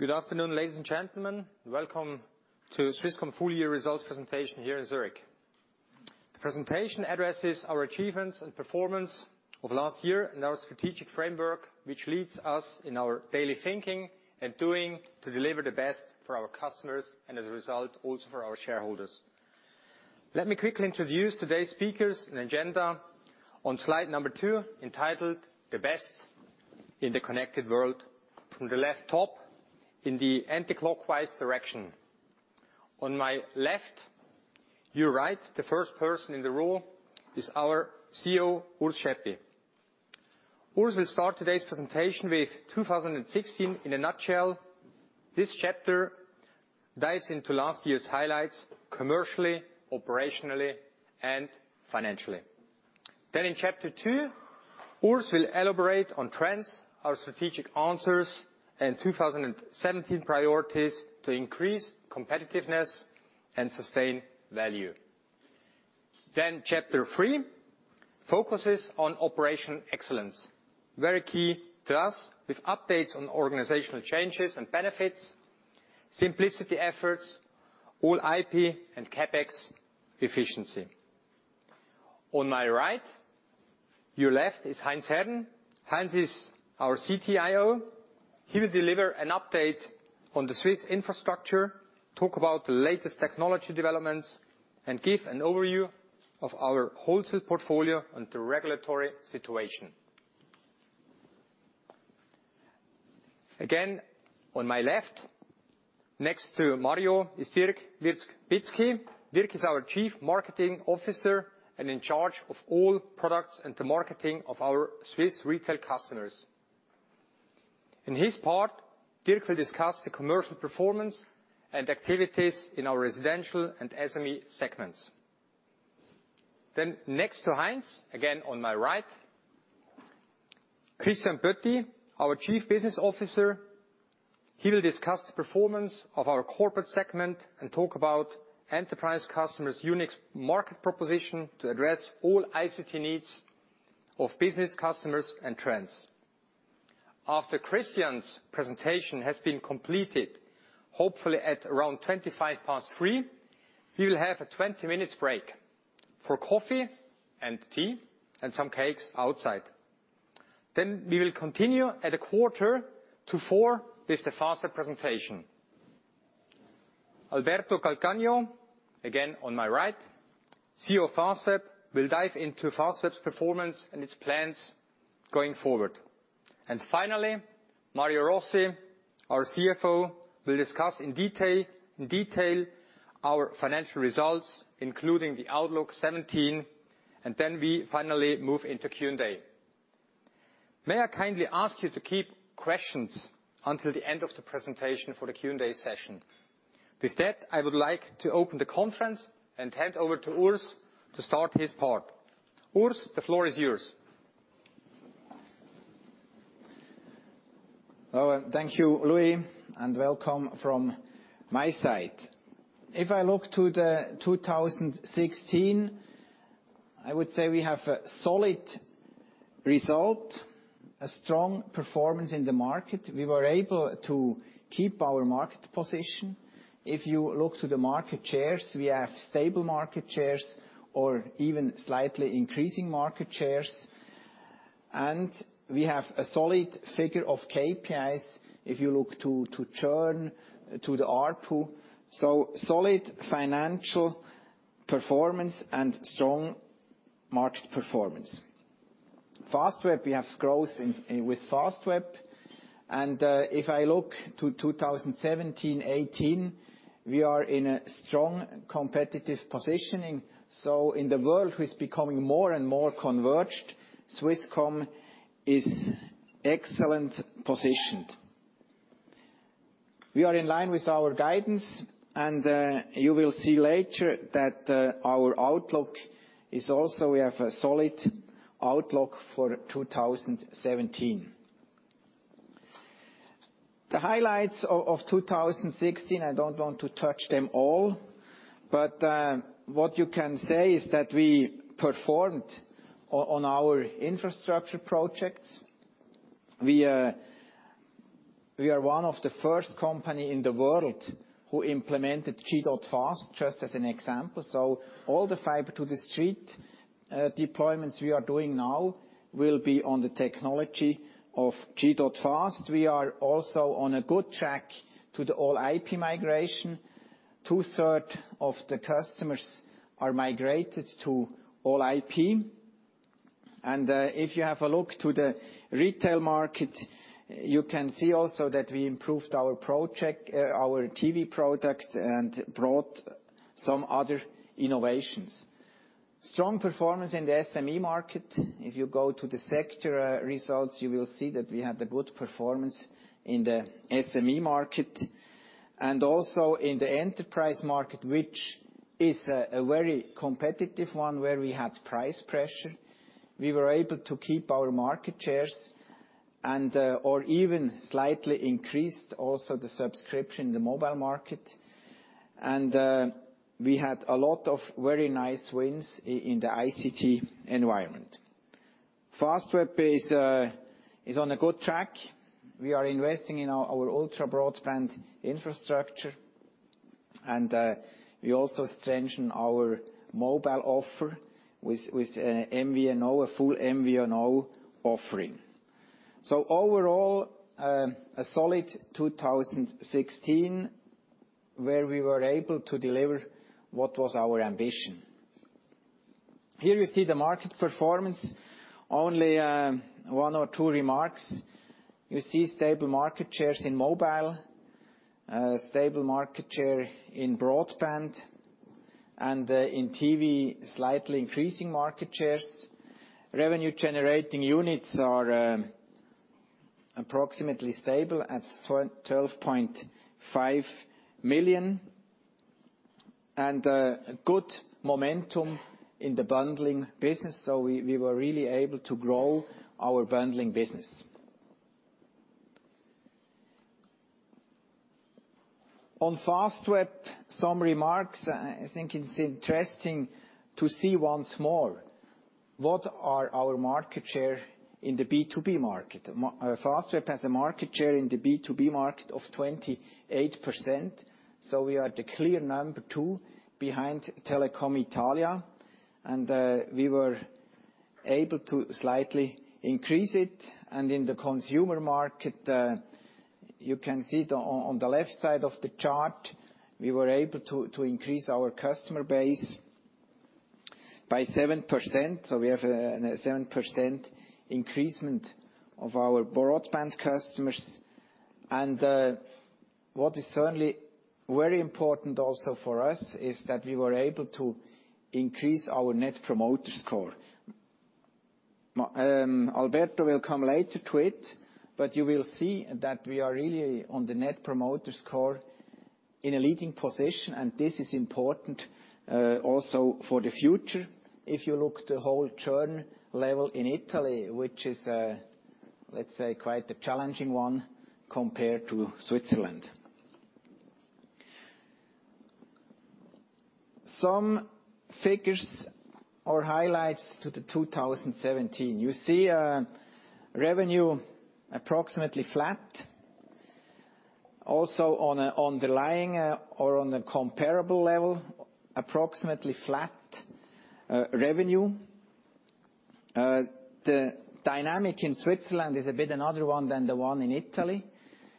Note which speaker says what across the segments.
Speaker 1: Good afternoon, ladies and gentlemen. Welcome to Swisscom full-year results presentation here in Zurich. The presentation addresses our achievements and performance of last year and our strategic framework, which leads us in our daily thinking and doing to deliver the best for our customers and as a result, also for our shareholders. Let me quickly introduce today's speakers and agenda on slide number two, entitled The Best in the Connected World. From the left top in the anti-clockwise direction. On my left, your right, the first person in the row is our CEO, Urs Schaeppi. Urs will start today's presentation with 2016 in a nutshell. This chapter dives into last year's highlights commercially, operationally and financially. In chapter two, Urs will elaborate on trends, our strategic answers and 2017 priorities to increase competitiveness and sustain value. Chapter three focuses on operational excellence, very key to us with updates on organizational changes and benefits, simplicity efforts, All-IP and CapEx efficiency. On my right, your left, is Heinz Herren. Heinz is our CTIO. He will deliver an update on the Swiss infrastructure, talk about the latest technology developments, and give an overview of our wholesale portfolio and the regulatory situation. Again, on my left, next to Mario is Dirk Wierzbitzki. Dirk is our Chief Marketing Officer and in charge of all products and the marketing of our Swiss retail customers. In his part, Dirk will discuss the commercial performance and activities in our residential and SME segments. Next to Heinz, again on my right, Christian Petit, our Chief Business Officer. He will discuss the performance of our corporate segment and talk about enterprise customers' unique market proposition to address all ICT needs of business customers and trends. After Christian Betti's presentation has been completed, hopefully at around 3:25 P.M., we will have a 20 minutes break for coffee and tea and some cakes outside. We will continue at 3:45 P.M. with the Fastweb presentation. Alberto Calcagno, again on my right, CEO of Fastweb, will dive into Fastweb's performance and its plans going forward. Finally, Mario Rossi, our CFO, will discuss in detail our financial results, including the outlook 2017. We finally move into Q&A. May I kindly ask you to keep questions until the end of the presentation for the Q&A session. With that, I would like to open the conference and hand over to Urs to start his part. Urs, the floor is yours.
Speaker 2: Thank you, Louis, and welcome from my side. I look to 2016, I would say we have a solid result, a strong performance in the market. We were able to keep our market position. If you look to the market shares, we have stable market shares or even slightly increasing market shares. We have a solid figure of KPIs if you look to churn, to the ARPU. Solid financial performance and strong market performance. Fastweb, we have growth with Fastweb. I look to 2017, 2018, we are in a strong competitive positioning. In the world which is becoming more and more converged, Swisscom is excellent positioned. We are in line with our guidance, and you will see later that our outlook is also we have a solid outlook for 2017. The highlights of 2016, I don't want to touch them all, but what you can say is that we performed on our infrastructure projects. We are one of the first company in the world who implemented G.fast, just as an example. All the fiber to the street deployments we are doing now will be on the technology of G.fast. We are also on a good track to the All-IP migration. Two-thirds of the customers are migrated to All-IP. If you have a look to the retail market, you can see also that we improved our TV product and brought some other innovations. Strong performance in the SME market. If you go to the sector results, you will see that we had a good performance in the SME market and also in the enterprise market, which is a very competitive one where we had price pressure. We were able to keep our market shares or even slightly increased also the subscription in the mobile market. We had a lot of very nice wins in the ICT environment. Fastweb is on a good track. We are investing in our ultra broadband infrastructure, and we also strengthen our mobile offer with a full MVNO offering. Overall, a solid 2016 where we were able to deliver what was our ambition. Here we see the market performance. Only one or two remarks. You see stable market shares in mobile, stable market share in broadband, and in TV, slightly increasing market shares. Revenue generating units are approximately stable at 12.5 million, and good momentum in the bundling business. We were really able to grow our bundling business. On Fastweb, some remarks. I think it's interesting to see once more what are our market share in the B2B market. Fastweb has a market share in the B2B market of 28%. We are the clear number two behind Telecom Italia, and we were able to slightly increase it. In the consumer market, you can see on the left side of the chart, we were able to increase our customer base by 7%. We have a 7% increasement of our broadband customers. What is certainly very important also for us is that we were able to increase our Net Promoter Score. Alberto will come later to it. You will see that we are really, on the Net Promoter Score, in a leading position, and this is important, also for the future. If you look the whole churn level in Italy, which is, let's say, quite a challenging one compared to Switzerland. Some figures or highlights to 2017. You see revenue approximately flat, also on underlying or on the comparable level, approximately flat revenue. The dynamic in Switzerland is a bit another one than the one in Italy.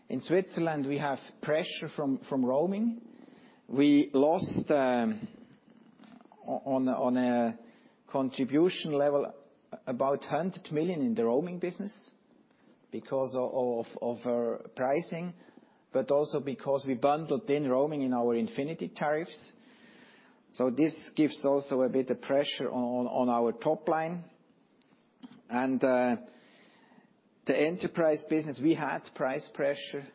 Speaker 2: In Switzerland, we have pressure from roaming. We lost on a contribution level about 100 million in the roaming business because of our pricing, but also because we bundled in roaming in our Infinity tariffs. This gives also a bit of pressure on our top line. The enterprise business, we had price pressure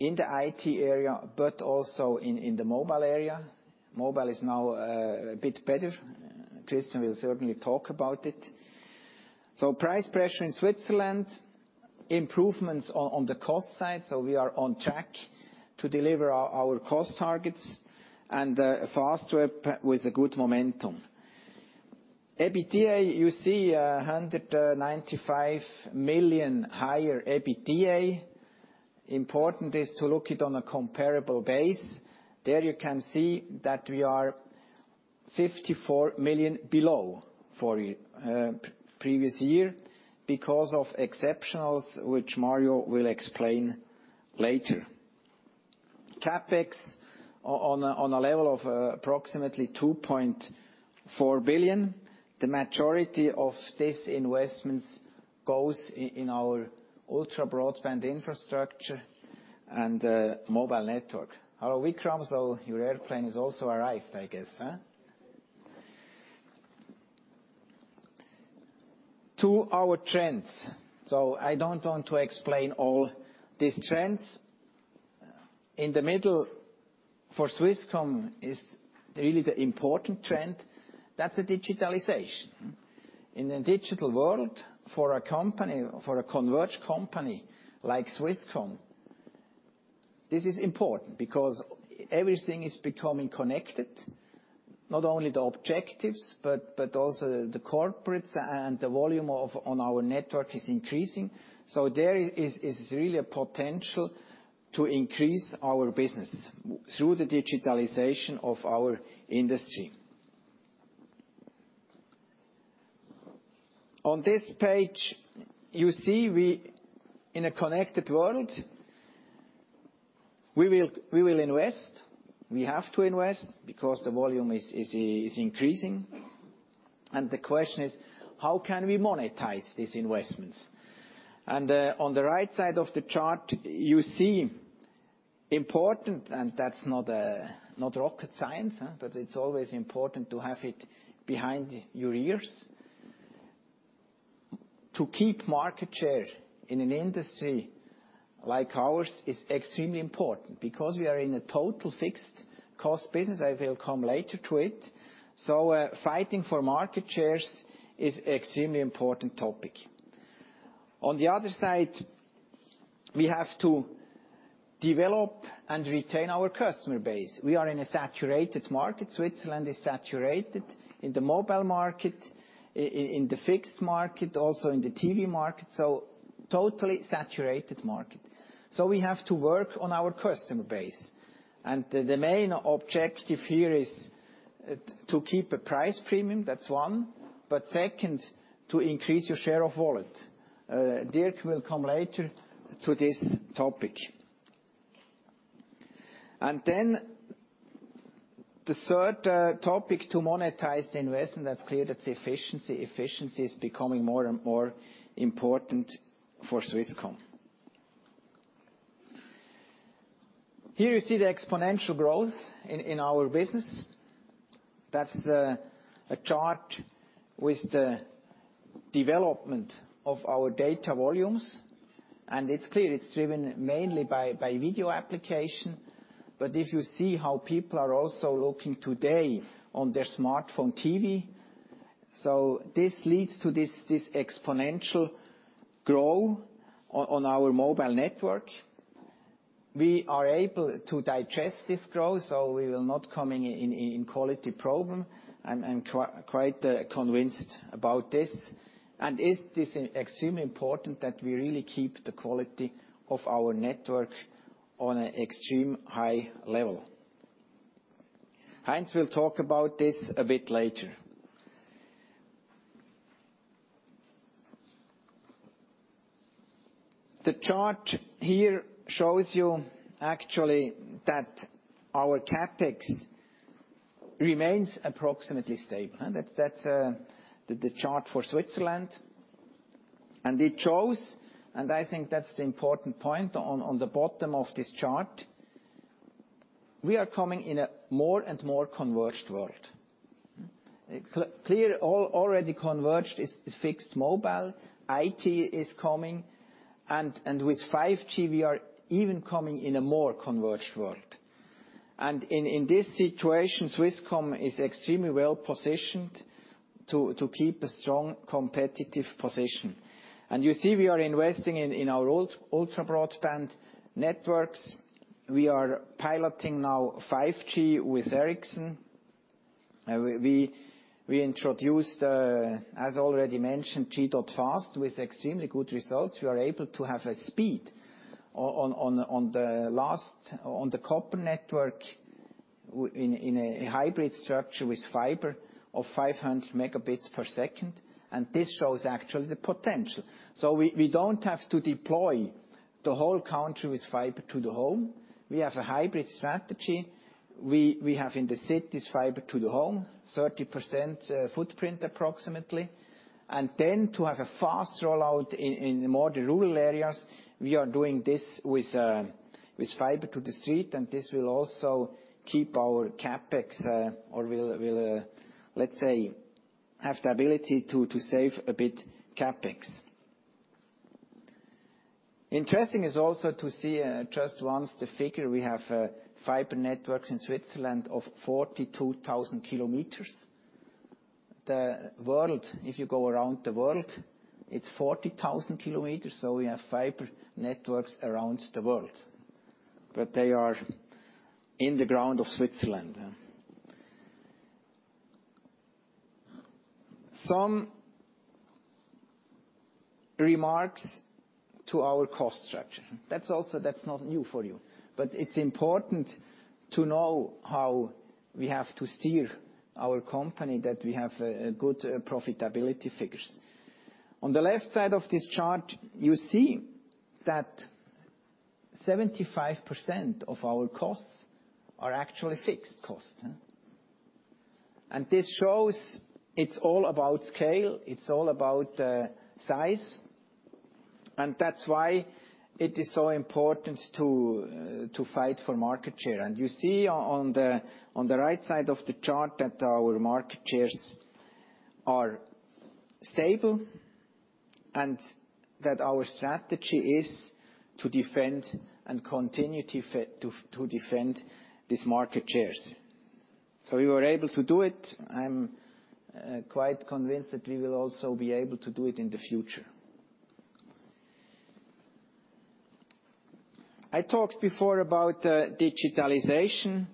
Speaker 2: in the IT area, but also in the mobile area. Mobile is now a bit better. Christian will certainly talk about it. Price pressure in Switzerland, improvements on the cost side. We are on track to deliver our cost targets and Fastweb with a good momentum. EBITDA, you see a 195 million higher EBITDA. Important is to look it on a comparable base. There you can see that we are 54 million below for previous year because of exceptionals which Mario will explain later. CapEx on a level of approximately 2.4 billion. The majority of these investments goes in our ultra broadband infrastructure and mobile network. Hello, Vikram. Your airplane has also arrived, I guess, huh? To our trends. I don't want to explain all these trends. In the middle for Swisscom is really the important trend. That's the digitalization. In a digital world for a converged company like Swisscom, this is important because everything is becoming connected. Not only the objectives, but also the corporates and the volume on our network is increasing. There is really a potential to increase our business through the digitalization of our industry. On this page, you see, in a connected world, we will invest. We have to invest because the volume is increasing. The question is: How can we monetize these investments? On the right side of the chart, you see important, and that's not rocket science, huh? But it's always important to have it behind your ears. To keep market share in an industry like ours is extremely important because we are in a total fixed cost business. I will come later to it. Fighting for market shares is extremely important topic. On the other side, we have to develop and retain our customer base. We are in a saturated market. Switzerland is saturated in the mobile market, in the fixed market, also in the TV market, so totally saturated market. We have to work on our customer base. The main objective here is to keep a price premium, that's one. Second, to increase your share of wallet. Dirk will come later to this topic. The third topic, to monetize the investment. That's clear, that's efficiency. Efficiency is becoming more and more important for Swisscom. Here you see the exponential growth in our business. That's a chart with the development of our data volumes, and it's clear it's driven mainly by video application. But if you see how people are also looking today on their smartphone TV. This leads to this exponential growth on our mobile network. We are able to digest this growth, so we will not come in quality problem. I'm quite convinced about this. It is extremely important that we really keep the quality of our network on an extreme high level. Heinz will talk about this a bit later. The chart here shows you actually that our CapEx remains approximately stable. That's the chart for Switzerland. It shows, and I think that's the important point, on the bottom of this chart, we are coming in a more and more converged world. Clear, already converged is fixed mobile. IT is coming with 5G, we are even coming in a more converged world. In this situation, Swisscom is extremely well-positioned to keep a strong competitive position. You see we are investing in our old ultra broadband networks. We are piloting now 5G with Ericsson. We introduced, as already mentioned, G.fast with extremely good results. We are able to have a speed on the copper network in a hybrid structure with fiber of 500 megabits per second, this shows actually the potential. We don't have to deploy the whole country with fiber to the home. We have a hybrid strategy. We have in the cities fiber to the home, 30% footprint approximately. Then to have a fast rollout in the more rural areas, we are doing this with fiber to the street, this will also keep our CapEx or will, let's say, have the ability to save a bit CapEx. Interesting is also to see, just once, the figure. We have fiber networks in Switzerland of 42,000 kilometers. The world, if you go around the world, it's 40,000 kilometers, we have fiber networks around the world, but they are in the ground of Switzerland. Some remarks to our cost structure. That's not new for you. It's important to know how we have to steer our company, that we have good profitability figures. On the left side of this chart, you see that 75% of our costs are actually fixed costs. This shows it's all about scale, it's all about size. That's why it is so important to fight for market share. You see on the right side of the chart that our market shares are stable and that our strategy is to defend and continue to defend these market shares. We were able to do it. I'm quite convinced that we will also be able to do it in the future. I talked before about digitalization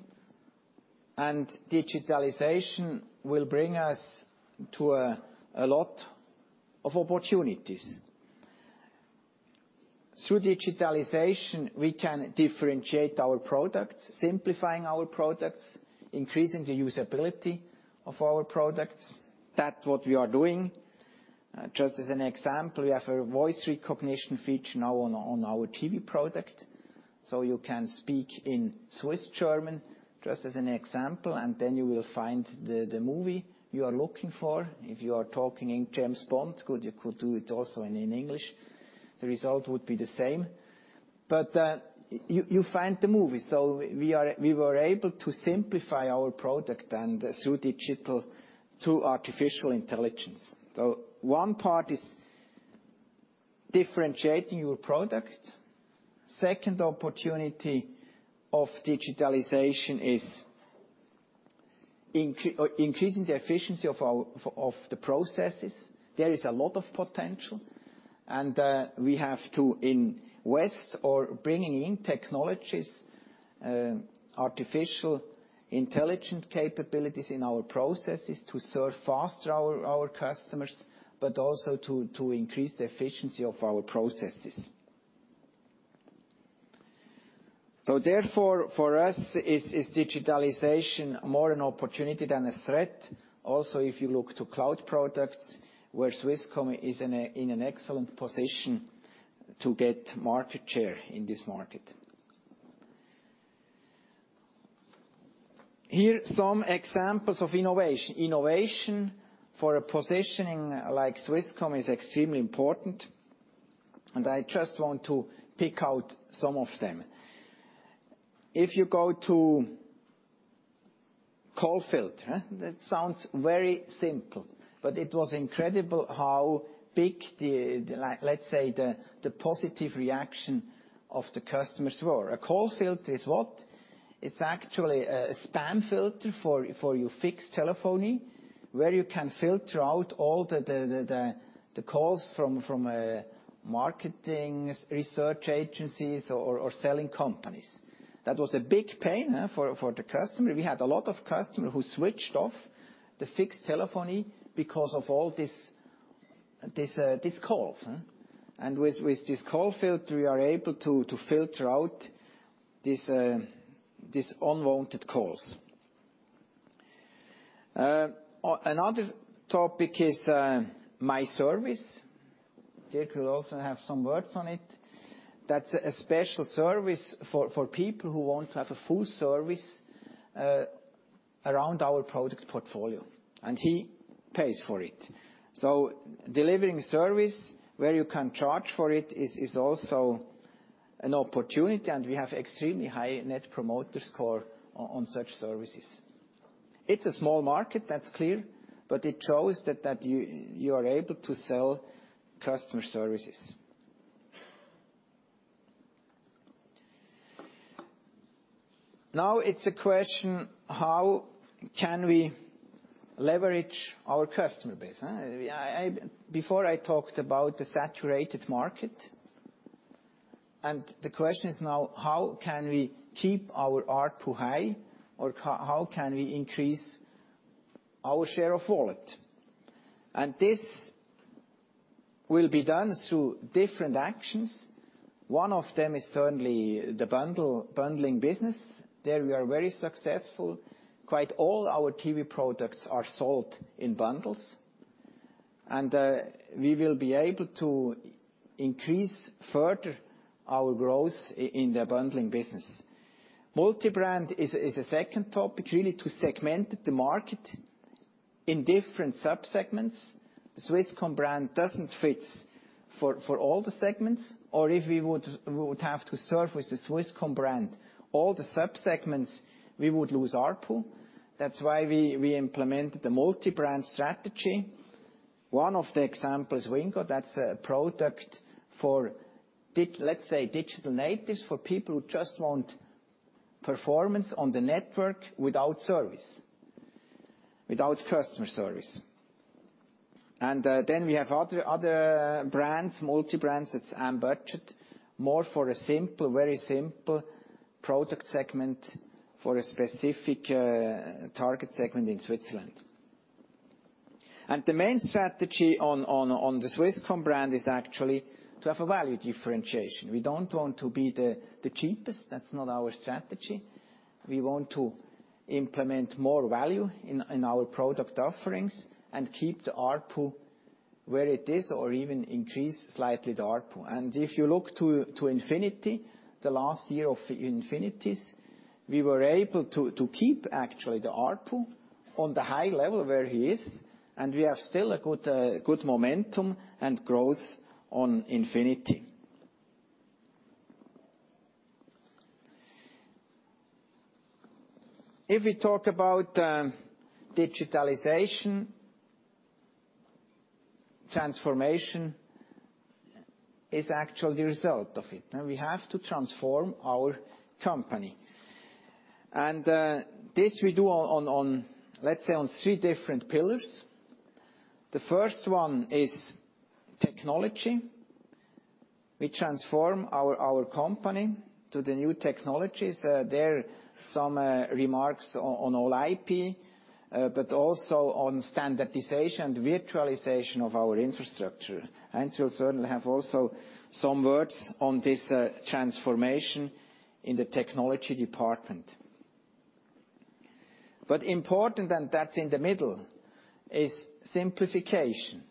Speaker 2: will bring us to a lot of opportunities. Through digitalization, we can differentiate our products, simplifying our products, increasing the usability of our products. That's what we are doing. Just as an example, we have a voice recognition feature now on our TV product. You can speak in Swiss German, just as an example, then you will find the movie you are looking for. If you are talking James Bond, you could do it also in English. The result would be the same. You find the movie. We were able to simplify our product through digital, through artificial intelligence. One part is differentiating your product. Second opportunity of digitalization is increasing the efficiency of the processes. There is a lot of potential, we have to invest or bringing in technologies, artificial intelligent capabilities in our processes to serve faster our customers, but also to increase the efficiency of our processes. Therefore, for us, is digitalization more an opportunity than a threat? Also, if you look to cloud products, where Swisscom is in an excellent position to get market share in this market. Here are some examples of innovation. Innovation for a positioning like Swisscom is extremely important, I just want to pick out some of them. If you go to Callfilter, that sounds very simple, but it was incredible how big the, let's say, the positive reaction of the customers were. A Callfilter is what? It's actually a spam filter for your fixed telephony, where you can filter out all the calls from marketing research agencies or selling companies. That was a big pain for the customer. We had a lot of customers who switched off the fixed telephony because of all these calls. With this Callfilter, we are able to filter out these unwanted calls. Another topic is My Service. Dirk will also have some words on it. That's a special service for people who want to have a full service around our product portfolio. He pays for it. Delivering service where you can charge for it is also an opportunity, and we have extremely high Net Promoter Score on such services. It's a small market, that's clear, but it shows that you are able to sell customer services. Now it's a question, how can we leverage our customer base? Before I talked about the saturated market. The question is now how can we keep our ARPU high or how can we increase our share of wallet? This will be done through different actions. One of them is certainly the bundling business. There we are very successful. Quite all our TV products are sold in bundles. We will be able to increase further our growth in the bundling business. Multi-brand is a second topic, really to segment the market in different subsegments. Swisscom brand doesn't fit for all the segments, or if we would have to serve with the Swisscom brand all the subsegments, we would lose ARPU. That's why we implemented the multi-brand strategy. One of the examples Wingo, that's a product for, let's say, digital natives, for people who just want performance on the network without service; without customer service. Then we have other brands, multi-brands, that's M-Budget, more for a very simple product segment for a specific target segment in Switzerland. The main strategy on the Swisscom brand is actually to have a value differentiation. We don't want to be the cheapest. That's not our strategy. We want to implement more value in our product offerings and keep the ARPU where it is or even increase slightly the ARPU. If you look to Infinity, the last year of Infinity, we were able to keep actually the ARPU on the high level where he is, and we have still a good momentum and growth on Infinity. If we talk about digitalization, transformation is actually the result of it. We have to transform our company. This we do on, let's say, on three different pillars. The first one is technology. We transform our company to the new technologies. There are some remarks on All-IP but also on standardization, virtualization of our infrastructure. We'll certainly have also some words on this transformation in the technology department. Important, and that's in the middle, is simplification.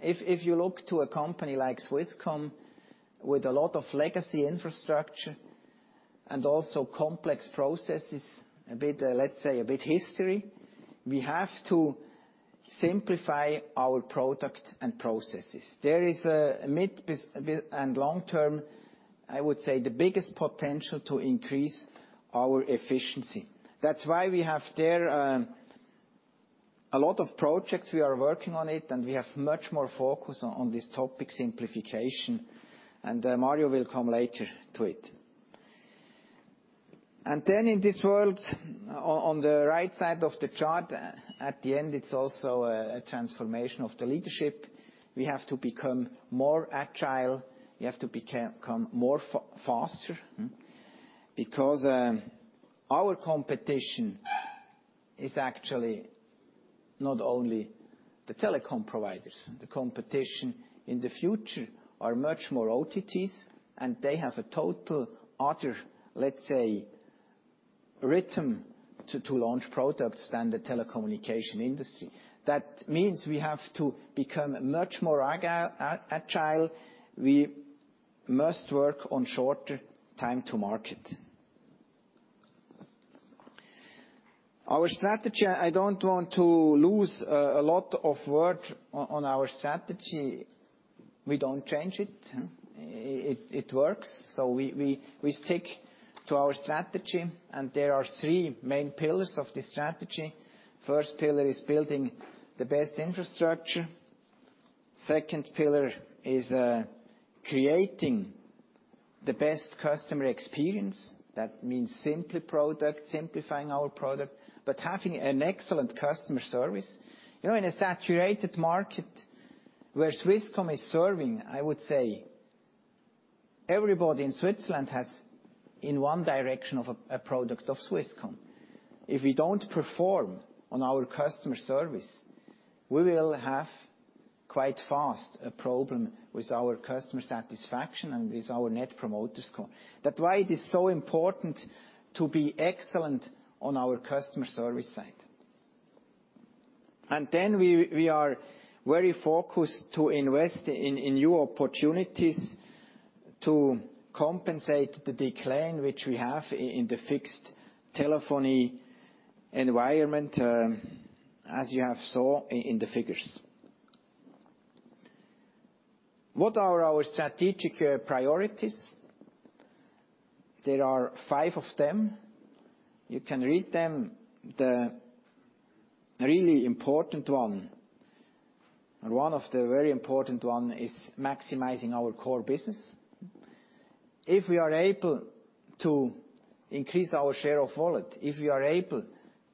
Speaker 2: If you look to a company like Swisscom with a lot of legacy infrastructure and also complex processes, let's say a bit history, we have to simplify our product and processes. There is a mid and long-term, I would say, the biggest potential to increase our efficiency. That's why we have there A lot of projects, we are working on it, and we have much more focus on this topic, simplification. Mario will come later to it. In this world, on the right side of the chart, at the end, it's also a transformation of the leadership. We have to become more agile. We have to become more faster. Because our competition is actually not only the telecom providers. The competition in the future are much more OTTs, and they have a total other, let's say, rhythm to launch products than the telecommunication industry. We have to become much more agile. We must work on shorter time to market. Our strategy, I don't want to lose a lot of word on our strategy. We don't change it. It works. We stick to our strategy, and there are three main pillars of this strategy. First pillar is building the best infrastructure. Second pillar is creating the best customer experience. That means simply product, simplifying our product, but having an excellent customer service. In a saturated market where Swisscom is serving, I would say everybody in Switzerland has, in one direction, a product of Swisscom. If we don't perform on our customer service, we will have, quite fast, a problem with our customer satisfaction and with our Net Promoter Score. That's why it is so important to be excellent on our customer service side. We are very focused to invest in new opportunities to compensate the decline which we have in the fixed telephony environment, as you have saw in the figures. What are our strategic priorities? There are five of them. You can read them. The really important one, and one of the very important one, is maximizing our core business. If we are able to increase our share of wallet, if we are able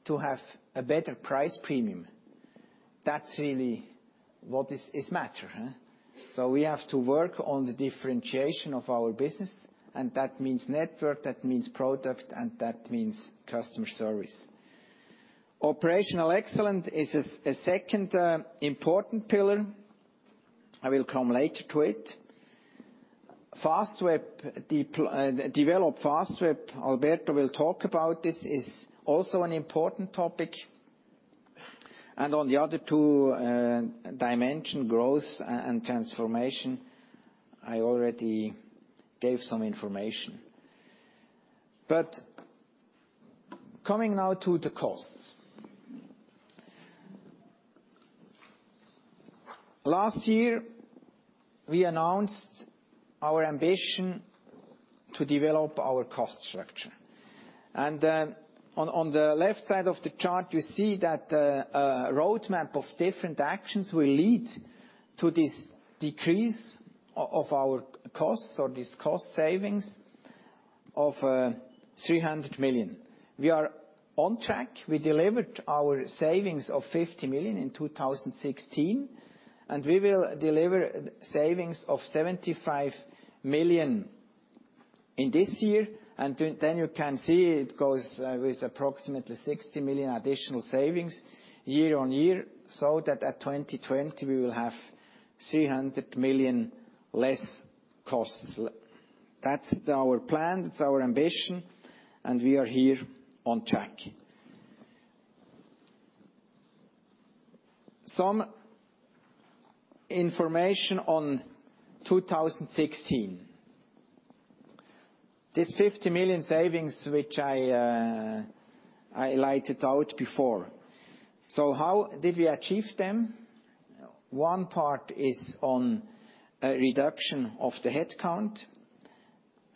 Speaker 2: to have a better price premium, that's really what is matter, huh? We have to work on the differentiation of our business, and that means network, that means product, and that means customer service. Operational excellence is a second important pillar. I will come later to it. Develop Fastweb, Alberto will talk about this, is also an important topic. On the other two dimension, growth and transformation, I already gave some information. Coming now to the costs. Last year, we announced our ambition to develop our cost structure. On the left side of the chart, you see that a roadmap of different actions will lead to this decrease of our costs or this cost savings of 300 million. We are on track. We delivered our savings of 50 million in 2016, and we will deliver savings of 75 million in this year. You can see it goes with approximately 60 million additional savings year on year, so that at 2020, we will have 300 million less costs. That's our plan. It's our ambition, and we are here on track. Some information on 2016. This 50 million savings, which I lighted out before. How did we achieve them? One part is on reduction of the headcount.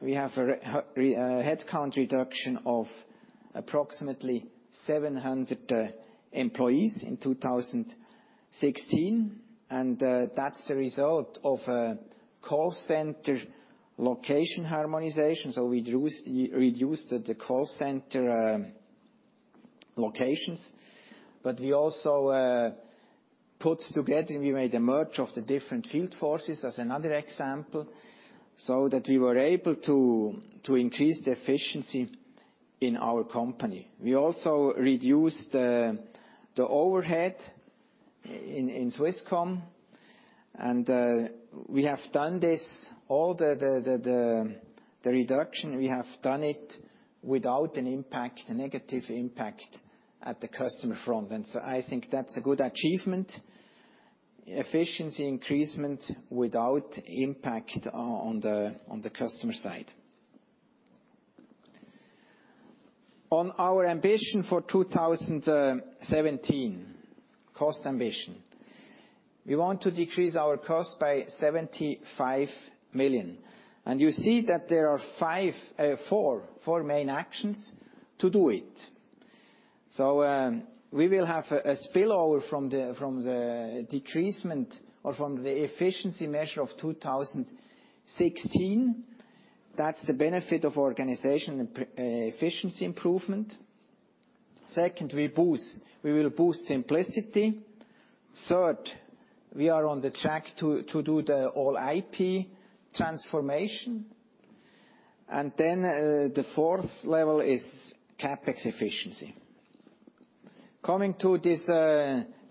Speaker 2: We have a headcount reduction of approximately 700 employees in 2016, and that's a result of a call center location harmonization. We reduced the call center locations. We also put together, we made a merge of the different field forces as another example. We were able to increase the efficiency in our company. We also reduced the overhead in Swisscom. We have done this, all the reduction, we have done it without a negative impact at the customer front. I think that's a good achievement. Efficiency increase without impact on the customer side. On our ambition for 2017, cost ambition. We want to decrease our cost by 75 million. You see that there are four main actions to do it. We will have a spillover from the decrease or from the efficiency measure of 2016. That's the benefit of organization efficiency improvement. Second, we will boost simplicity. Third, we are on the track to do the All-IP transformation. The fourth level is CapEx efficiency. Coming to these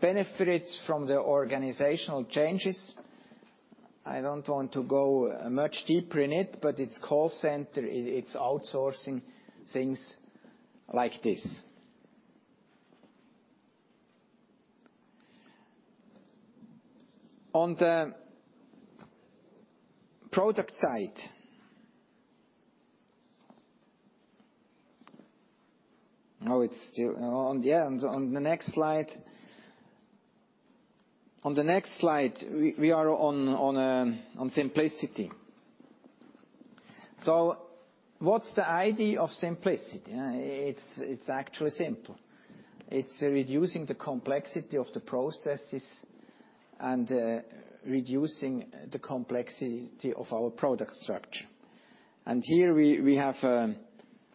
Speaker 2: benefits from the organizational changes, I don't want to go much deeper in it. It's call center, it's outsourcing things like this. On the product side. On the next slide, we are on simplicity. What's the idea of simplicity? It's actually simple. It's reducing the complexity of the processes and reducing the complexity of our product structure. Here we have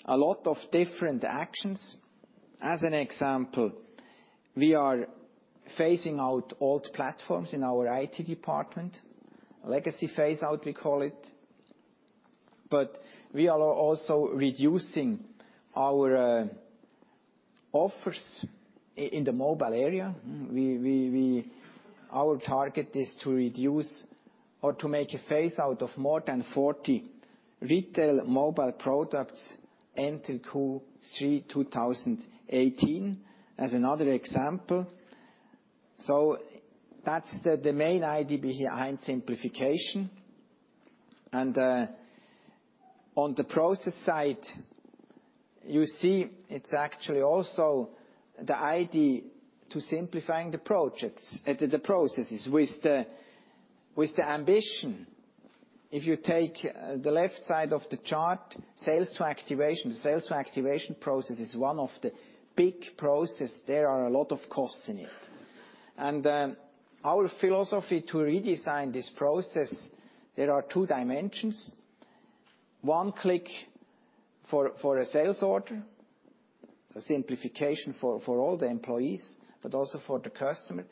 Speaker 2: a lot of different actions. As an example, we are phasing out old platforms in our IT department. Legacy phase out, we call it. We are also reducing our offers in the mobile area. Our target is to reduce or to make a phase out of more than 40 retail mobile products until Q3 2018 as another example. That's the main idea behind simplification. On the process side, you see it's actually also the idea to simplifying the processes with the ambition. If you take the left side of the chart, Sales to activation. Sales to activation process is one of the big process. There are a lot of costs in it. Our philosophy to redesign this process, there are two dimensions. One click for a sales order, a simplification for all the employees, but also for the customer.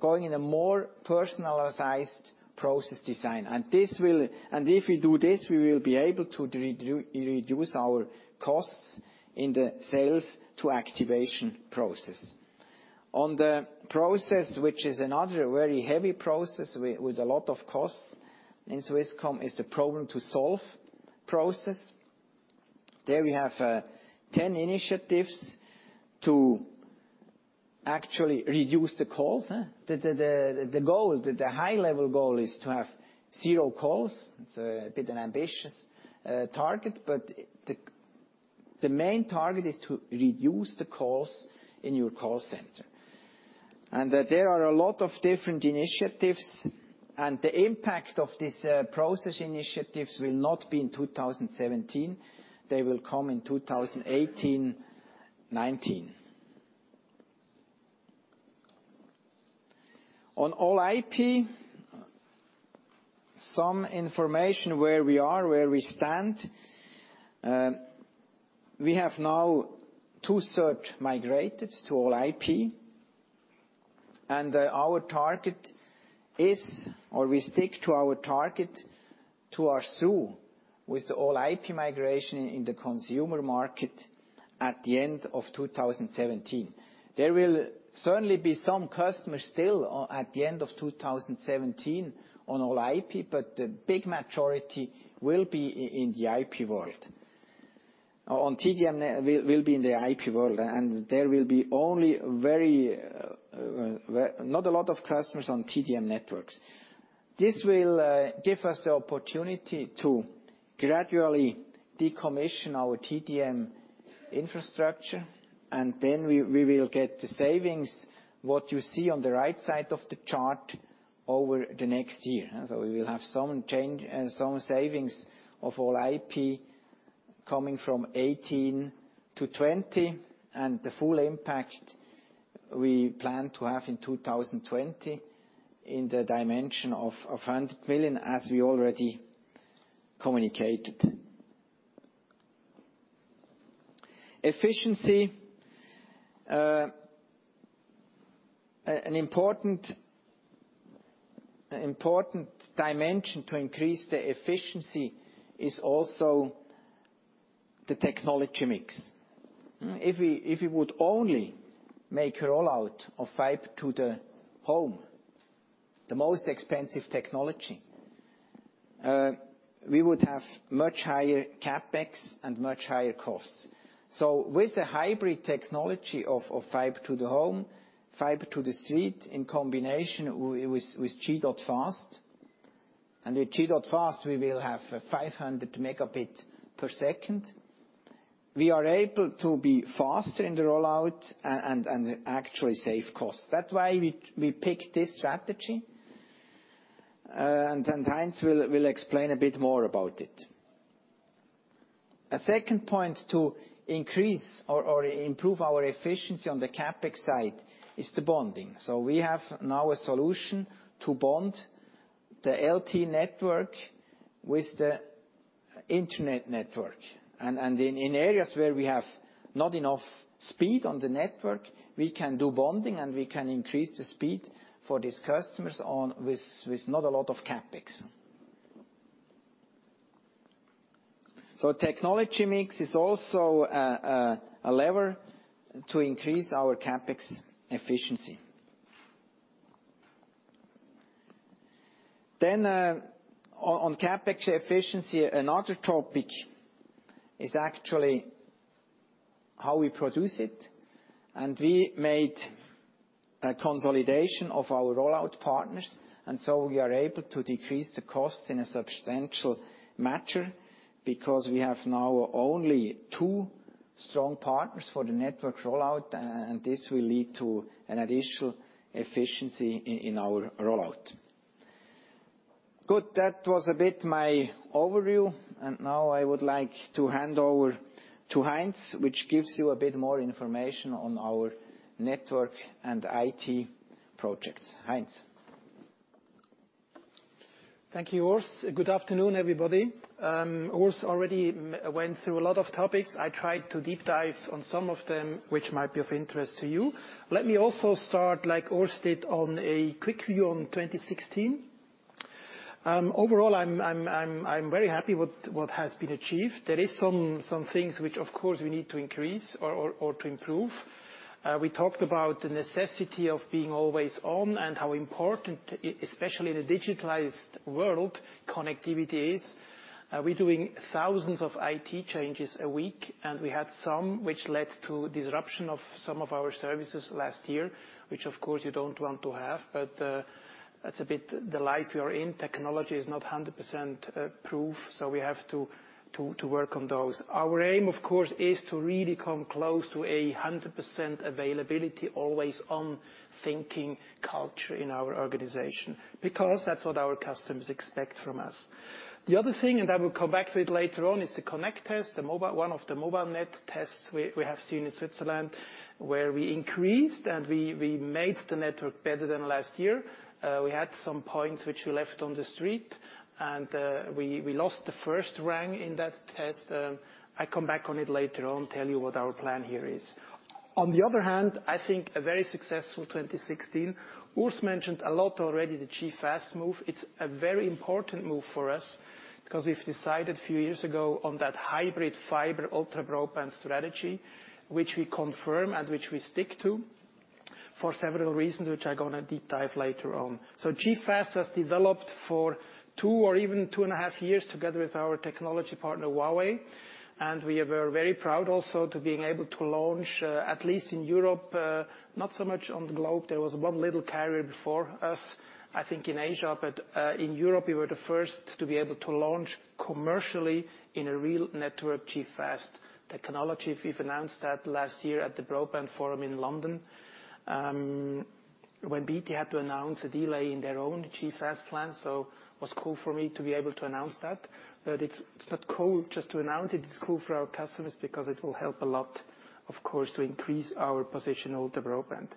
Speaker 2: Going in a more personalized process design. If we do this, we will be able to reduce our costs in the Sales to activation process. On the process, which is another very heavy process with a lot of costs in Swisscom is the problem to solve process. There we have 10 initiatives to actually reduce the calls. The high level goal is to have zero calls. It's a bit an ambitious target. The main target is to reduce the calls in your call center. There are a lot of different initiatives. The impact of these process initiatives will not be in 2017. They will come in 2018-2019. On All-IP, some information where we are, where we stand. We have now two-thirds migrated to All-IP. Our target is, or we stick to our target, to our [be through] with All-IP migration in the consumer market at the end of 2017. There will certainly be some customers still at the end of 2017 on All-IP. The big majority will be in the IP world. On TDM will be in the IP world. There will be not a lot of customers on TDM networks. This will give us the opportunity to gradually decommission our TDM infrastructure, we will get the savings, what you see on the right side of the chart over the next year. We will have some savings of All-IP coming from 2018 to 2020. The full impact we plan to have in 2020 in the dimension of 100 million, as we already communicated. Efficiency. An important dimension to increase the efficiency is also the technology mix. If we would only make a rollout of fiber to the home, the most expensive technology, we would have much higher CapEx and much higher costs. With the hybrid technology of fiber to the home, fiber to the street in combination with G.fast. With G.fast, we will have 500 megabit per second. We are able to be faster in the rollout and actually save costs. That's why we picked this strategy, Heinz will explain a bit more about it. A second point to increase or improve our efficiency on the CapEx side is the bonding. We have now a solution to bond the LTE network with the internet network. In areas where we have not enough speed on the network, we can do bonding, we can increase the speed for these customers with not a lot of CapEx. Technology mix is also a lever to increase our CapEx efficiency. On CapEx efficiency, another topic is actually how we produce it. We made a consolidation of our rollout partners, we are able to decrease the cost in a substantial matter because we have now only two strong partners for the network rollout, this will lead to an additional efficiency in our rollout. Good. That was a bit my overview, now I would like to hand over to Heinz, which gives you a bit more information on our network and IT projects. Heinz?
Speaker 3: Thank you, Urs. Good afternoon, everybody. Urs already went through a lot of topics. I tried to deep dive on some of them, which might be of interest to you. Let me also start, like Urs did, on a quick view on 2016. Overall, I'm very happy what has been achieved. There is some things which, of course, we need to increase or to improve. We talked about the necessity of being always on and how important, especially in a digitalized world, connectivity is. We're doing thousands of IT changes a week, we had some which led to disruption of some of our services last year, which of course you don't want to have, but that's a bit the life we are in. Technology is not 100% proof, we have to work on those. Our aim, of course, is to really come close to 100% availability, always on thinking culture in our organization. That's what our customers expect from us. The other thing, I will come back to it later on, is the Connect Test, one of the mobile net tests we have seen in Switzerland, where we increased and we made the network better than last year. We had some points which we left on the street, and we lost the first rank in that test. I come back on it later on, tell you what our plan here is. I think a very successful 2016. Urs mentioned a lot already, the G.fast move. It's a very important move for us because we've decided a few years ago on that hybrid fiber ultra broadband strategy, which we confirm and which we stick to for several reasons, which I'm going to deep dive later on. G.fast was developed for two or even two and a half years together with our technology partner, Huawei. We are very proud also to being able to launch, at least in Europe, not so much on the globe. There was one little carrier before us, I think, in Asia. In Europe, we were the first to be able to launch commercially in a real network, G.fast. Technology, we've announced that last year at the Broadband Forum in London, when BT had to announce a delay in their own G.fast plan. It was cool for me to be able to announce that. It's not cool just to announce it. It's cool for our customers because it will help a lot, of course, to increase our position on the broadband.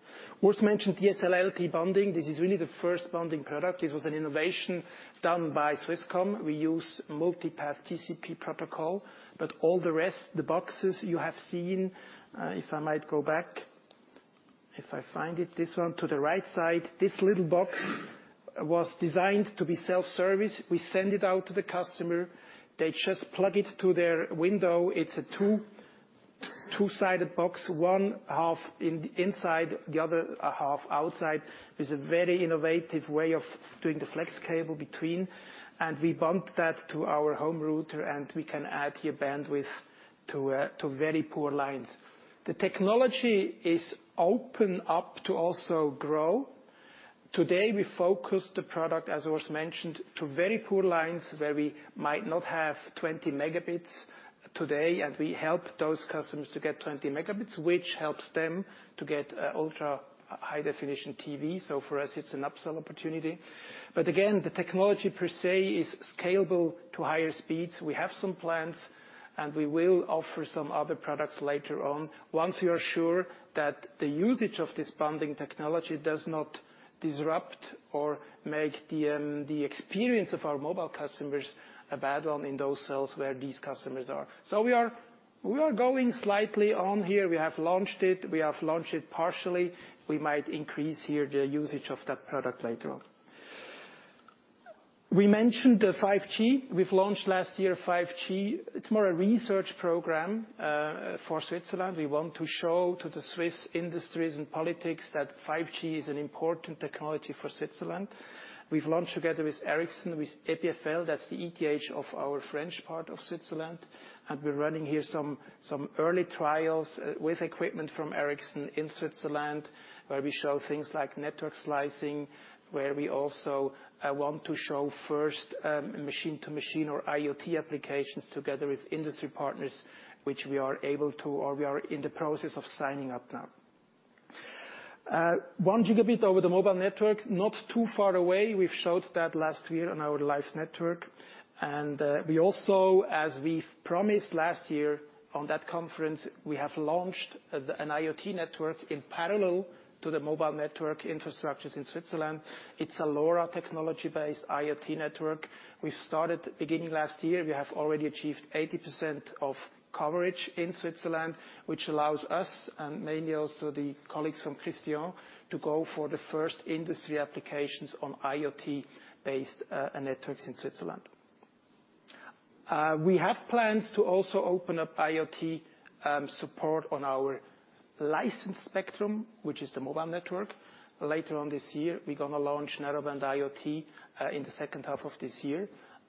Speaker 3: Urs mentioned the DSL-LTE bonding. This is really the first bonding product. This was an innovation done by Swisscom. We use multipath TCP protocol, but all the rest, the boxes you have seen, if I might go back. If I find it, this one to the right side. This little box was designed to be self-service. We send it out to the customer. They just plug it to their window. It's a two-sided box, one half inside, the other half outside. It's a very innovative way of doing the flex cable between. We bond that to our home router, and we can add here bandwidth to very poor lines. The technology is open up to also grow. Today, we focus the product, as was mentioned, to very poor lines where we might not have 20 megabits today, and we help those customers to get 20 megabits, which helps them to get ultra HDTV. For us, it's an upsell opportunity. Again, the technology per se is scalable to higher speeds. We have some plans, and we will offer some other products later on once we are sure that the usage of this bonding technology does not disrupt or make the experience of our mobile customers a bad one in those cells where these customers are. We are going slightly on here. We have launched it. We have launched it partially. We might increase here the usage of that product later on. We mentioned the 5G. We've launched last year 5G. It's more a research program for Switzerland. We want to show to the Swiss industries and politics that 5G is an important technology for Switzerland. We've launched together with Ericsson, with EPFL, that's the ETH of our French part of Switzerland. We're running here some early trials with equipment from Ericsson in Switzerland, where we show things like network slicing. We also want to show first machine-to-machine or IoT applications together with industry partners, which we are able to, or we are in the process of signing up now. One gigabit over the mobile network, not too far away. We've showed that last year on our live network. We also, as we've promised last year on that conference, we have launched an IoT network in parallel to the mobile network infrastructures in Switzerland. It's a LoRa technology-based IoT network. We've started beginning last year. We have already achieved 80% of coverage in Switzerland, which allows us, and mainly also the colleagues from Christian, to go for the first industry applications on IoT-based networks in Switzerland. We have plans to also open up IoT support on our license spectrum, which is the mobile network. Later this year, we're going to launch Narrowband IoT in the second half of this year,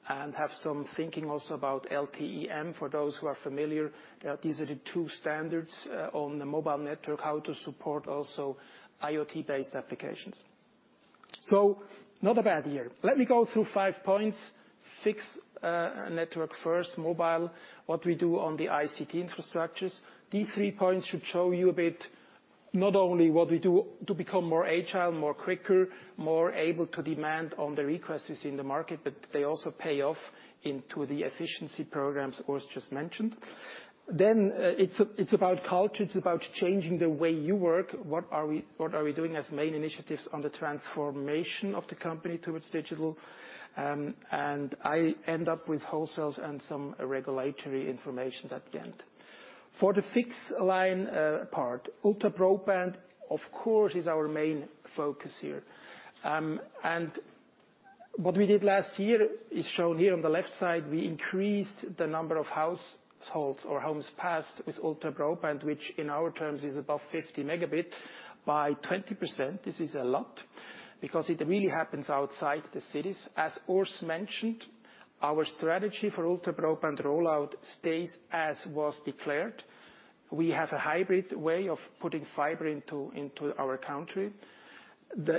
Speaker 3: and have some thinking also about LTE-M. For those who are familiar, these are the two standards on the mobile network, how to support also IoT-based applications. Not a bad year. Let me go through five points. Fixed network first, mobile, what we do on the ICT infrastructures. These three points should show you a bit not only what we do to become more agile, more quicker, more able to demand on the requests that's in the market, but they also pay off into the efficiency programs Urs just mentioned. It's about culture, it's about changing the way you work. What are we doing as main initiatives on the transformation of the company towards digital? I end up with wholesales and some regulatory informations at the end. For the fixed-line part. Ultra broadband, of course, is our main focus here. What we did last year is shown here on the left side. We increased the number of households or homes passed with ultra broadband, which in our terms is above 50 megabit by 20%. This is a lot, because it really happens outside the cities. As Urs mentioned, our strategy for ultra broadband rollout stays as was declared. We have a hybrid way of putting fiber into our country.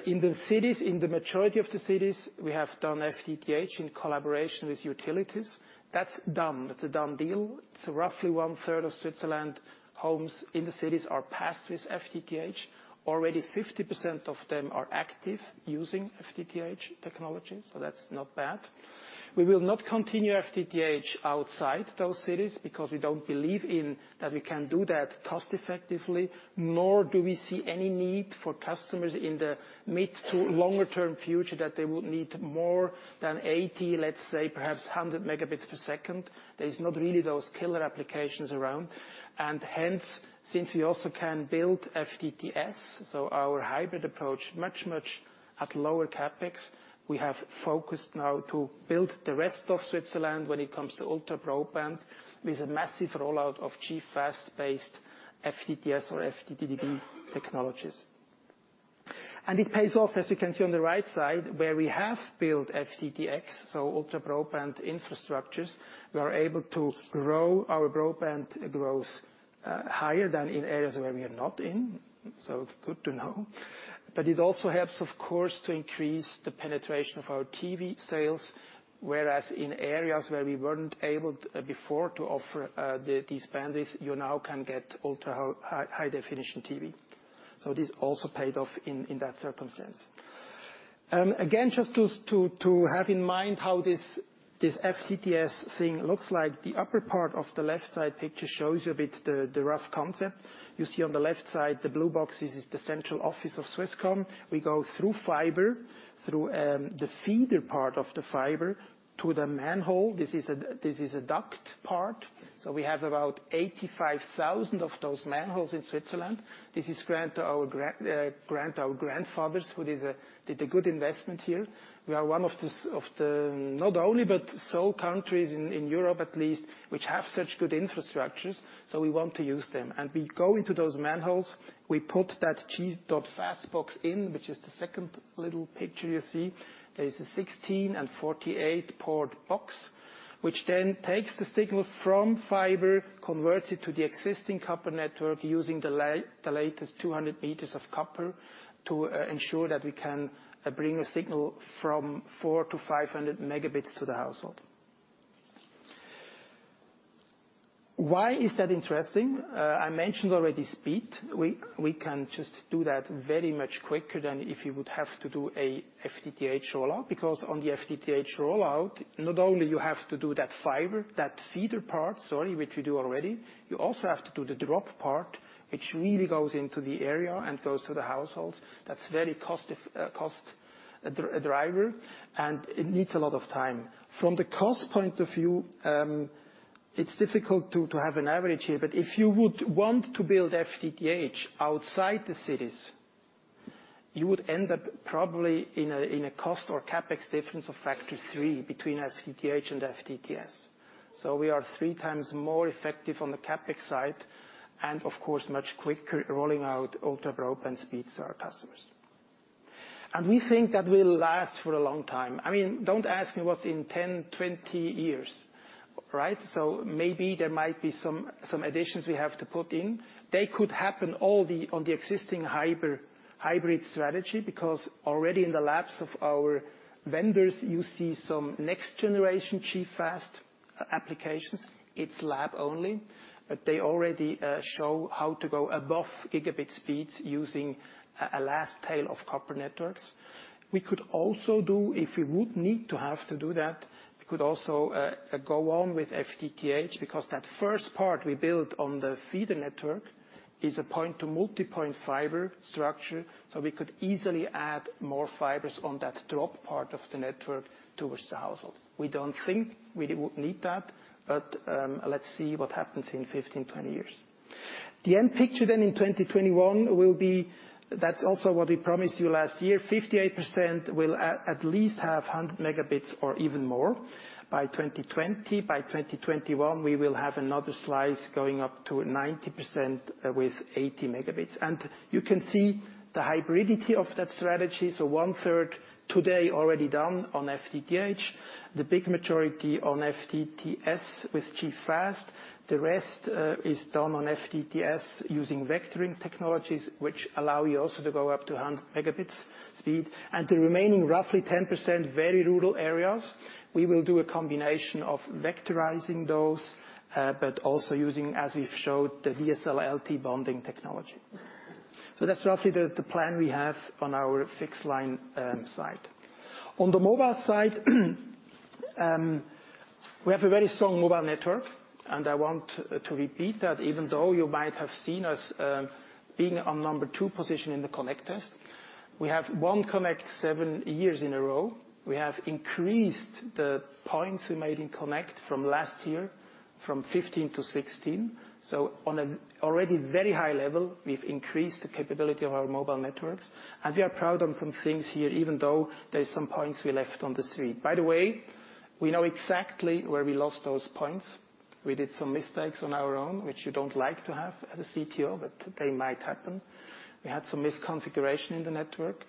Speaker 3: In the majority of the cities, we have done FTTH in collaboration with utilities. That's done. That's a done deal. Roughly one-third of Switzerland homes in the cities are passed with FTTH. Already 50% of them are active using FTTH technology, so that's not bad. We will not continue FTTH outside those cities because we don't believe that we can do that cost effectively, nor do we see any need for customers in the mid to longer term future that they would need more than 80, let's say perhaps 100 megabits per second. There is not really those killer applications around. Since we also can build FTTS, our hybrid approach much, much at lower CapEx. We have focused now to build the rest of Switzerland when it comes to ultra broadband with a massive rollout of G.fast-based FTTS or FTTB technologies. It pays off, as you can see on the right side, where we have built FTTX, so ultra broadband infrastructures. We are able to grow our broadband grows higher than in areas where we are not in. Good to know. It also helps of course to increase the penetration of our TV sales, whereas in areas where we weren't able before to offer these bandwidths, you now can get ultra high-definition TV. This also paid off in that circumstance. Again, just to have in mind how this FTTS thing looks like. The upper part of the left side picture shows you a bit the rough concept. You see on the left side, the blue box, this is the central office of Swisscom. We go through fiber, through the feeder part of the fiber to the manhole. This is a duct part. We have about 85,000 of those manholes in Switzerland. This is grant our grandfathers, who did a good investment here. We are one of the not only, but sole countries in Europe at least, which have such good infrastructures, so we want to use them. We go into those manholes, we put that G.fast box in, which is the second little picture you see. There is a 16 and 48-port box, which then takes the signal from fiber, converts it to the existing copper network using the latest 200 meters of copper to ensure that we can bring a signal from 4 to 500 megabits to the household. Why is that interesting? I mentioned already speed. We can just do that very much quicker than if you would have to do a FTTH rollout, because on the FTTH rollout, not only you have to do that fiber, that feeder part, sorry, which we do already. You also have to do the drop part, which really goes into the area and goes to the households. That's very cost driver, and it needs a lot of time. From the cost point of view, it's difficult to have an average here, but if you would want to build FTTH outside the cities You would end up probably in a cost or CapEx difference of factor three between FTTH and FTTS. We are three times more effective on the CapEx side, and of course, much quicker rolling out ultra broadband speeds to our customers. We think that will last for a long time. Don't ask me what's in 10, 20 years. Maybe there might be some additions we have to put in. They could happen all on the existing hybrid strategy, because already in the labs of our vendors, you see some next generation G.fast applications. It's lab only, but they already show how to go above gigabit speeds using a last tail of copper networks. We could also do, if we would need to have to do that, we could also go on with FTTH because that first part we built on the feeder network is a point to multipoint fiber structure, so we could easily add more fibers on that drop part of the network towards the household. We don't think we would need that, but let's see what happens in 15, 20 years. The end picture in 2021 will be, that's also what we promised you last year, 58% will at least have 100 megabits or even more by 2020. By 2021, we will have another slice going up to 90% with 80 megabits. You can see the hybridity of that strategy. One-third today already done on FTTH, the big majority on FTTS with G.fast. The rest is done on FTTS using vectoring technologies, which allow you also to go up to 100 megabits speed. The remaining roughly 10%, very rural areas, we will do a combination of vectorizing those, but also using, as we've showed, the VDSL/LTE bonding technology. That's roughly the plan we have on our fixed line side. On the mobile side, we have a very strong mobile network. I want to repeat that even though you might have seen us being on number 2 position in the Connect Test. We have won Connect seven years in a row. We have increased the points we made in Connect from last year from 15 to 16. On an already very high level, we've increased the capability of our mobile networks. We are proud on some things here, even though there is some points we left on the street. By the way, we know exactly where we lost those points. We did some mistakes on our own, which you don't like to have as a CTO, but they might happen. We had some misconfiguration in the network.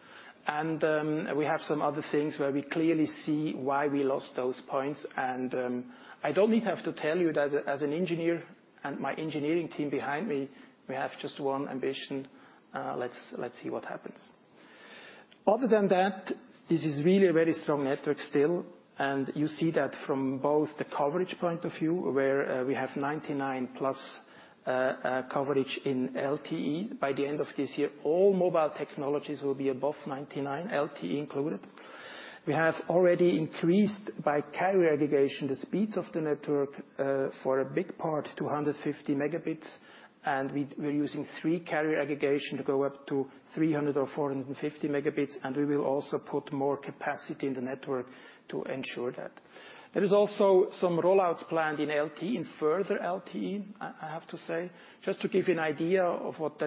Speaker 3: We have some other things where we clearly see why we lost those points. I don't even have to tell you that as an engineer and my engineering team behind me, we have just one ambition. Let's see what happens. Other than that, this is really a very strong network still. You see that from both the coverage point of view, where we have 99 plus coverage in LTE. By the end of this year, all mobile technologies will be above 99, LTE included. We have already increased, by carrier aggregation, the speeds of the network, for a big part, to 150 megabits. We're using three-carrier aggregation to go up to 300 or 450 megabits. We will also put more capacity in the network to ensure that. There is also some roll-outs planned in LTE, in further LTE, I have to say. Just to give you an idea of what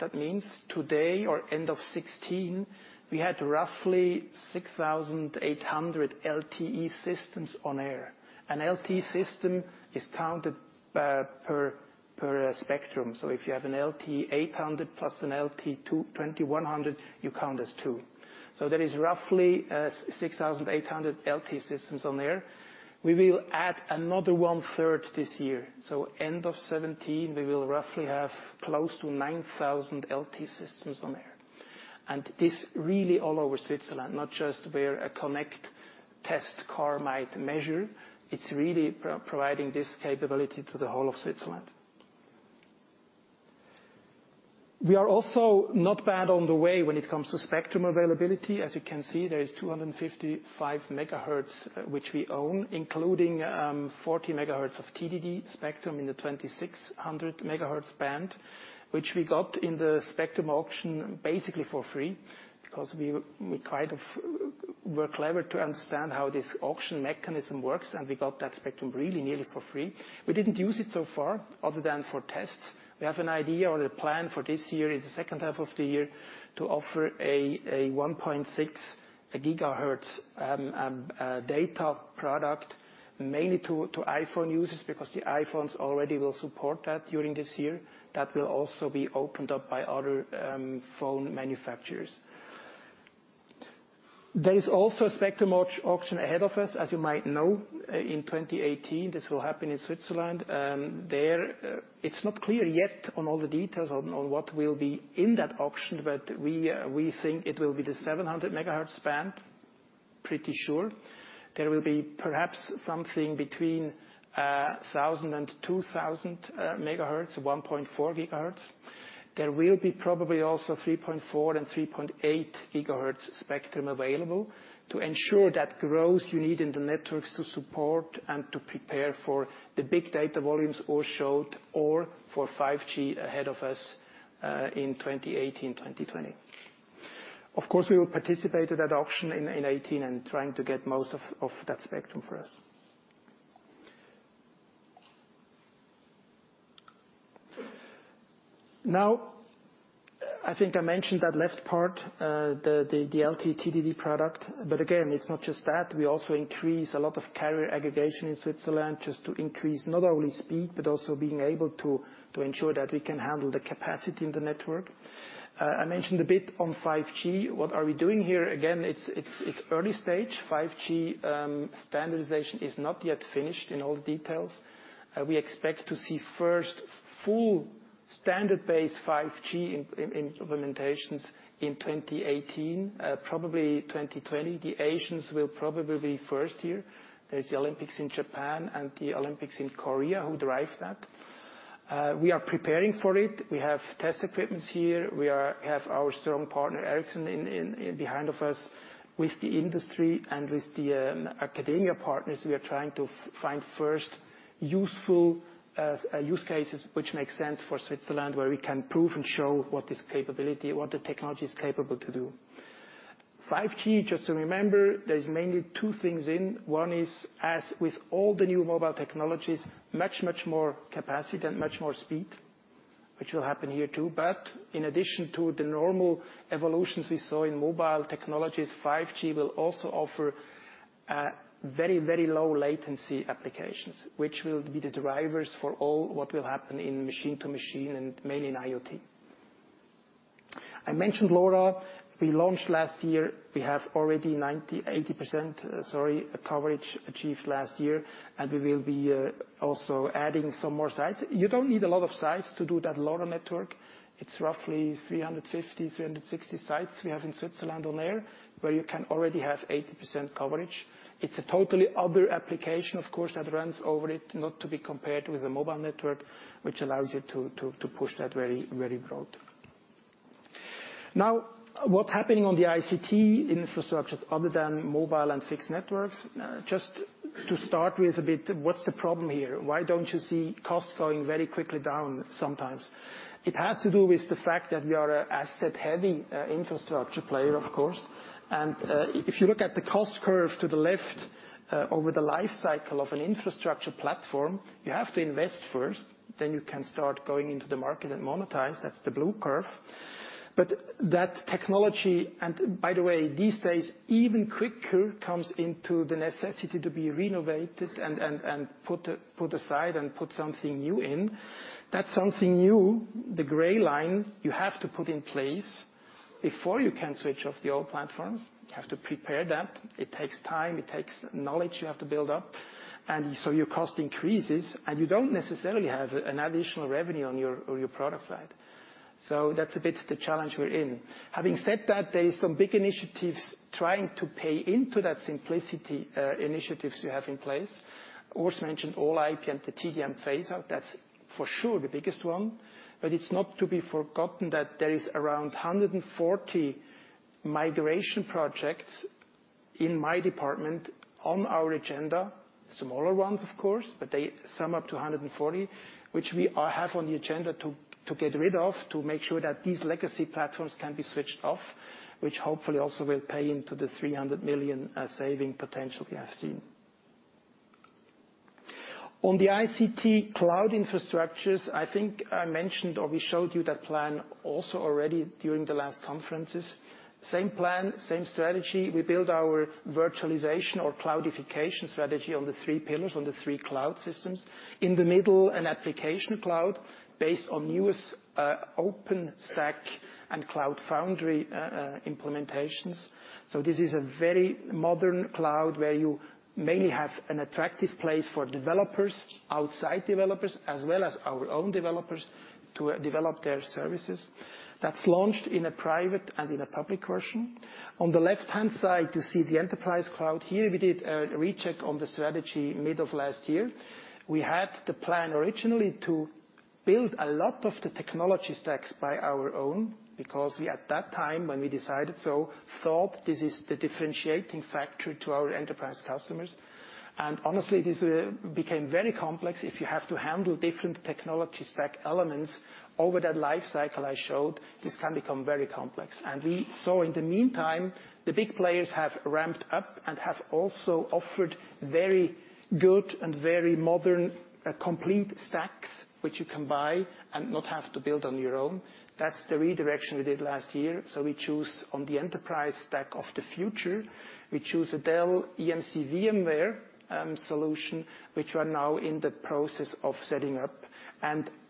Speaker 3: that means. Today or end of 2016, we had roughly 6,800 LTE systems on air. An LTE system is counted per spectrum. If you have an LTE 800 plus an LTE 2,100, you count as two. There is roughly 6,800 LTE systems on air. We will add another one-third this year. End of 2017, we will roughly have close to 9,000 LTE systems on air. This really all over Switzerland, not just where a Connect Test car might measure. It's really providing this capability to the whole of Switzerland. We are also not bad on the way when it comes to spectrum availability. As you can see, there is 255 megahertz which we own, including 40 megahertz of TDD spectrum in the 2,600 megahertz band, which we got in the spectrum auction basically for free, because we're clever to understand how this auction mechanism works, and we got that spectrum really nearly for free. We didn't use it so far other than for tests. We have an idea or the plan for this year, in the second half of the year, to offer a 1.6 gigahertz data product mainly to iPhone users because the iPhones already will support that during this year. That will also be opened up by other phone manufacturers. There is also a spectrum auction ahead of us, as you might know. In 2018, this will happen in Switzerland. It's not clear yet on all the details on what will be in that auction, but we think it will be the 700 megahertz band. Pretty sure. There will be perhaps something between 1,000 and 2,000 megahertz, 1.4 gigahertz. There will be probably also 3.4 and 3.8 gigahertz spectrum available. To ensure that growth you need in the networks to support and to prepare for the big data volumes Urs showed or for 5G ahead of us, in 2018, 2020. Of course, we will participate at that auction in 2018 and trying to get most of that spectrum for us. Now, I think I mentioned that left part, the LTE-TDD product. Again, it's not just that. We also increase a lot of carrier aggregation in Switzerland just to increase not only speed, but also being able to ensure that we can handle the capacity in the network. I mentioned a bit on 5G. What are we doing here? Again, it's early stage. 5G standardization is not yet finished in all the details. We expect to see first full standard base 5G implementations in 2018, probably 2020. The Asians will probably be first here. There's the Olympics in Japan and the Olympics in Korea who drive that. We are preparing for it. We have test equipments here. We have our strong partner, Ericsson, behind us. With the industry and with the academia partners, we are trying to find first useful use cases which makes sense for Switzerland, where we can prove and show what the technology is capable to do. 5G, just to remember, there's mainly two things in. One is, as with all the new mobile technologies, much, much more capacity and much more speed, which will happen here, too. In addition to the normal evolutions we saw in mobile technologies, 5G will also offer very low latency applications, which will be the drivers for all what will happen in machine to machine and mainly in IoT. I mentioned LoRa. We launched last year. We have already 80%, sorry, coverage achieved last year, and we will be also adding some more sites. You don't need a lot of sites to do that LoRa network. It's roughly 350, 360 sites we have in Switzerland on air where you can already have 80% coverage. It's a totally other application, of course, that runs over it, not to be compared with the mobile network, which allows you to push that very broad. Now what's happening on the ICT infrastructure other than mobile and fixed networks? Just to start with a bit, what's the problem here? Why don't you see costs going very quickly down sometimes? It has to do with the fact that we are an asset-heavy infrastructure player, of course. If you look at the cost curve to the left, over the life cycle of an infrastructure platform, you have to invest first, then you can start going into the market and monetize. That's the blue curve. That technology, and by the way, these days even quicker comes into the necessity to be renovated and put aside and put something new in. That something new, the gray line, you have to put in place before you can switch off the old platforms. You have to prepare that. It takes time, it takes knowledge you have to build up. Your cost increases, and you don't necessarily have an additional revenue on your product side. That's a bit the challenge we're in. Having said that, there is some big initiatives trying to pay into that simplicity initiatives we have in place. Urs mentioned All-IP and the TDM phase-out. That's for sure the biggest one. It's not to be forgotten that there is around 140 migration projects in my department on our agenda. Smaller ones, of course, but they sum up to 140, which we have on the agenda to get rid of, to make sure that these legacy platforms can be switched off, which hopefully also will pay into the 300 million saving potentially I've seen. On the ICT cloud infrastructures, I think I mentioned or we showed you that plan also already during the last conferences. Same plan, same strategy. We build our virtualization or cloudification strategy on the three pillars, on the three cloud systems. In the middle, an application cloud based on newest OpenStack and Cloud Foundry implementations. This is a very modern cloud where you mainly have an attractive place for developers, outside developers, as well as our own developers to develop their services. That's launched in a private and in a public version. On the left-hand side, you see the enterprise cloud. Here, we did a recheck on the strategy mid of last year. We had the plan originally to build a lot of the technology stacks by our own because we, at that time, when we decided so, thought this is the differentiating factor to our enterprise customers. Honestly, this became very complex. If you have to handle different technology stack elements over that life cycle I showed, this can become very complex. We saw in the meantime, the big players have ramped up and have also offered very good and very modern complete stacks which you can buy and not have to build on your own. That's the redirection we did last year. We choose on the enterprise stack of the future. We choose a Dell EMC VMware solution, which we are now in the process of setting up.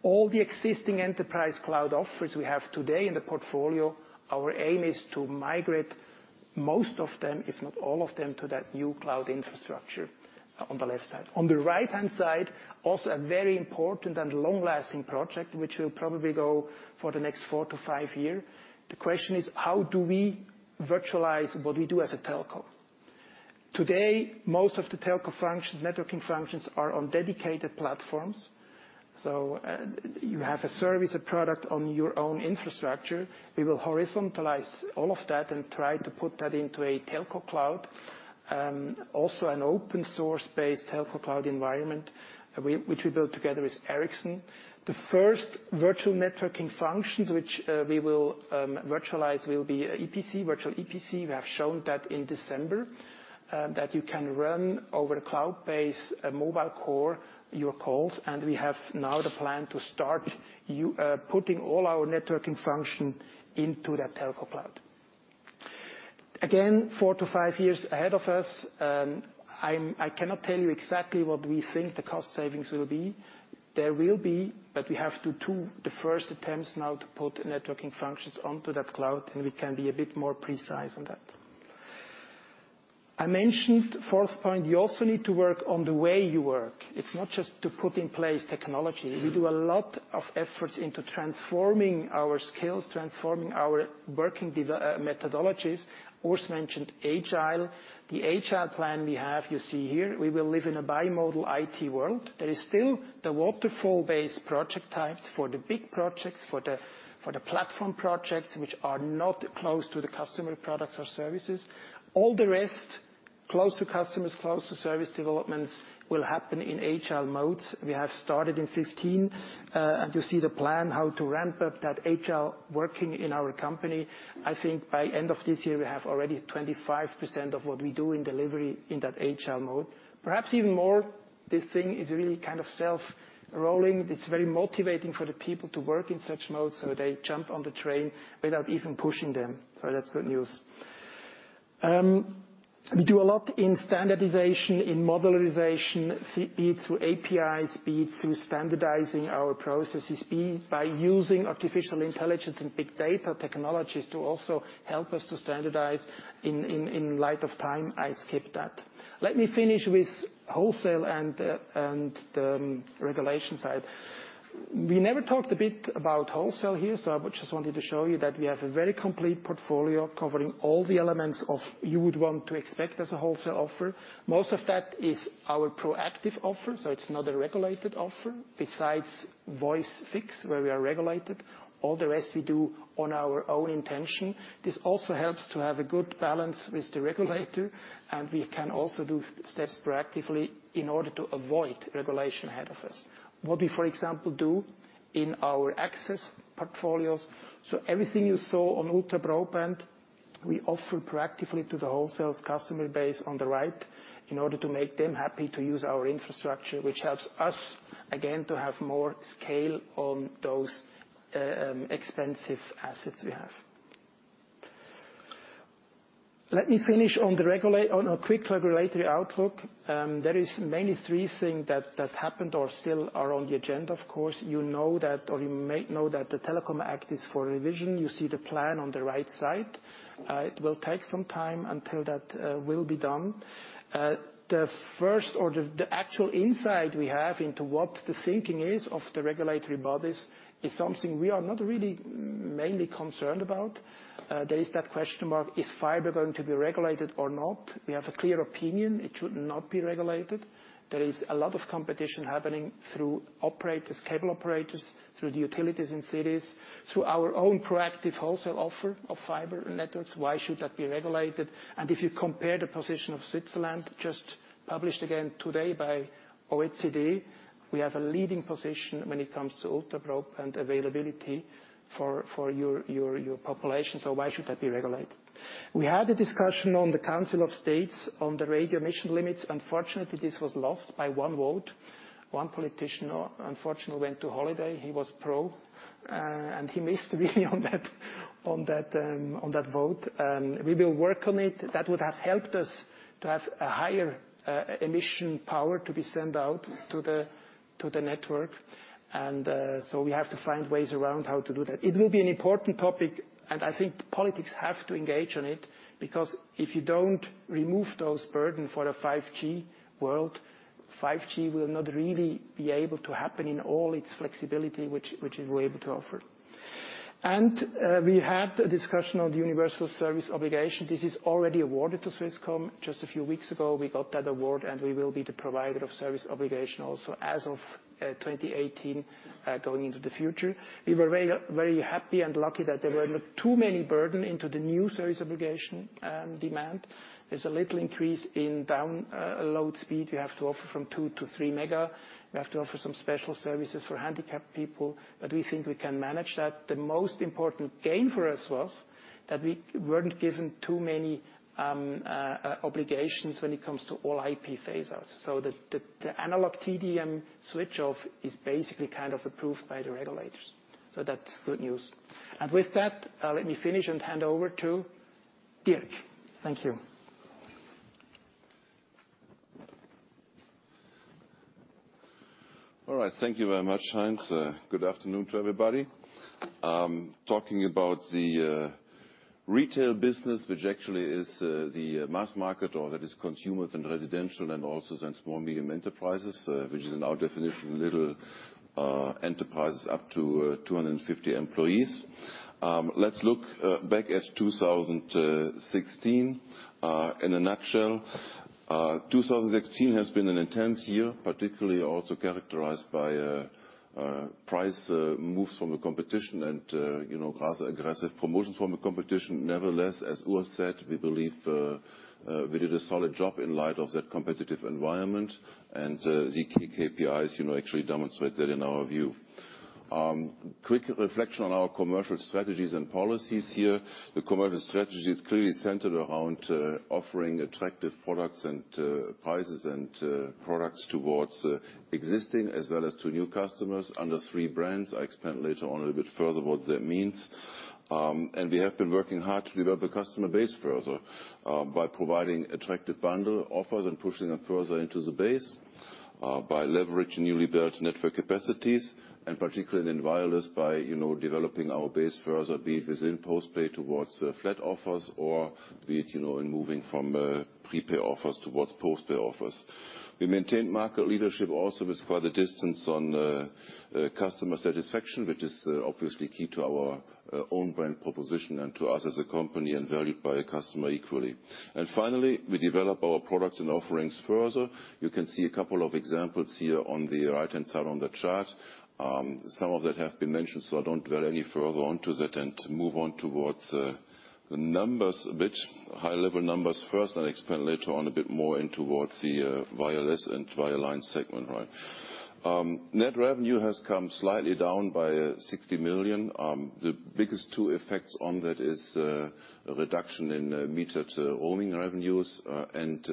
Speaker 3: All the existing enterprise cloud offers we have today in the portfolio, our aim is to migrate most of them, if not all of them, to that new cloud infrastructure on the left side. On the right-hand side, also a very important and long-lasting project, which will probably go for the next four to five year. The question is: How do we virtualize what we do as a telco? Today, most of the telco networking functions are on dedicated platforms. You have a service, a product on your own infrastructure. We will horizontalize all of that and try to put that into a telco cloud. Also an open source-based telco cloud environment, which we built together with Ericsson. The first virtual networking functions which we will virtualize will be EPC, virtual EPC. We have shown that in December, that you can run over cloud-based mobile core your calls, and we have now the plan to start putting all our networking function into that telco cloud. Again, four to five years ahead of us, I cannot tell you exactly what we think the cost savings will be. There will be, but we have to do the first attempts now to put networking functions onto that cloud, and we can be a bit more precise on that. I mentioned, fourth point, you also need to work on the way you work. It's not just to put in place technology. We do a lot of efforts into transforming our skills, transforming our working methodologies. Urs mentioned Agile. The Agile plan we have you see here. We will live in a bimodal IT world. There is still the waterfall-based project types for the big projects, for the platform projects, which are not close to the customer products or services. All the rest, close to customers, close to service developments, will happen in Agile modes. We have started in 2015. You see the plan how to ramp up that Agile working in our company. I think by end of this year, we have already 25% of what we do in delivery in that Agile mode. Perhaps even more, this thing is really kind of self-rolling. It's very motivating for the people to work in such modes, they jump on the train without even pushing them. That's good news. We do a lot in standardization, in modularization, be it through APIs, be it through standardizing our processes, be it by using artificial intelligence and big data technologies to also help us to standardize. In light of time, I skip that. Let me finish with wholesale and the regulation side. We never talked a bit about wholesale here, I just wanted to show you that we have a very complete portfolio covering all the elements you would want to expect as a wholesale offer. Most of that is our proactive offer, it's not a regulated offer. Besides voice fix, where we are regulated, all the rest we do on our own intention. This also helps to have a good balance with the regulator, and we can also do steps proactively in order to avoid regulation ahead of us. What we, for example, do in our access portfolios, everything you saw on ultra broadband, we offer proactively to the wholesale customer base on the right in order to make them happy to use our infrastructure, which helps us, again, to have more scale on those expensive assets we have. Let me finish on a quick regulatory outlook. There is mainly three things that happened or still are on the agenda, of course. You know that, or you might know that the Telecommunications Act is for revision. You see the plan on the right side. It will take some time until that will be done. The first order, the actual insight we have into what the thinking is of the regulatory bodies is something we are not really mainly concerned about. There is that question mark: Is fiber going to be regulated or not? We have a clear opinion. It should not be regulated. There is a lot of competition happening through operators, cable operators, through the utilities in cities, through our own proactive wholesale offer of fiber networks. Why should that be regulated? If you compare the position of Switzerland, just published again today by OECD, we have a leading position when it comes to ultra broadband availability for your population, so why should that be regulated? We had a discussion on the Council of States on the radio emission limits. Unfortunately, this was lost by one vote. One politician unfortunately went to holiday. He was pro, and he missed really on that vote. We will work on it. That would have helped us to have a higher emission power to be sent out to the network. We have to find ways around how to do that. It will be an important topic, and I think politics have to engage on it because if you don't remove those burden for a 5G world, 5G will not really be able to happen in all its flexibility which we're able to offer. We had a discussion on the universal service obligation. This is already awarded to Swisscom. Just a few weeks ago, we got that award, and we will be the provider of service obligation also as of 2018, going into the future. We were very happy and lucky that there were not too many burden into the new service obligation demand. There's a little increase in download speed. We have to offer from two to three mega. We have to offer some special services for handicapped people, but we think we can manage that. The most important gain for us was that we weren't given too many obligations when it comes to All-IP phase-outs. The analog TDM switch-off is basically kind of approved by the regulators. That's good news. With that, let me finish and hand over to Dirk. Thank you.
Speaker 4: All right. Thank you very much, Heinz. Good afternoon to everybody. Talking about the retail business, which actually is the mass market, or that is consumers and residential and also small-medium enterprises, which is in our definition, little enterprises up to 250 employees. Let's look back at 2016. In a nutshell, 2016 has been an intense year, particularly also characterized by price moves from a competition and rather aggressive promotions from a competition. Nevertheless, as Urs said, we believe we did a solid job in light of that competitive environment, and the key KPIs actually demonstrate that in our view. Quick reflection on our commercial strategies and policies here. The commercial strategy is clearly centered around offering attractive products and prices and products towards existing as well as to new customers under three brands. I expand later on a little bit further what that means. We have been working hard to develop a customer base further by providing attractive bundle offers and pushing them further into the base, by leveraging newly built network capacities and particularly in wireless by developing our base further, be it within post-pay toward flat offers or be it in moving from pre-pay offers toward post-pay offers. We maintained market leadership also with quite a distance on customer satisfaction, which is obviously key to our own brand proposition and to us as a company and valued by the customer equally. Finally, we develop our products and offerings further. You can see a couple of examples here on the right-hand side on the chart. Some of that have been mentioned, so I don't dwell any further onto that and move on toward the numbers a bit. High-level numbers first, I will explain later on a bit more in toward the wireless and Wireline segment. Net revenue has come slightly down by 60 million. The biggest two effects on that is a reduction in metered roaming revenues and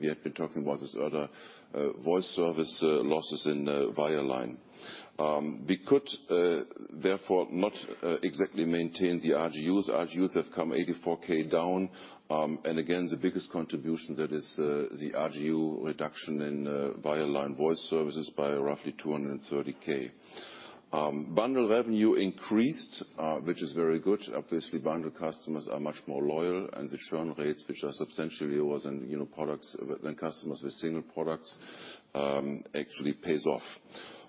Speaker 4: we have been talking about this earlier, voice service losses in Wireline. We could therefore not exactly maintain the RGUs. RGUs have come 84k down. Again, the biggest contribution that is the RGU reduction in Wireline voice services by roughly 230k. Bundle revenue increased, which is very good. Obviously, bundle customers are much more loyal and the churn rates, which are substantially lower than customers with single products, actually pays off.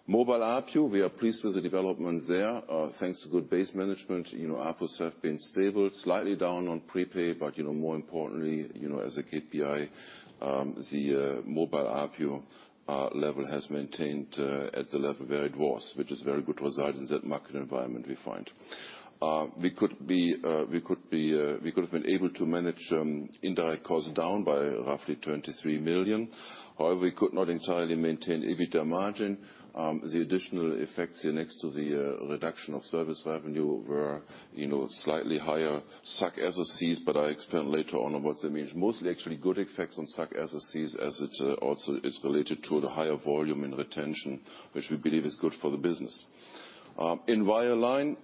Speaker 4: Mobile ARPU, we are pleased with the development there. Thanks to good base management, ARPUs have been stable, slightly down on pre-pay, but more importantly, as a KPI, the mobile ARPU level has maintained at the level where it was, which is a very good result in that market environment we find. We could have been able to manage indirect costs down by roughly 23 million. However, we could not entirely maintain EBITDA margin. The additional effects here next to the reduction of service revenue were slightly higher SAC SRCs, but I explain later on what that means. Mostly actually good effects on SAC SRCs as it also is related to the higher volume in retention, which we believe is good for the business. In Wireline,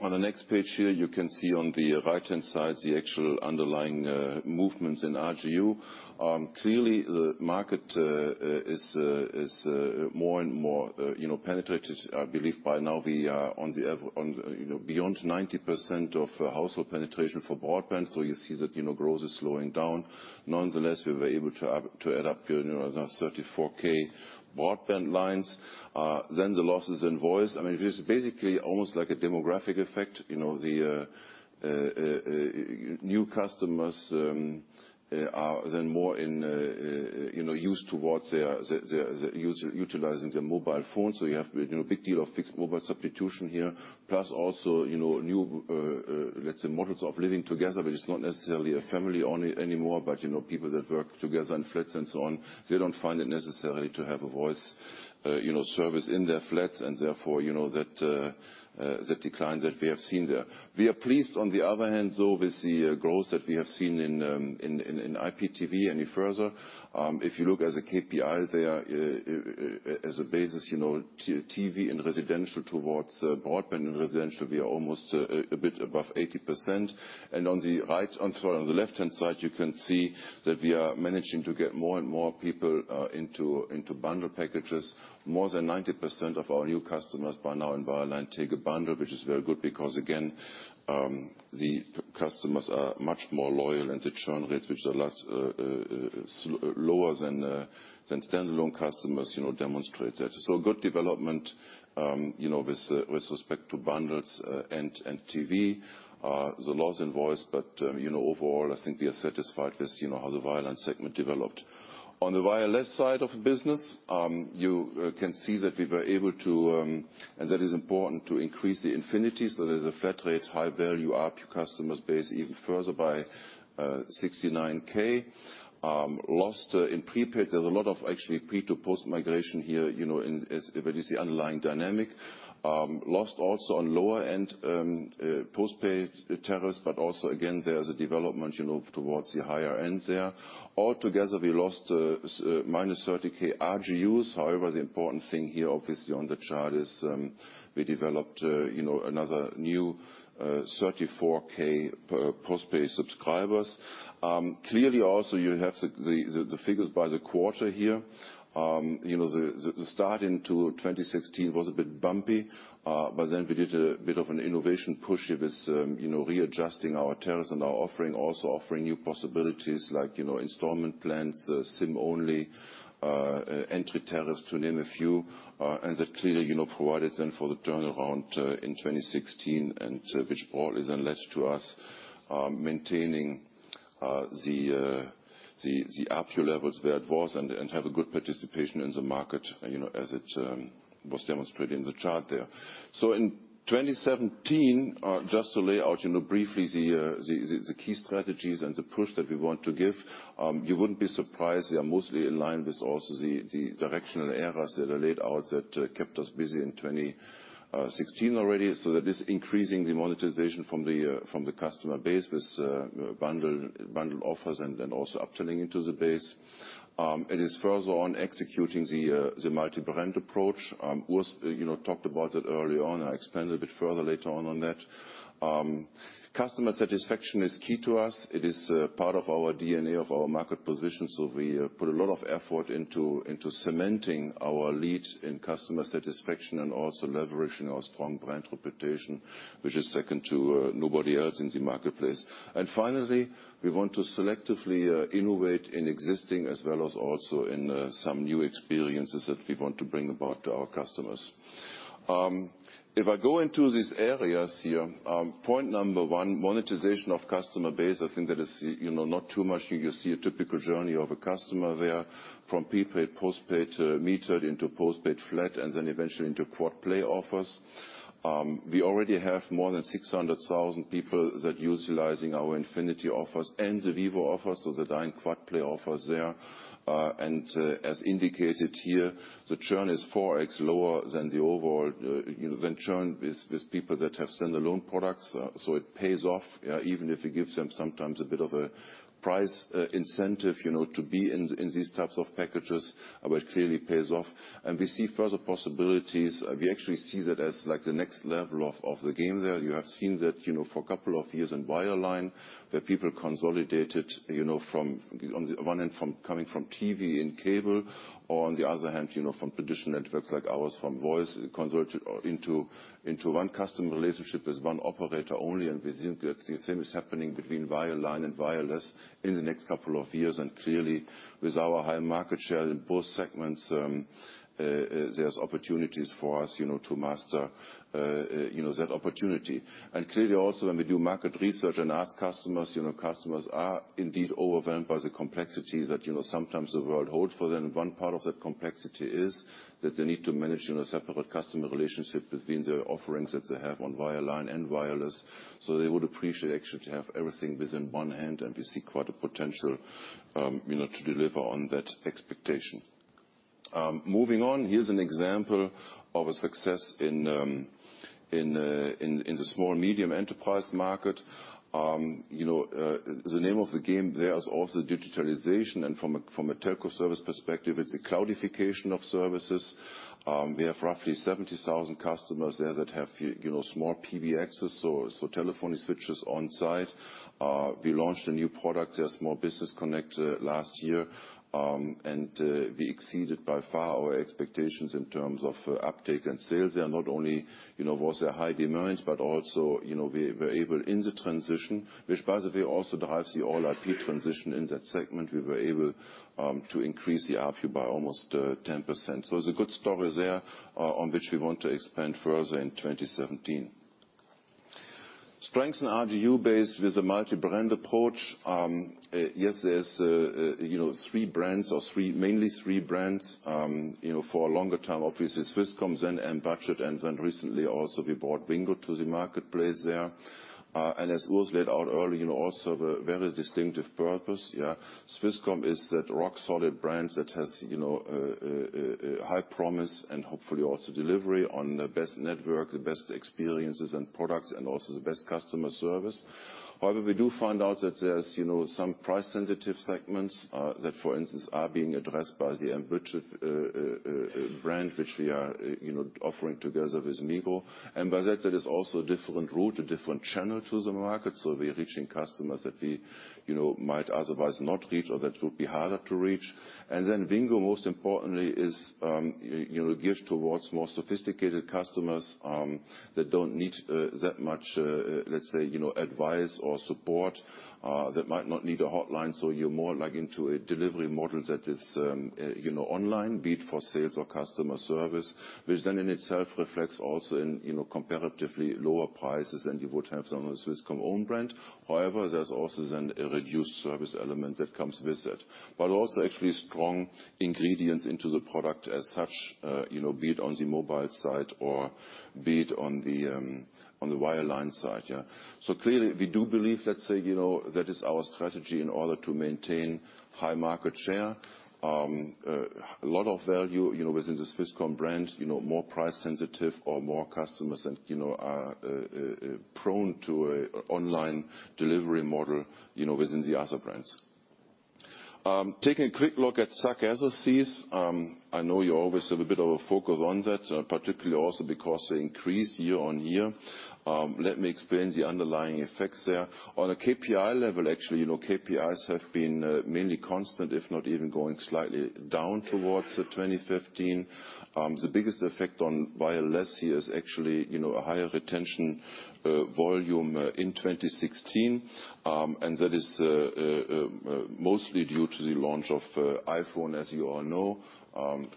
Speaker 4: on the next page here, you can see on the right-hand side the actual underlying movements in RGU. Clearly, the market is more and more penetrated. I believe by now we are beyond 90% of household penetration for broadband. You see that growth is slowing down. Nonetheless, we were able to add up 34k broadband lines. The losses in voice. I mean, it is basically almost like a demographic effect. The new customers are then more in use toward utilizing their mobile phone. You have a big deal of fixed mobile substitution here. Plus also, new, let's say, models of living together, which is not necessarily a family only anymore, but people that work together in flats and so on, they don't find it necessary to have a voice service in their flats and therefore, that decline that we have seen there. We are pleased, on the other hand, though, with the growth that we have seen in IPTV any further. If you look as a KPI there, as a basis, TV in residential towards broadband in residential, we are almost a bit above 80%. On the left-hand side, you can see that we are managing to get more and more people into bundle packages. More than 90% of our new customers by now in Wireline take a bundle, which is very good because again, the customers are much more loyal and the churn rates, which are lots lower than standalone customers demonstrate that. Good development with respect to bundles and TV. The loss in voice, overall, I think we are satisfied with how the Wireline segment developed. On the wireless side of the business, you can see that we were able to, and that is important to increase the Infinitys, that is the flat rates, high-value ARPU customers base even further by 69k. Lost in prepaid. There's a lot of actually pre to post-migration here, that is the underlying dynamic. Lost also on lower-end post-paid tariffs, also again, there's a development towards the higher end there. Altogether, we lost -30k RGUs. However, the important thing here, obviously on the chart is, we developed another new 34k post-pay subscribers. Clearly also, you have the figures by the quarter here. The start into 2016 was a bit bumpy, then we did a bit of an innovation push with readjusting our tariffs and our offering, also offering new possibilities like installment plans, SIM-only entry tariffs, to name a few. That clearly provided then for the turnaround in 2016 and which all has led to us maintaining the ARPU levels where it was and have a good participation in the market, as it was demonstrated in the chart there. In 2017, just to lay out briefly the key strategies and the push that we want to give. You wouldn't be surprised, they are mostly in line with also the directional areas that are laid out that kept us busy in 2016 already. That is increasing the monetization from the customer base with bundle offers and then also upselling into the base. It is further on executing the multi-brand approach. Urs talked about that early on, I'll expand a bit further later on on that. Customer satisfaction is key to us. It is part of our DNA, of our market position. We put a lot of effort into cementing our lead in customer satisfaction and also leveraging our strong brand reputation, which is second to nobody else in the marketplace. Finally, we want to selectively innovate in existing as well as also in some new experiences that we want to bring about to our customers. If I go into these areas here, point number 1, monetization of customer base, I think that is not too much. You see a typical journey of a customer there from prepaid, postpaid, metered into postpaid flat, then eventually into quad play offers. We already have more than 600,000 people that utilizing our Infinity offers and the Vivo offers or the dying quad play offers there. As indicated here, the churn is 4x lower than churn with people that have standalone products. It pays off, even if it gives them sometimes a bit of a price incentive, to be in these types of packages. It clearly pays off. We see further possibilities. We actually see that as the next level of the game there. You have seen that, for a couple of years in wireline, that people consolidated, on the one hand coming from TV and cable, or on the other hand, from traditional networks like ours, from voice consolidated into one customer relationship with one operator only. We think that the same is happening between wireline and wireless in the next couple of years. Clearly, with our high market share in both segments, there's opportunities for us to master that opportunity. Clearly also, when we do market research and ask customers are indeed overwhelmed by the complexities that sometimes the world holds for them. One part of that complexity is that they need to manage separate customer relationships between the offerings that they have on wireline and wireless. They would appreciate actually to have everything within one hand. We see quite a potential to deliver on that expectation. Moving on, here's an example of a success in the small and medium enterprise market. The name of the game there is also digitalization. From a telco service perspective, it's a cloudification of services. We have roughly 70,000 customers there that have small PBXs, so telephony switches on site. We launched a new product there, Smart Business Connect, last year. We exceeded by far our expectations in terms of uptake and sales there. Not only was there high demand, but also, we were able in the transition, which by the way also drives the All-IP transition in that segment. We were able to increase the ARPU by almost 10%. It's a good story there, on which we want to expand further in 2017. Strengthen RGU base with a multi-brand approach. Yes, there's three brands or mainly three brands. For a longer time, obviously Swisscom then, M-Budget, and then recently also we brought Wingo to the marketplace there. As Urs laid out earlier also, very distinctive purpose, yeah. Swisscom is that rock solid brand that has a high promise and hopefully also delivery on the best network, the best experiences and products, and also the best customer service. However, we do find out that there's some price sensitive segments that, for instance, are being addressed by the M-Budget brand, which we are offering together with Migros. By that, there is also a different route, a different channel to the market. We are reaching customers that we might otherwise not reach or that would be harder to reach. Wingo, most importantly, is geared towards more sophisticated customers that don't need that much, let's say, advice or support that might not need a hotline. You're more like into a delivery model that is online, be it for sales or customer service, which then in itself reflects also in comparatively lower prices than you would have on a Swisscom own brand. However, there's also then a reduced service element that comes with it. Also actually strong ingredients into the product as such, be it on the mobile side or be it on the wireline side, yeah. Clearly, we do believe, let's say, that is our strategy in order to maintain high market share. A lot of value within the Swisscom brand more price sensitive or more customers and are prone to an online delivery model within the other brands. Taking a quick look at SAC, SRCs. I know you always have a bit of a focus on that, particularly also because they increase year-on-year. Let me explain the underlying effects there. On a KPI level, actually, KPIs have been mainly constant, if not even going slightly down towards 2015. The biggest effect on wireless here is actually a higher retention volume in 2016. That is mostly due to the launch of iPhone, as you all know.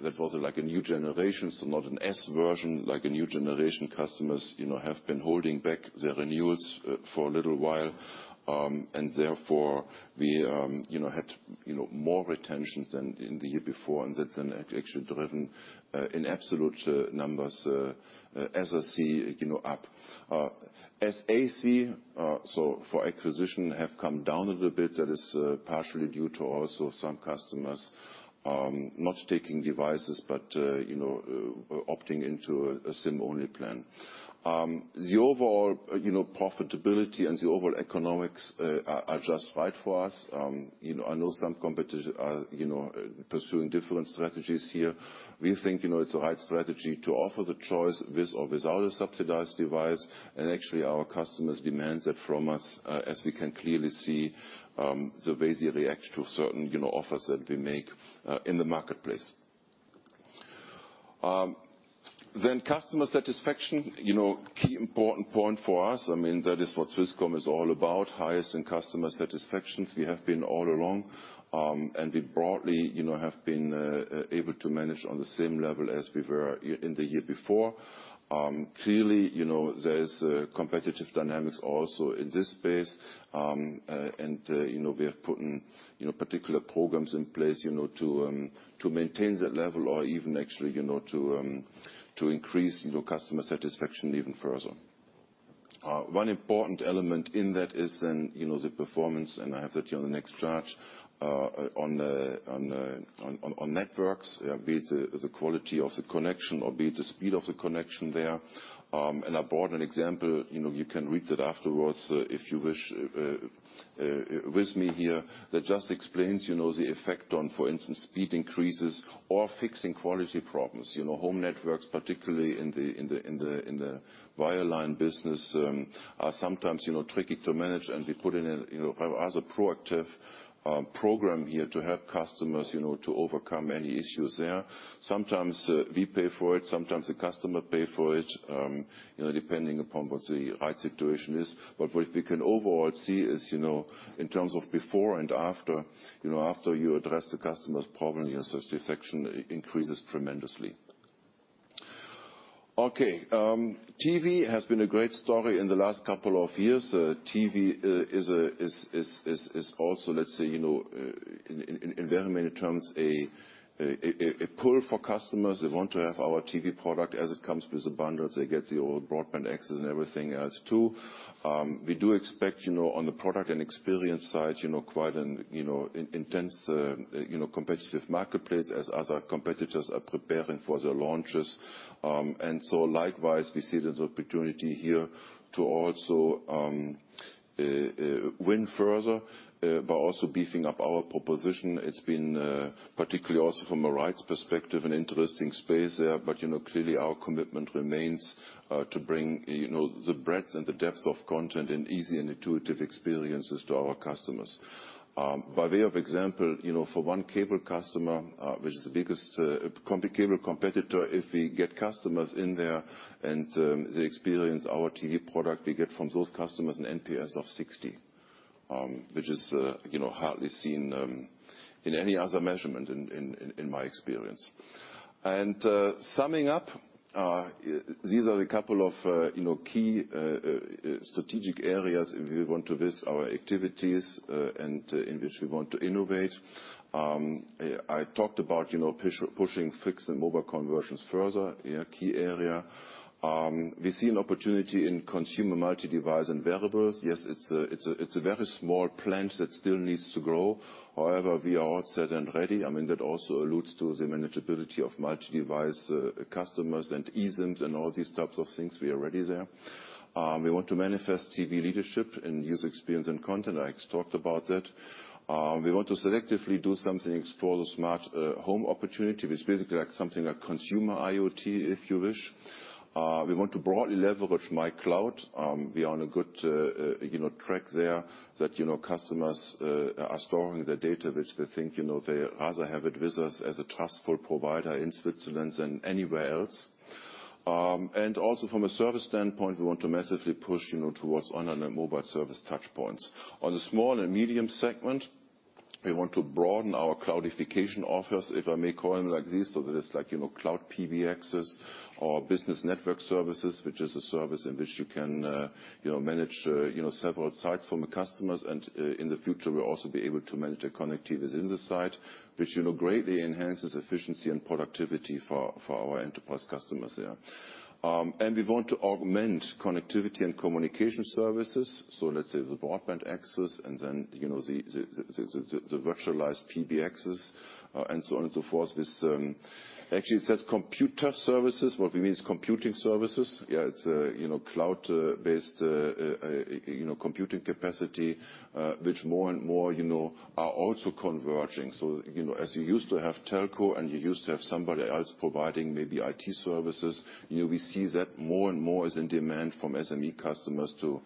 Speaker 4: That was like a new generation, so not an S-version, like a new generation. Customers have been holding back their renewals for a little while. Therefore, we had more retentions than in the year before. That then had actually driven in absolute numbers, SRCs, up. SAC, so for acquisition, have come down a little bit. That is partially due to also some customers not taking devices, but opting into a SIM-only plan. The overall profitability and the overall economics are just right for us. I know some competitors are pursuing different strategies here. We think it's the right strategy to offer the choice with or without a subsidized device. Actually, our customers demand that from us, as we can clearly see the way they react to certain offers that we make in the marketplace. Customer satisfaction, key important point for us. That is what Swisscom is all about, highest in customer satisfactions. We have been all along, we broadly have been able to manage on the same level as we were in the year before. Clearly, there is competitive dynamics also in this space. We have put particular programs in place to maintain that level or even actually to increase customer satisfaction even further. One important element in that is then the performance, I have that here on the next chart, on networks, be it the quality of the connection or be it the speed of the connection there. I brought an example, you can read that afterwards if you wish, with me here that just explains the effect on, for instance, speed increases or fixing quality problems. Home networks, particularly in the wireline business, are sometimes tricky to manage, and we put in as a proactive program here to help customers to overcome any issues there. Sometimes we pay for it, sometimes the customer pay for it, depending upon what the right situation is. What we can overall see is, in terms of before and after you address the customer's problem, yes, satisfaction increases tremendously. Okay. TV has been a great story in the last couple of years. TV is also, let's say, in very many terms, a pull for customers. They want to have our TV product. As it comes with abundance, they get the old broadband access and everything else, too. We do expect, on the product and experience side, quite an intense competitive marketplace as other competitors are preparing for their launches. Likewise, we see there's opportunity here to also win further, but also beefing up our proposition. It's been, particularly also from a rights perspective, an interesting space there. Clearly our commitment remains to bring the breadth and the depth of content and easy and intuitive experiences to our customers. By way of example, for one cable customer, which is the biggest cable competitor, if we get customers in there and they experience our TV product, we get from those customers an NPS of 60, which is hardly seen in any other measurement in my experience. Summing up, these are a couple of key strategic areas if we want to list our activities, and in which we want to innovate. I talked about pushing fixed and mobile conversions further, key area. We see an opportunity in consumer multi-device and wearables. Yes, it's a very small plant that still needs to grow. However, we are all set and ready. That also alludes to the manageability of multi-device customers and eSIMs and all these types of things. We are ready there. We want to manifest TV leadership in user experience and content. I talked about that. We want to selectively do something, explore the smart home opportunity, which is basically like something like consumer IoT, if you wish. We want to broadly leverage myCloud. We are on a good track there that customers are storing their data, which they think, they are as I have it with us as a trustful provider in Switzerland than anywhere else. Also from a service standpoint, we want to massively push towards online and mobile service touchpoints. On the small and medium segment, we want to broaden our cloudification offers, if I may call them like this. So that is like cloud PBXs or business network services, which is a service in which you can manage several sites from the customers. In the future, we'll also be able to manage the connectivity within the site, which greatly enhances efficiency and productivity for our enterprise customers there. We want to augment connectivity and communication services. Let's say the broadband access and then the virtualized PBXs, and so on and so forth. Actually, it says computer services. What we mean is computing services. Yeah, it's cloud-based computing capacity, which more and more are also converging. As you used to have telco and you used to have somebody else providing maybe IT services. We see that more and more is in demand from SME customers to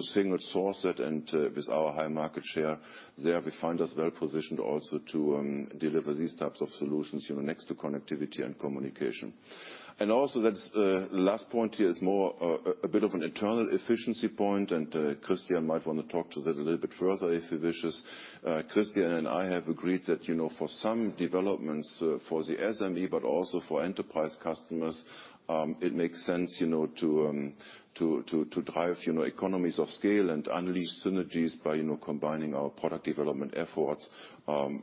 Speaker 4: single source it. With our high market share there, we find us well positioned also to deliver these types of solutions next to connectivity and communication. Also that last point here is more a bit of an internal efficiency point. Christian might want to talk to that a little bit further if he wishes. Christian and I have agreed that for some developments for the SME, but also for enterprise customers, it makes sense to drive economies of scale and unleash synergies by combining our product development efforts.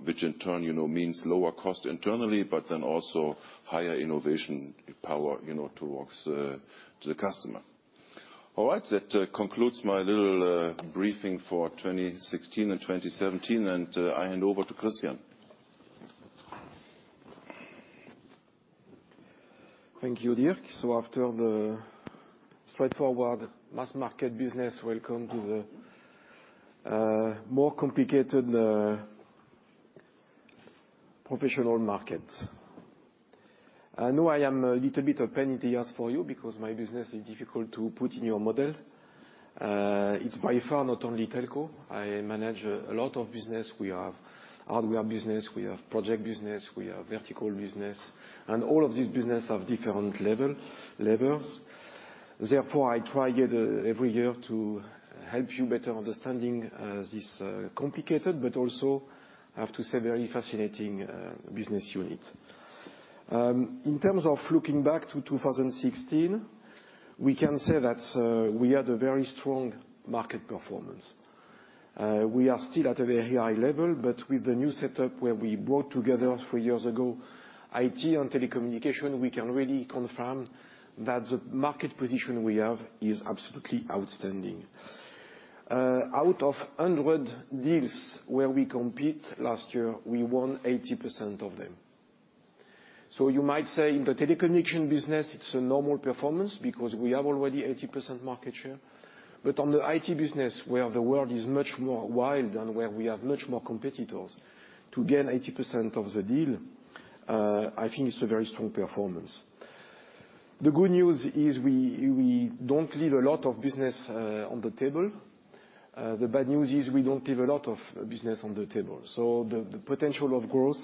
Speaker 4: Which in turn means lower cost internally, also higher innovation power towards the customer. All right. That concludes my little briefing for 2016 and 2017. I hand over to Christian.
Speaker 5: Thank you, Dirk. After the straightforward mass market business, welcome to the more complicated professional market. I know I am a little bit a pain in the ass for you because my business is difficult to put in your model. It's by far not only telco. I manage a lot of business. We have hardware business, we have project business, we have vertical business, and all of these business have different levels. Therefore, I try every year to help you better understanding this complicated, but also, I have to say, very fascinating business unit. In terms of looking back to 2016, we can say that we had a very strong market performance. We are still at a very high level, but with the new setup where we brought together, three years ago, IT and telecommunication, we can really confirm that the market position we have is absolutely outstanding. Out of 100 deals where we compete last year, we won 80% of them. You might say in the telecommunication business, it's a normal performance, because we have already 80% market share. On the IT business, where the world is much more wild and where we have much more competitors, to gain 80% of the deal, I think it's a very strong performance. The good news is we don't leave a lot of business on the table. The bad news is we don't leave a lot of business on the table. The potential of growth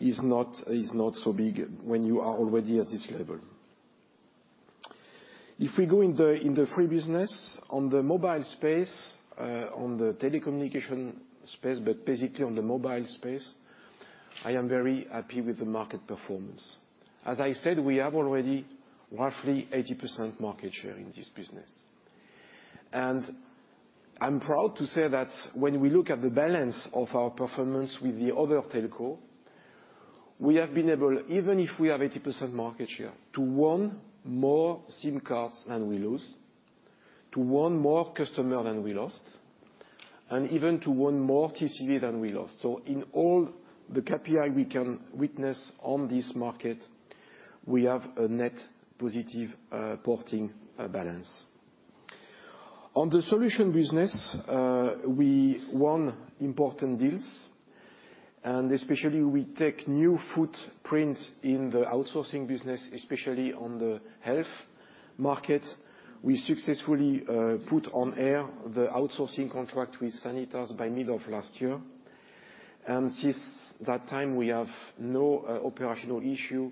Speaker 5: is not so big when you are already at this level. If we go in the free business, on the mobile space, on the telecommunication space, but basically on the mobile space, I am very happy with the market performance. As I said, we have already roughly 80% market share in this business. I'm proud to say that when we look at the balance of our performance with the other telco, we have been able, even if we have 80% market share, to won more SIM cards than we lose, to won more customer than we lost, and even to won more TCV than we lost. In all the KPI we can witness on this market, we have a net positive porting balance. On the solution business, we won important deals, and especially we take new footprint in the outsourcing business, especially on the health market. We successfully put on air the outsourcing contract with Sanitas by mid of last year. Since that time, we have no operational issue,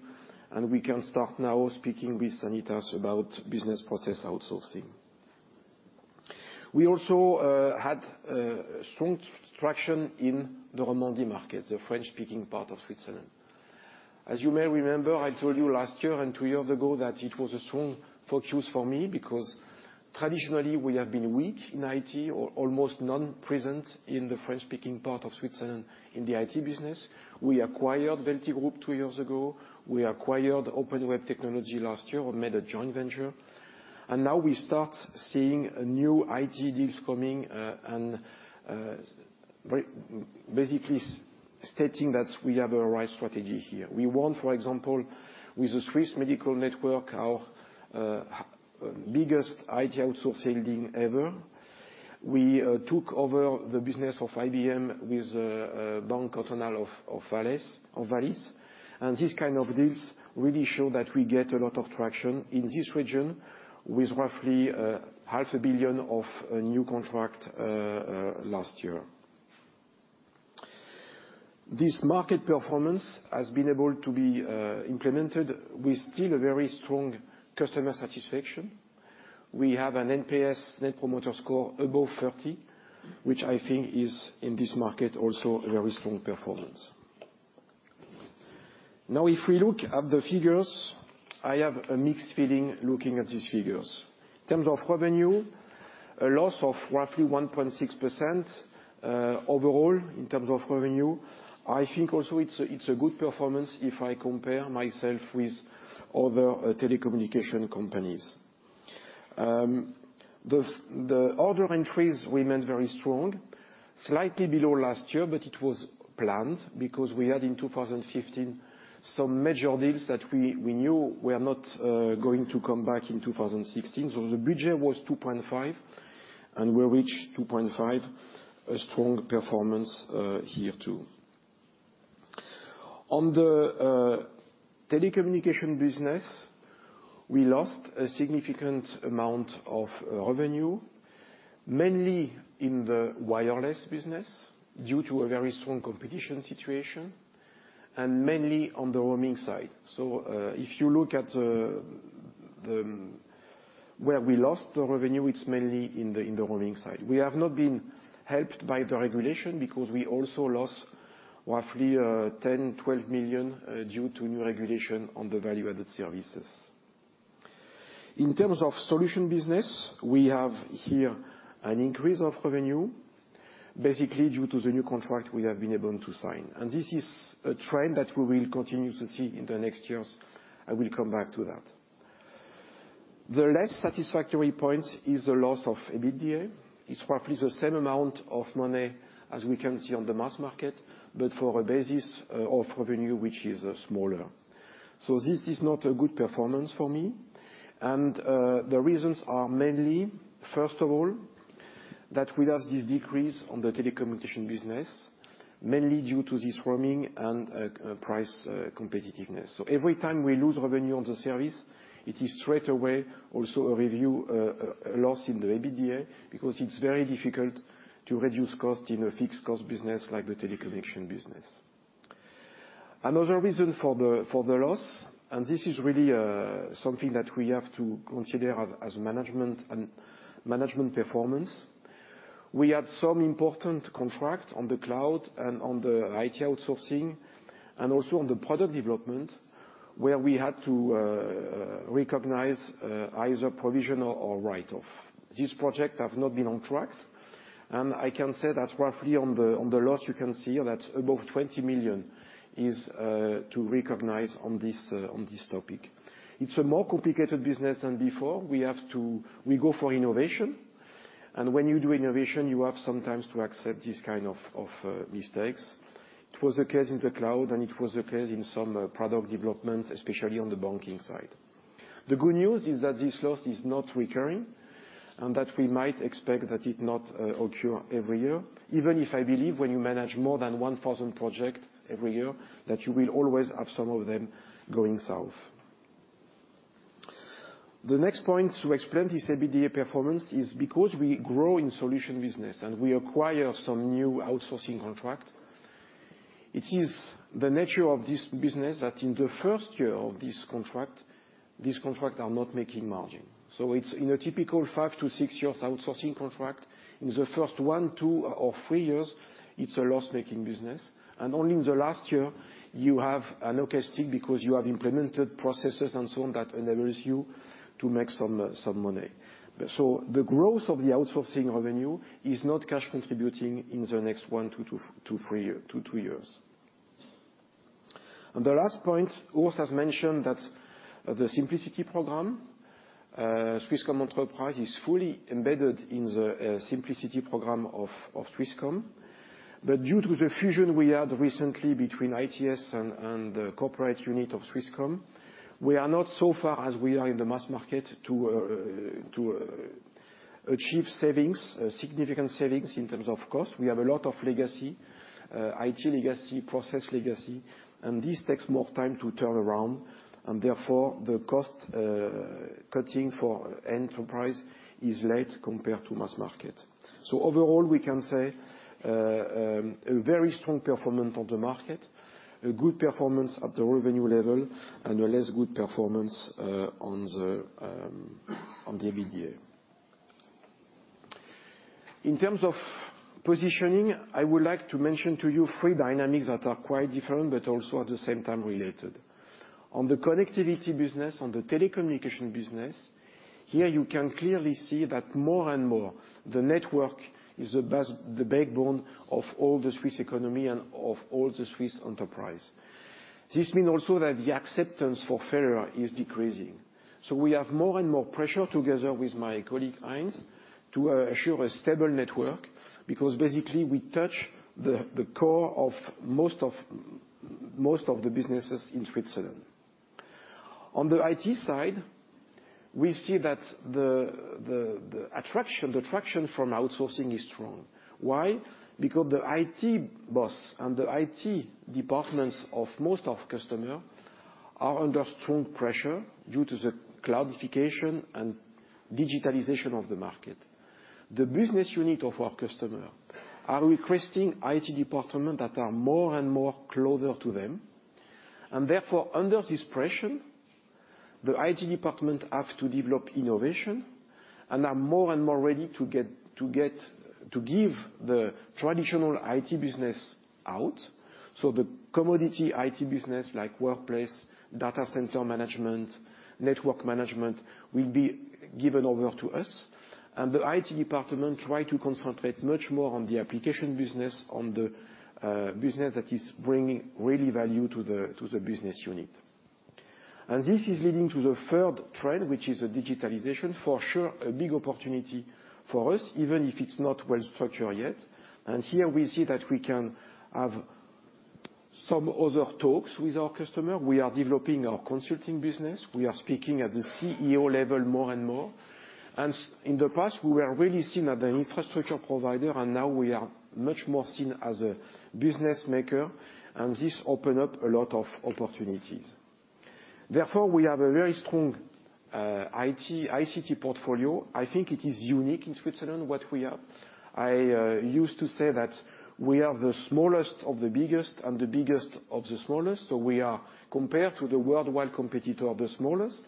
Speaker 5: and we can start now speaking with Sanitas about business process outsourcing. We also had strong traction in the Romandy market, the French-speaking part of Switzerland. As you may remember, I told you last year and two years ago that it was a strong focus for me because traditionally we have been weak in IT, or almost non-present in the French-speaking part of Switzerland in the IT business. We acquired Veltigroup two years ago. We acquired Open Web Technology last year, or made a joint venture. Now we start seeing new IT deals coming and basically stating that we have a right strategy here. We won, for example, with the Swiss Medical Network, our biggest IT outsourcing deal ever. We took over the business of IBM with Banque Cantonale du Valais. These kind of deals really show that we get a lot of traction in this region, with roughly CHF half a billion of new contract last year. This market performance has been able to be implemented with still a very strong customer satisfaction. We have an NPS, Net Promoter Score, above 30, which I think is, in this market, also a very strong performance. If we look at the figures, I have a mixed feeling looking at these figures. In terms of revenue, a loss of roughly 1.6% overall in terms of revenue. I think also it's a good performance if I compare myself with other telecommunications companies. The order entries remained very strong, slightly below last year, but it was planned, because we had in 2015 some major deals that we knew were not going to come back in 2016. The budget was 2.5, and we reached 2.5. A strong performance here, too. On the telecommunications business, we lost a significant amount of revenue, mainly in the wireless business due to a very strong competition situation and mainly on the roaming side. If you look at where we lost the revenue, it's mainly in the roaming side. We have not been helped by the regulation because we also lost roughly 10, 12 million due to new regulation on the value-added services. In terms of solution business, we have here an increase of revenue, basically due to the new contract we have been able to sign. This is a trend that we will continue to see in the next years. I will come back to that. The less satisfactory points is the loss of EBITDA. It's roughly the same amount of money as we can see on the mass market, but for a basis of revenue which is smaller. This is not a good performance for me. The reasons are mainly, first of all That we have this decrease on the telecommunications business, mainly due to this roaming and price competitiveness. Every time we lose revenue on the service, it is straight away also a revenue loss in the EBITDA, because it's very difficult to reduce cost in a fixed cost business like the telecommunications business. Another reason for the loss, this is really something that we have to consider as management and management performance. We had some important contract on the cloud and on the IT outsourcing, and also on the product development, where we had to recognize either provisions or write-off. This project have not been on track. I can say that roughly on the loss, you can see that above 20 million is to recognize on this topic. It's a more complicated business than before. We go for innovation, and when you do innovation, you have sometimes to accept this kind of mistakes. It was the case in the cloud, and it was the case in some product development, especially on the banking side. The good news is that this loss is not recurring, and that we might expect that it not occur every year, even if I believe when you manage more than 1,000 project every year, that you will always have some of them going south. The next point to explain this EBITDA performance is because we grow in solution business and we acquire some new outsourcing contract. It is the nature of this business that in the first year of this contract, this contract are not making margin. It's in a typical 5 to 6 years outsourcing contract, in the first 1, 2, or 3 years, it's a loss-making business. Only in the last year, you have an hockey stick because you have implemented processes and so on that enables you to make some money. The growth of the outsourcing revenue is not cash contributing in the next 1 to 2 years. The last point, Urs has mentioned that the Simplicity program, Swisscom Enterprise Customers, is fully embedded in the Simplicity program of Swisscom. That due to the fusion we had recently between ITS and the corporate unit of Swisscom. We are not so far as we are in the mass market to achieve savings, significant savings in terms of cost. We have a lot of legacy, IT legacy, process legacy, this takes more time to turn around, therefore, the cost cutting for enterprise is late compared to mass market. Overall, we can say, a very strong performance on the market, a good performance at the revenue level, and a less good performance on the EBITDA. In terms of positioning, I would like to mention to you 3 dynamics that are quite different, also at the same time related. On the connectivity business, on the telecommunication business, here you can clearly see that more and more the network is the backbone of all the Swiss economy and of all the Swiss enterprise. This mean also that the acceptance for failure is decreasing. We have more and more pressure together with my colleague, Heinz, to assure a stable network because basically, we touch the core of most of the businesses in Switzerland. On the IT side, we see that the attraction from outsourcing is strong. Why? Because the IT boss and the IT departments of most of customer are under strong pressure due to the cloudification and digitalization of the market. The business unit of our customer are requesting IT department that are more and more closer to them. Therefore, under this pressure, the IT department have to develop innovation and are more and more ready to give the traditional IT business out. The commodity IT business like workplace, data center management, network management, will be given over to us. The IT department try to concentrate much more on the application business, on the business that is bringing really value to the business unit. This is leading to the third trend, which is the digitalization, for sure, a big opportunity for us, even if it's not well structured yet. Here we see that we can have some other talks with our customer. We are developing our consulting business. We are speaking at the CEO level more and more. In the past, we were really seen as an infrastructure provider, now we are much more seen as a business maker, this open up a lot of opportunities. Therefore, we have a very strong ICT portfolio. I think it is unique in Switzerland, what we have. I used to say that we are the smallest of the biggest and the biggest of the smallest. We are compared to the worldwide competitor of the smallest,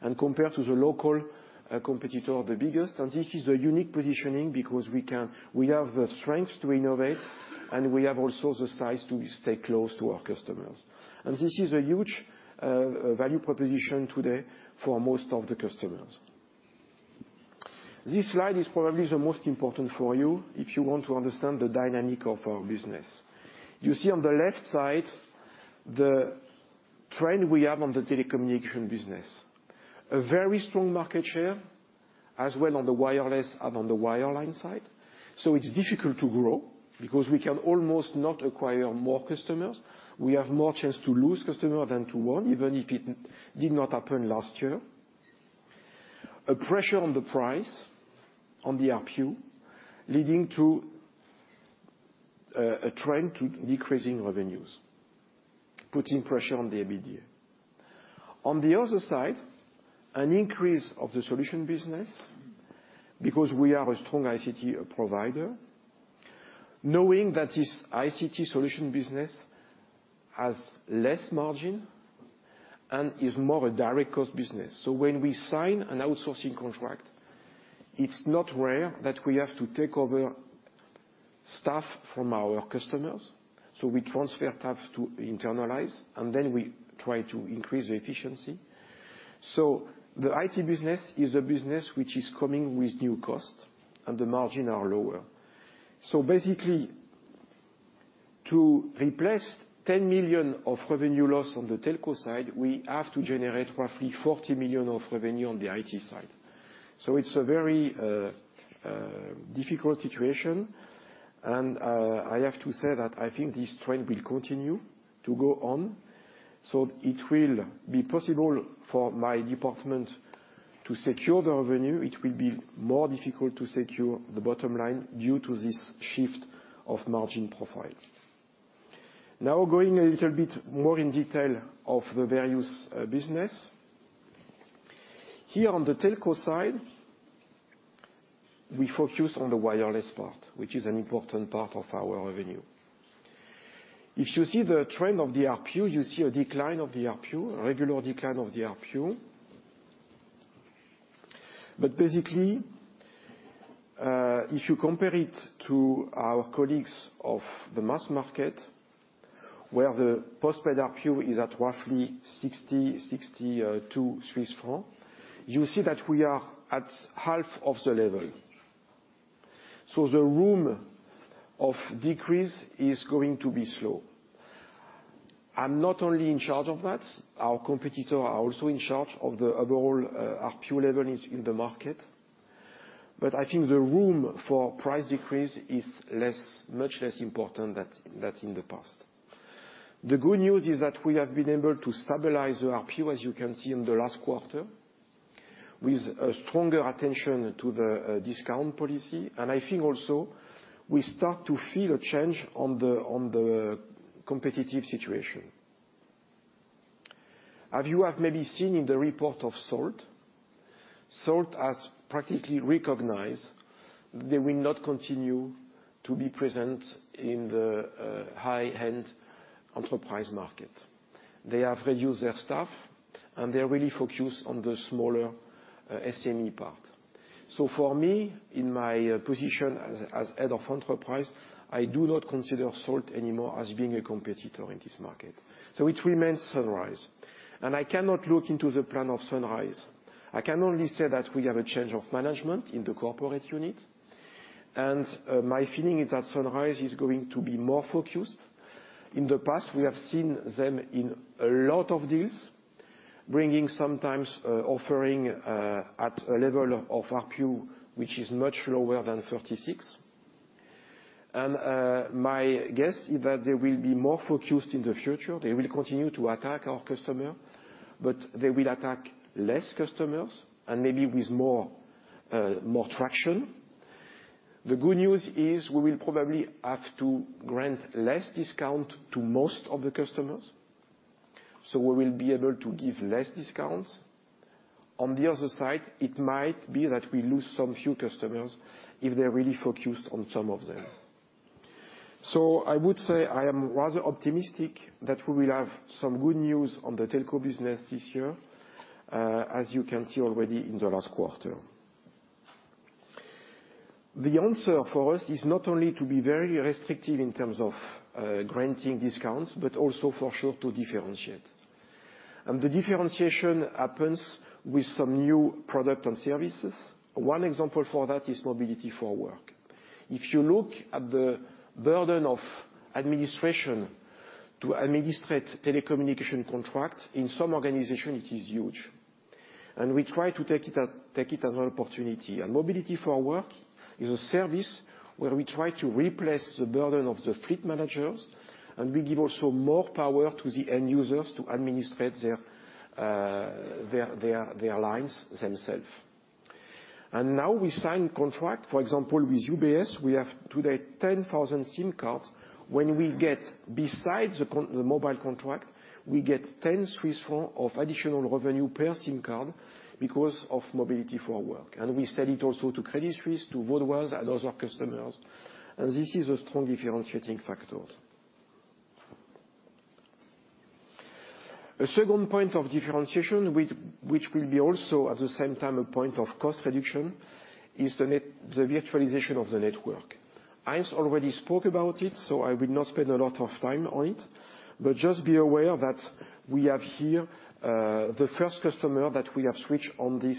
Speaker 5: and compared to the local competitor of the biggest. This is a unique positioning because we have the strength to innovate and we have also the size to stay close to our customers. This is a huge value proposition today for most of the customers. This slide is probably the most important for you if you want to understand the dynamic of our business. You see on the left side, the trend we have on the telecommunication business. A very strong market share, as well on the wireless and on the wireline side. It's difficult to grow because we can almost not acquire more customers. We have more chance to lose customer than to win, even if it did not happen last year. A pressure on the price, on the ARPU, leading to a trend to decreasing revenues, putting pressure on the EBITDA. On the other side, an increase of the solution business, because we are a strong ICT provider, knowing that this ICT solution business has less margin and is more a direct cost business. When we sign an outsourcing contract, it's not rare that we have to take over staff from our customers. We transfer staff to internalize, and then we try to increase the efficiency. The IT business is a business which is coming with new cost, and the margin are lower. Basically, to replace 10 million of revenue loss on the telco side, we have to generate roughly 40 million of revenue on the IT side. It's a very difficult situation, and I have to say that I think this trend will continue to go on. It will be possible for my department to secure the revenue. It will be more difficult to secure the bottom line due to this shift of margin profile. Now going a little bit more in detail of the various business. Here on the telco side, we focus on the wireless part, which is an important part of our revenue. If you see the trend of the ARPU, you see a decline of the ARPU, a regular decline of the ARPU. Basically, if you compare it to our colleagues of the mass market, where the post-paid ARPU is at roughly 60, 62 Swiss francs, you see that we are at half of the level. The room of decrease is going to be slow. I'm not only in charge of that. Our competitor are also in charge of the overall ARPU level in the market. I think the room for price decrease is much less important than in the past. The good news is that we have been able to stabilize the ARPU, as you can see in the last quarter, with a stronger attention to the discount policy. I think also we start to feel a change on the competitive situation. As you have maybe seen in the report of Salt has practically recognized they will not continue to be present in the high-end enterprise market. They have reduced their staff, and they really focus on the smaller SME part. For me, in my position as head of enterprise, I do not consider Salt anymore as being a competitor in this market. It remains Sunrise. I cannot look into the plan of Sunrise. I can only say that we have a change of management in the corporate unit. My feeling is that Sunrise is going to be more focused. In the past, we have seen them in a lot of deals, bringing sometimes offering at a level of ARPU which is much lower than 36. My guess is that they will be more focused in the future. They will continue to attack our customer, but they will attack less customers and maybe with more traction. The good news is we will probably have to grant less discount to most of the customers. We will be able to give less discounts. On the other side, it might be that we lose some few customers if they're really focused on some of them. I would say I am rather optimistic that we will have some good news on the telco business this year, as you can see already in the last quarter. The answer for us is not only to be very restrictive in terms of granting discounts, but also for sure to differentiate. The differentiation happens with some new product and services. One example for that is Mobility for Work. If you look at the burden of administration to administrate telecommunication contract, in some organization, it is huge. We try to take it as an opportunity. Mobility for Work is a service where we try to replace the burden of the fleet managers, and we give also more power to the end users to administrate their lines themselves. Now we sign contract. For example, with UBS, we have today 10,000 SIM cards. When we get besides the mobile contract, we get 10 Swiss francs of additional revenue per SIM card because of Mobility for Work. We sell it also to Credit Suisse, to UBS. Those are customers. This is a strong differentiating factor. A second point of differentiation, which will be also at the same time a point of cost reduction, is the virtualization of the network. Heinz already spoke about it. I will not spend a lot of time on it, but just be aware that we have here the first customer that we have switched on this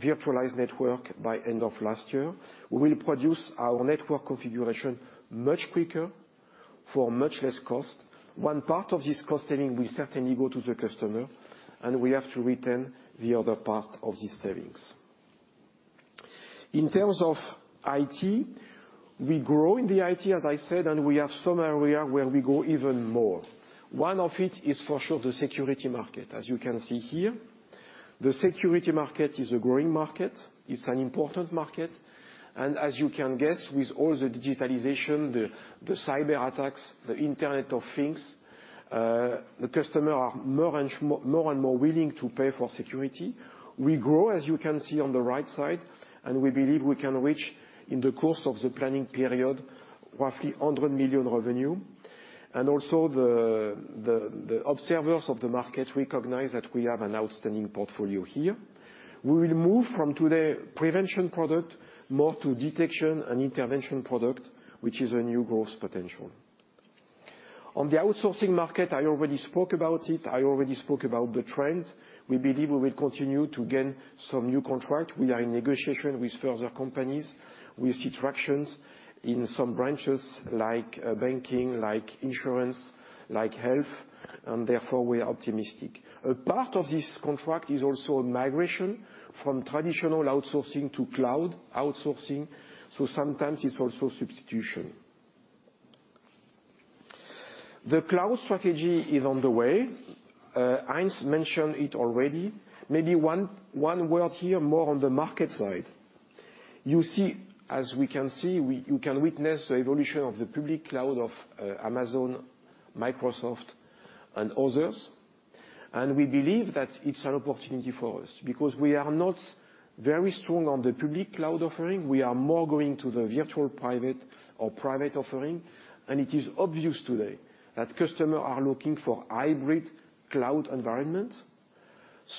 Speaker 5: virtualized network by end of last year. We will produce our network configuration much quicker for much less cost. One part of this cost saving will certainly go to the customer, and we have to return the other part of these savings. In terms of IT, we grow in the IT, as I said. We have some area where we go even more. One of it is for sure the security market. As you can see here, the security market is a growing market. It's an important market. As you can guess, with all the digitalization, the cyber attacks, the Internet of Things, the customer are more and more willing to pay for security. We grow, as you can see on the right side, and we believe we can reach, in the course of the planning period, roughly 100 million revenue. Also the observers of the market recognize that we have an outstanding portfolio here. We will move from today prevention product more to detection and intervention product, which is a new growth potential. On the outsourcing market, I already spoke about it, I already spoke about the trend. We believe we will continue to gain some new contract. We are in negotiation with further companies. We see traction in some branches like banking, like insurance, like health, therefore, we are optimistic. A part of this contract is also a migration from traditional outsourcing to cloud outsourcing, so sometimes it's also substitution. The cloud strategy is on the way. Heinz mentioned it already. Maybe one word here more on the market side. As we can see, you can witness the evolution of the public cloud of Amazon, Microsoft, and others, and we believe that it's an opportunity for us because we are not very strong on the public cloud offering. We are more going to the virtual private or private offering. It is obvious today that customers are looking for hybrid cloud environment.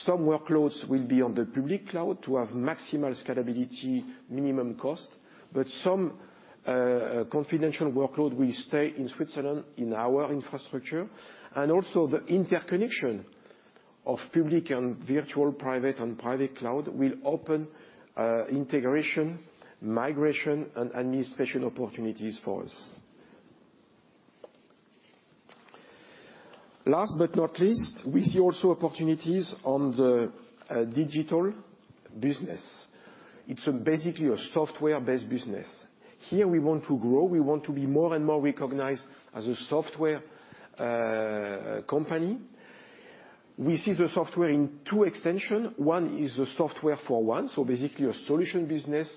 Speaker 5: Some workloads will be on the public cloud to have maximal scalability, minimum cost, but some confidential workloads will stay in Switzerland in our infrastructure. Also the interconnection of public and virtual private and private cloud will open integration, migration, and administration opportunities for us. Last but not least, we see also opportunities on the digital business. It's basically a software-based business. Here we want to grow. We want to be more and more recognized as a software company. We see the software in two extensions. One is the software for one, so basically a solution business.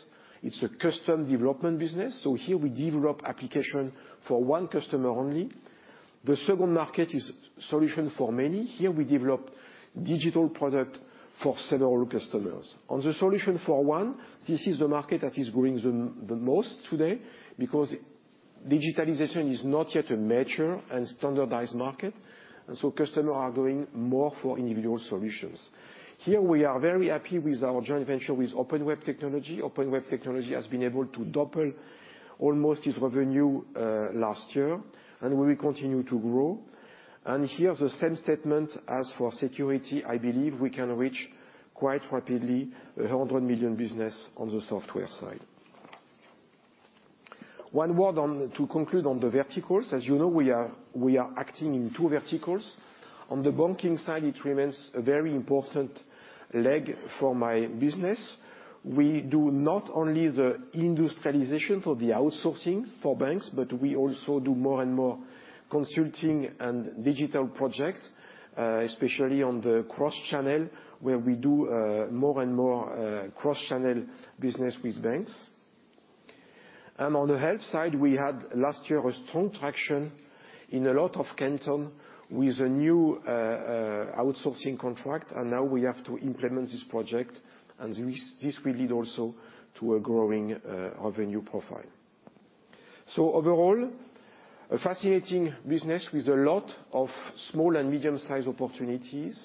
Speaker 5: It's a custom development business. Here we develop application for one customer only. The second market is solution for many. Here we develop digital product for several customers. On the solution for one, this is the market that is growing the most today because digitalization is not yet a mature and standardized market, so customers are going more for individual solutions. Here we are very happy with our joint venture with Open Web Technology. Open Web Technology has been able to double almost its revenue last year and will continue to grow. Here, the same statement as for security. I believe we can reach quite rapidly 100 million business on the software side. One word to conclude on the verticals. As you know, we are acting in two verticals. On the banking side, it remains a very important leg for my business. We do not only the industrialization for the outsourcing for banks, but we also do more and more consulting and digital projects, especially on the cross-channel where we do more and more cross-channel business with banks. On the health side, we had last year a strong traction in a lot of cantons with a new outsourcing contract, now we have to implement this project, this will lead also to a growing revenue profile. Overall, a fascinating business with a lot of small and medium-sized opportunities,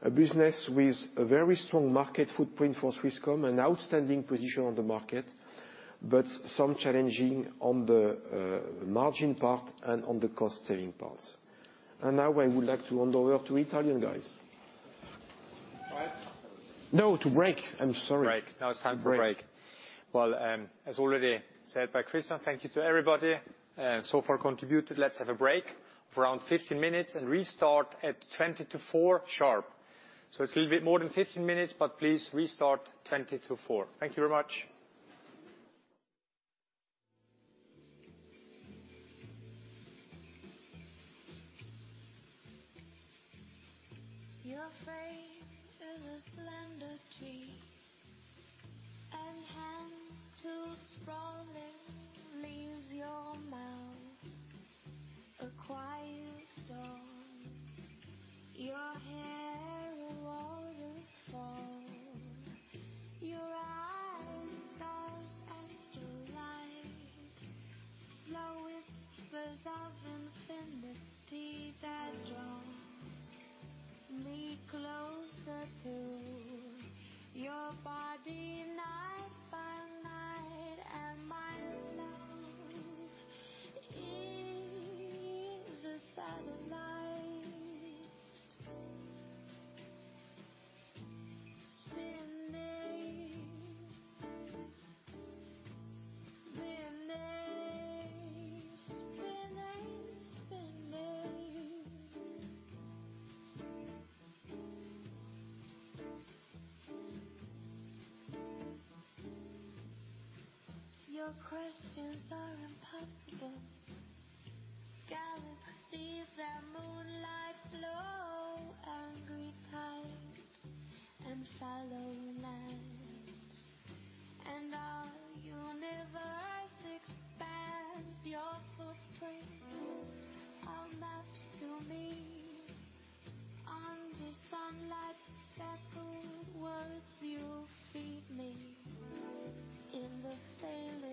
Speaker 5: a business with a very strong market footprint for Swisscom, an outstanding position on the market, but some challenges on the margin part and on the cost-saving parts. Now I would like to hand over to Italian guys.
Speaker 1: Right.
Speaker 5: No, to break. I'm sorry.
Speaker 1: Break. Now it's time for a break.
Speaker 5: Break.
Speaker 1: Well, as already said by Christian, thank you to everybody so far contributed. Let's have a break for around 15 minutes and restart at 3:40 P.M. sharp. It's a little bit more than 15 minutes, but please restart 3:40 P.M. Thank you very much.
Speaker 6: Your face is a slender tree and hands two sprawling leaves. Your mouth, a quiet dawn. Your hair, a waterfall. Your eyes, stars as two light. Slow whispers of infinity that draw me closer to your body night by night. My love is a satellite spinning. Your questions are impossible. Galaxies and moonlight flow, angry tides and fallow lands, our universe expands. Your footprints are maps to me. Under sunlight speckled words, you feed me. In the failing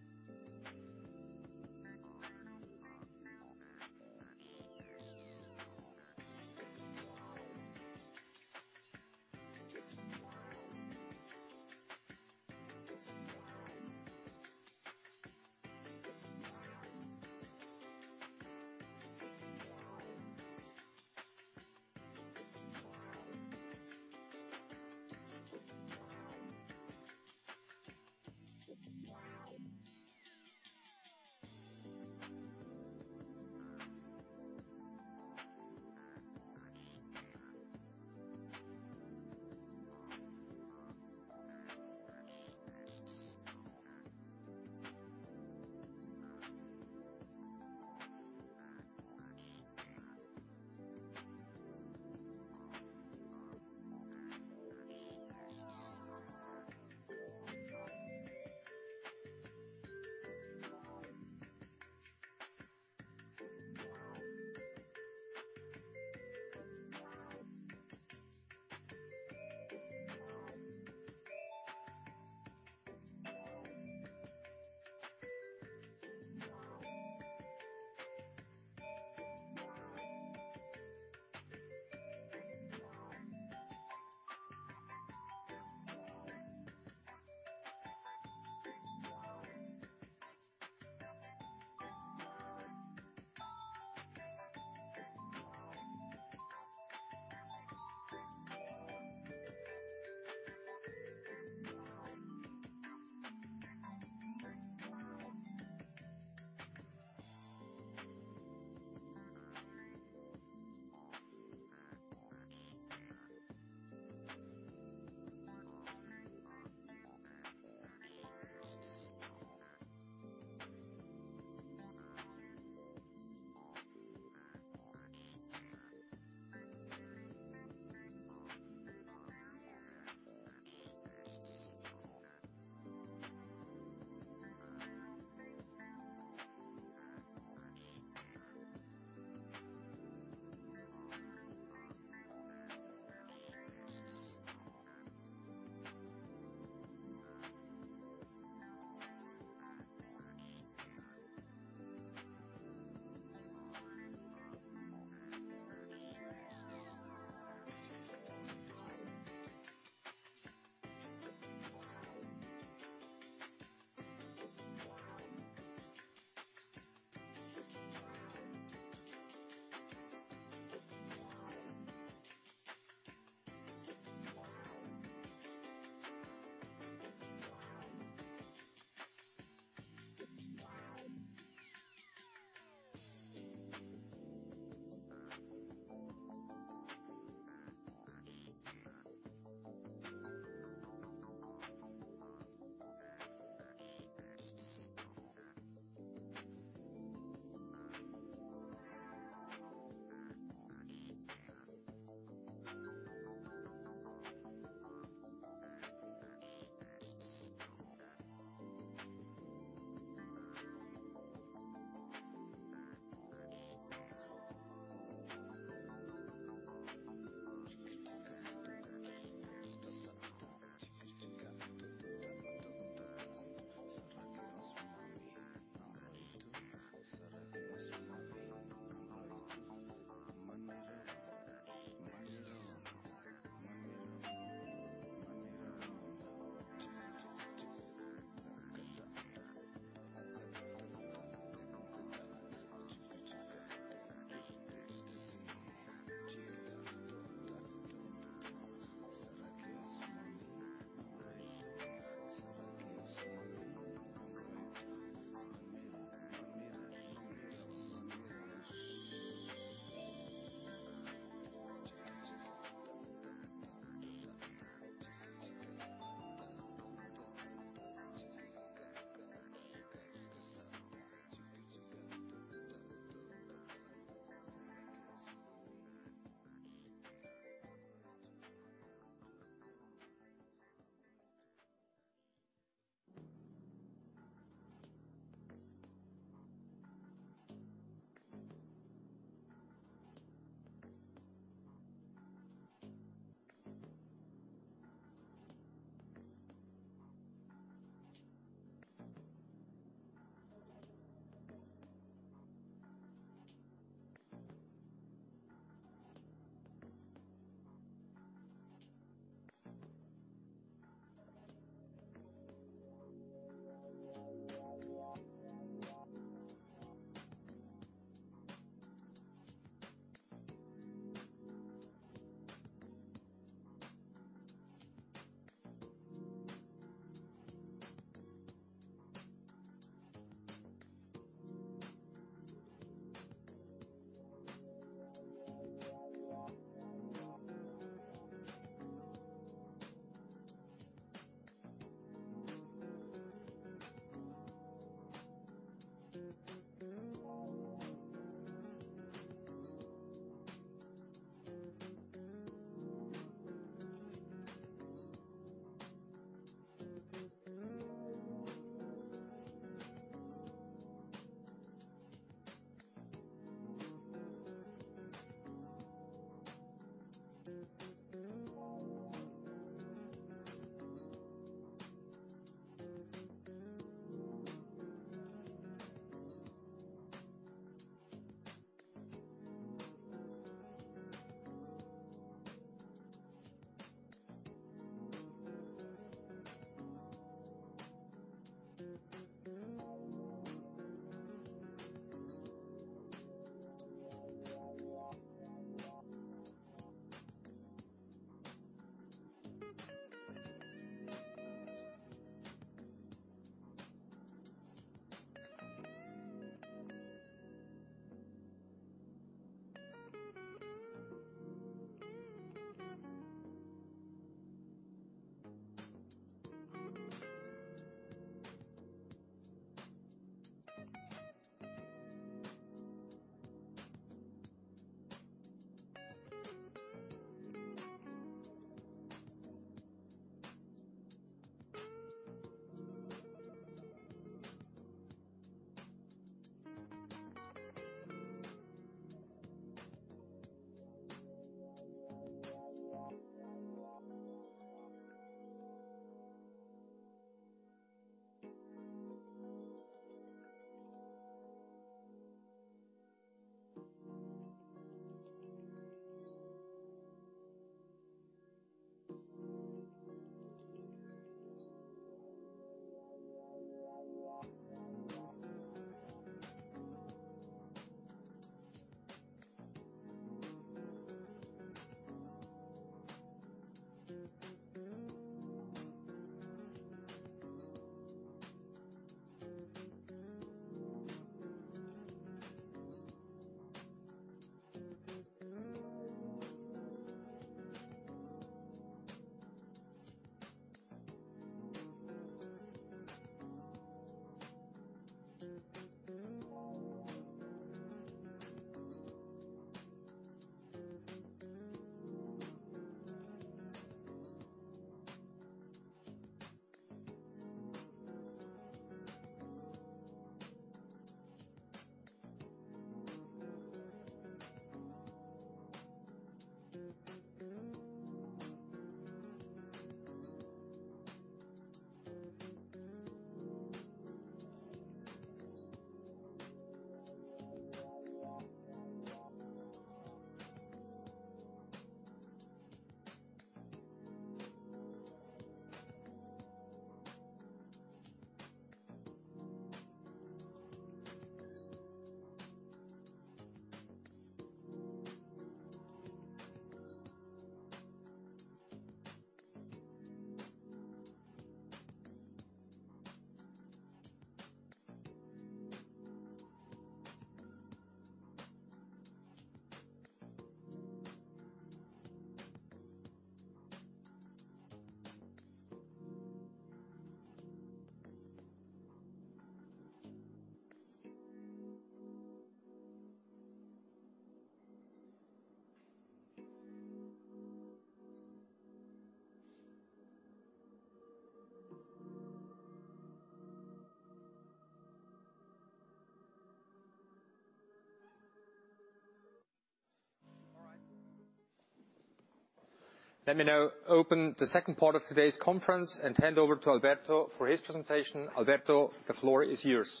Speaker 6: light, a simple meal of gravity and all my love is a satellite. Spinning. You reach into space for me. Held my orbit evenly certain of infinity, but moons and comets die eventually. When we go in peace. When our spirits go free and the world's only gray, quiet, dawning galaxy, oh, my love is a satellite. Spinning. Oh, spinning.
Speaker 1: Let me now open the second part of today's conference and hand over to Alberto for his presentation. Alberto, the floor is yours.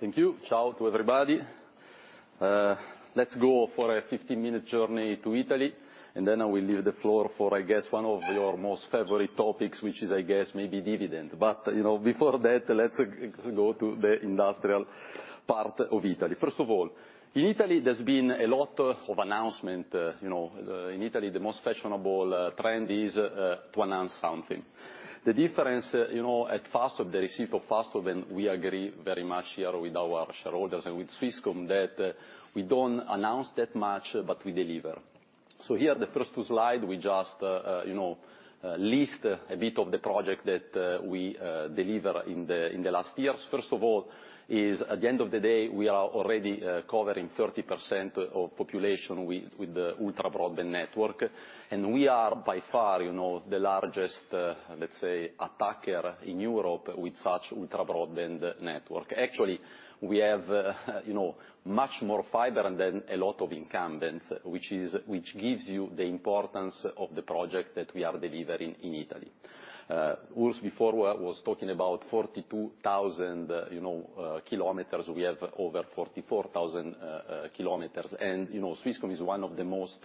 Speaker 7: Thank you. Ciao to everybody. Let's go for a 15-minute journey to Italy, then I will leave the floor for, I guess, one of your most favorite topics, which is, I guess maybe dividend. Before that, let's go to the industrial part of Italy. First of all, in Italy, there's been a lot of announcement. In Italy, the most fashionable trend is to announce something. The difference at Fastweb, the receipt of Fastweb, and we agree very much here with our shareholders and with Swisscom that we don't announce that much, but we deliver. Here, the first slide, we just list a bit of the project that we deliver in the last years. First of all is at the end of the day, we are already covering 30% of population with the ultra-broadband network. We are by far the largest, let's say, attacker in Europe with such ultra-broadband network. Actually, we have much more fiber than a lot of incumbents, which gives you the importance of the project that we are delivering in Italy. Urs, before was talking about 42,000 kilometers. We have over 44,000 kilometers. Swisscom is one of the most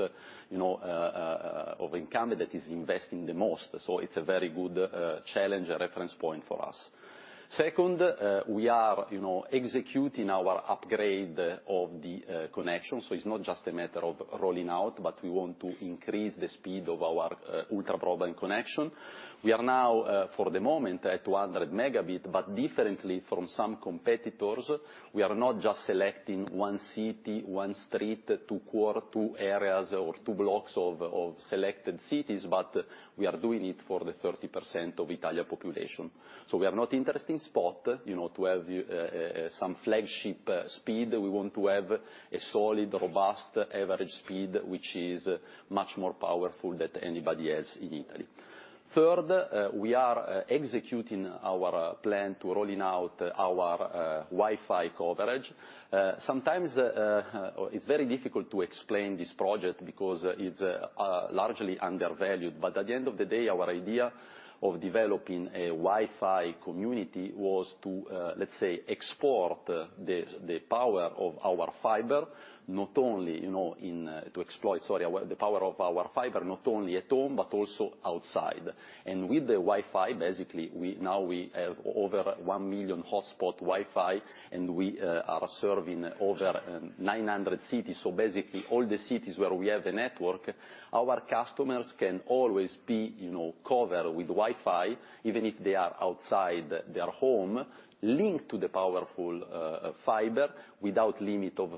Speaker 7: of incumbent that is investing the most. It's a very good challenge, a reference point for us. Second, we are executing our upgrade of the connection. It's not just a matter of rolling out, but we want to increase the speed of our ultra-broadband connection. We are now, for the moment, at 200 megabit. Differently from some competitors, we are not just selecting one city, one street, two quarter, two areas, or two blocks of selected cities, but we are doing it for the 30% of Italian population. We are not interested in spot to have some flagship speed. We want to have a solid, robust average speed, which is much more powerful than anybody else in Italy. Third, we are executing our plan to rolling out our Wi-Fi coverage. Sometimes it's very difficult to explain this project because it's largely undervalued. At the end of the day, our idea of developing a Wi-Fi community was to, let's say, export the power of our fiber, not only in to exploit, sorry, the power of our fiber, not only at home, but also outside. With the Wi-Fi, basically, now we have over 1 million hotspot Wi-Fi, we are serving over 900 cities. Basically, all the cities where we have the network, our customers can always be covered with Wi-Fi, even if they are outside their home, linked to the powerful fiber without limit of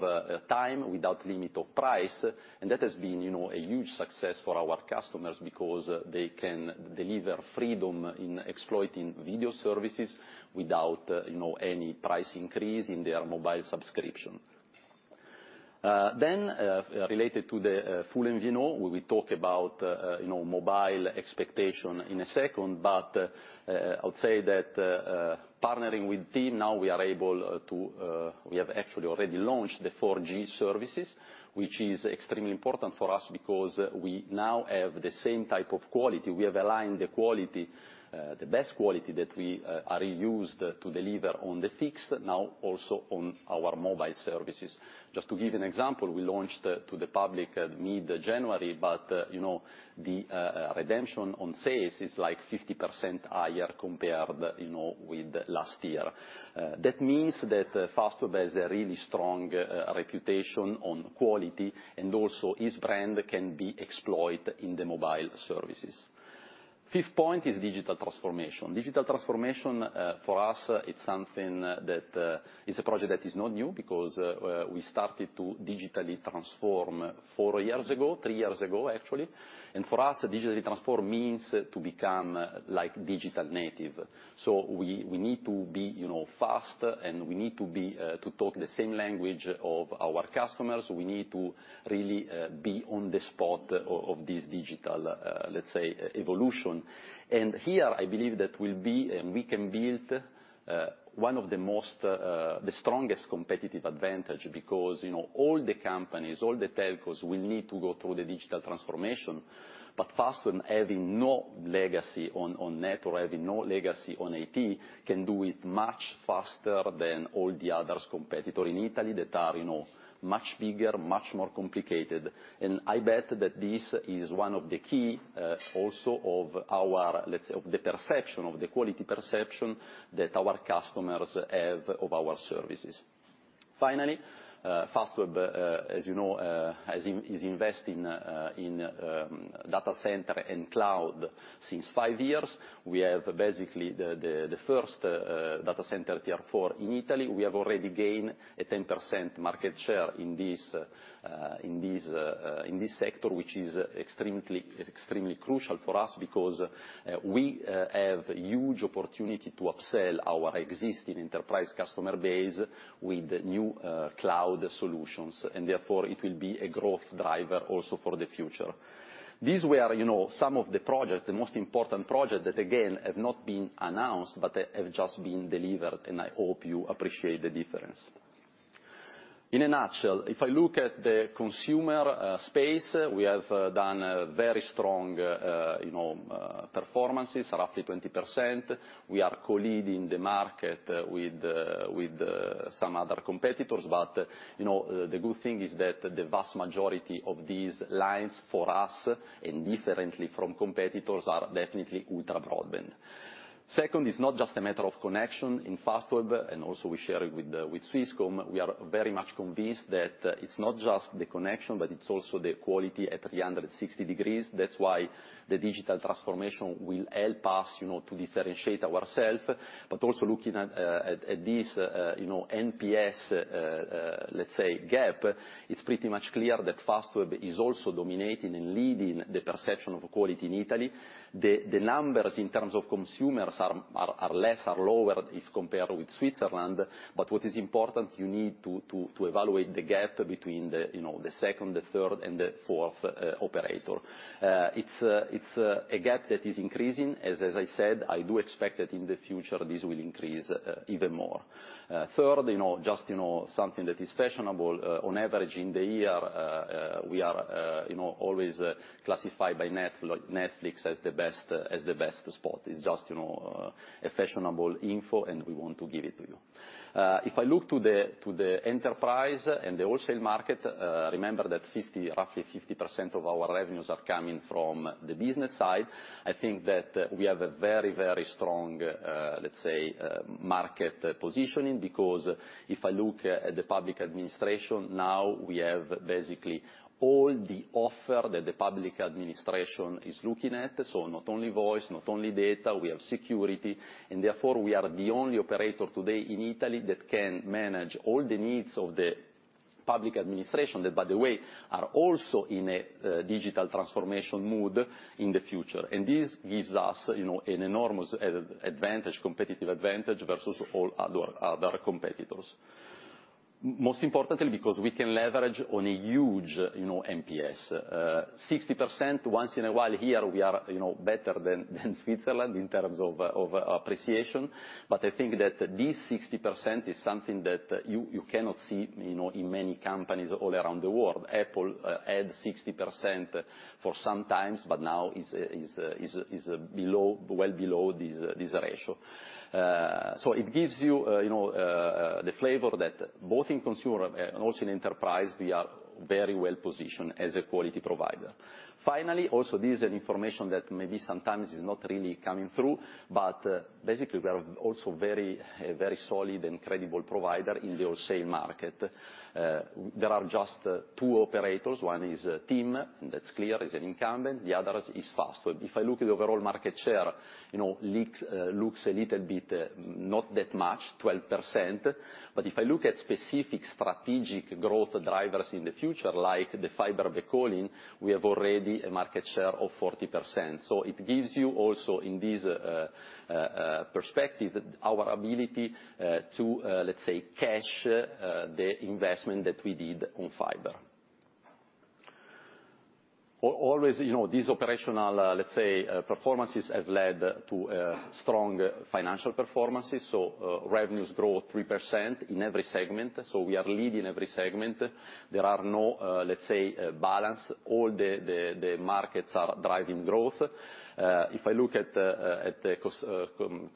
Speaker 7: time, without limit of price. That has been a huge success for our customers because they can deliver freedom in exploiting video services without any price increase in their mobile subscription. Related to the full MVNO, where we talk about mobile expectation in a second. I would say that partnering with TIM, now we have actually already launched the 4G services, which is extremely important for us because we now have the same type of quality. We have aligned the quality, the best quality that we are used to deliver on the fixed, now also on our mobile services. Just to give an example, we launched to the public mid-January, but the redemption on sales is like 50% higher compared with last year. That means that Fastweb has a really strong reputation on quality, and also its brand can be explored in the mobile services. Fifth point is digital transformation. Digital transformation for us, it's something that is a project that is not new because we started to digitally transform four years ago, three years ago, actually. For us, digitally transform means to become like digital native. We need to be fast, and we need to talk the same language of our customers. We need to really be on the spot of this digital, let's say, evolution. Here, I believe that we can build one of the most, the strongest competitive advantage because all the companies, all the telcos will need to go through the digital transformation. Fastweb having no legacy on net or having no legacy on IT can do it much faster than all the others competitor in Italy that are much bigger, much more complicated. I bet that this is one of the key also of our, let's say, of the quality perception that our customers have of our services. Finally, Fastweb, as you know, is investing in data center and cloud since five years. We have basically the first data center Tier 4 in Italy. We have already gained a 10% market share in this sector, which is extremely crucial for us because we have huge opportunity to upsell our existing enterprise customer base with new cloud solutions, therefore it will be a growth driver also for the future. These were some of the project, the most important project that, again, have not been announced, but have just been delivered, and I hope you appreciate the difference. In a nutshell, if I look at the consumer space, we have done very strong performances, roughly 20%. We are co-leading the market with some other competitors, the good thing is that the vast majority of these lines for us, and differently from competitors, are definitely ultra-broadband. it's not just a matter of connection in Fastweb, also we share it with Swisscom, we are very much convinced that it's not just the connection, but it's also the quality at 360 degrees. The digital transformation will help us to differentiate ourselves. Also looking at this NPS, let's say, gap, it's pretty much clear that Fastweb is also dominating and leading the perception of quality in Italy. The numbers in terms of consumers are less, are lower if compared with Switzerland. What is important, you need to evaluate the gap between the second, the third, and the fourth operator. It's a gap that is increasing. As I said, I do expect that in the future this will increase even more. Just something that is fashionable, on average in the year, we are always classified by Netflix as the best spot. It's just a fashionable info, we want to give it to you. If I look to the enterprise and the wholesale market, remember that roughly 50% of our revenues are coming from the business side. I think that we have a very strong, let's say, market positioning, because if I look at the public administration now, we have basically all the offer that the public administration is looking at. Not only voice, not only data, we have security, therefore we are the only operator today in Italy that can manage all the needs of the public administration that, by the way, are also in a digital transformation mood in the future. This gives us an enormous advantage, competitive advantage versus all other competitors. Most importantly, because we can leverage on a huge NPS. 60%, once in a while here we are better than Switzerland in terms of appreciation. I think that this 60% is something that you cannot see in many companies all around the world. Apple had 60% for some times, now is well below this ratio. It gives you the flavor that both in consumer and also in enterprise, we are very well positioned as a quality provider. Also this is an information that maybe sometimes is not really coming through, basically we are also very solid and credible provider in the wholesale market. There are just two operators. One is TIM, that's clear, is an incumbent. The other is Fastweb. If I look at the overall market share, looks a little bit, not that much, 12%. If I look at specific strategic growth drivers in the future, like the fiber backhauling, we have already a market share of 40%. It gives you also in this perspective, our ability to, let's say, cash the investment that we did on fiber. Always, these operational, let's say, performances have led to strong financial performances. Revenues grow 3% in every segment. We are leading every segment. There are no, let's say, balance. All the markets are driving growth. If I look at the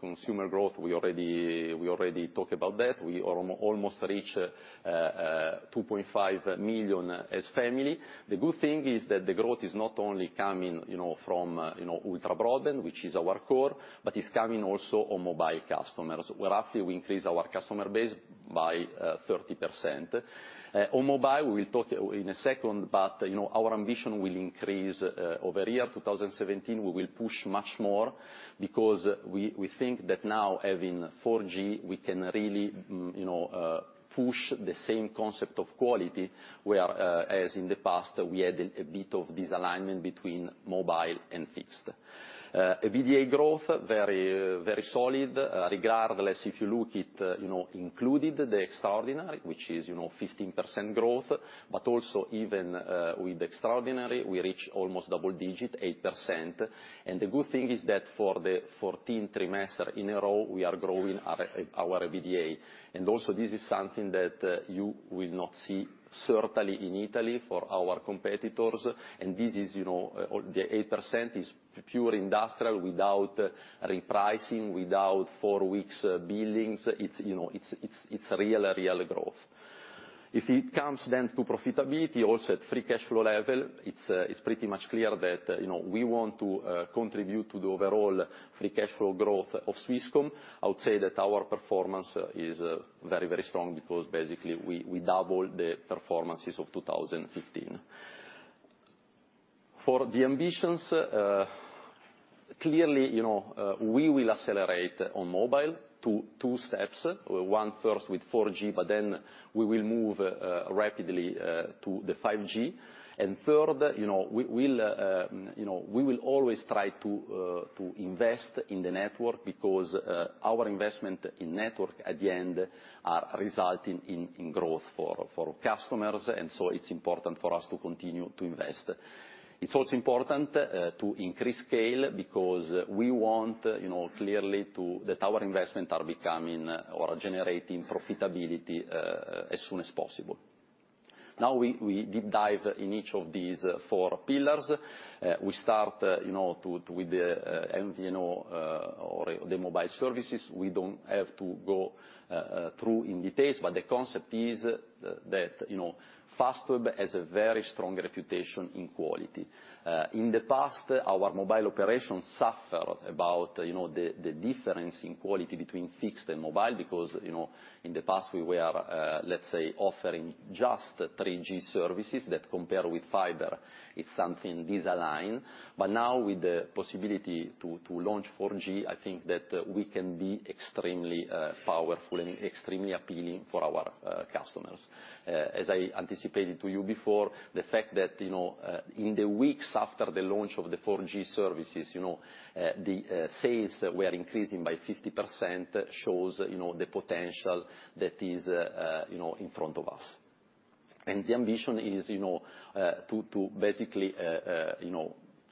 Speaker 7: consumer growth, we already talked about that. We almost reach 2.5 million as family. The good thing is that the growth is not only coming from ultra-broadband, which is our core, it's coming also on mobile customers, where after we increase our customer base by 30%. On mobile, we will talk in a second, our ambition will increase over year 2017. We will push much more because we think that now having 4G, we can really push the same concept of quality where, as in the past, we had a bit of disalignment between mobile and fixed. EBITDA growth, very solid. Regardless, if you look it included the extraordinary, which is 15% growth, but also even with extraordinary, we reach almost double digit, 8%. The good thing is that for the 14 trimester in a row, we are growing our EBITDA. Also this is something that you will not see certainly in Italy for our competitors. The 8% is pure industrial without repricing, without four weeks billings. It's real growth. If it comes then to profitability, also at free cash flow level, it's pretty much clear that we want to contribute to the overall free cash flow growth of Swisscom. I would say that our performance is very strong because basically we doubled the performances of 2015. For the ambitions, clearly, we will accelerate on mobile two steps. One first with 4G, but then we will move rapidly to the 5G. Third, we will always try to invest in the network because our investment in network at the end are resulting in growth for customers. It's important for us to continue to invest. It's also important to increase scale because we want clearly that our investment are becoming or generating profitability as soon as possible. Now we deep dive in each of these four pillars. We start with the MVNO, or the mobile services. We don't have to go through in details, but the concept is that Fastweb has a very strong reputation in quality. In the past, our mobile operations suffer about the difference in quality between fixed and mobile because, in the past we were, let's say, offering just 3G services that compare with fiber. It's something misaligned. Now with the possibility to launch 4G, I think that we can be extremely powerful and extremely appealing for our customers. As I anticipated to you before, the fact that, in the weeks after the launch of the 4G services, the sales were increasing by 50% shows the potential that is in front of us. The ambition is to basically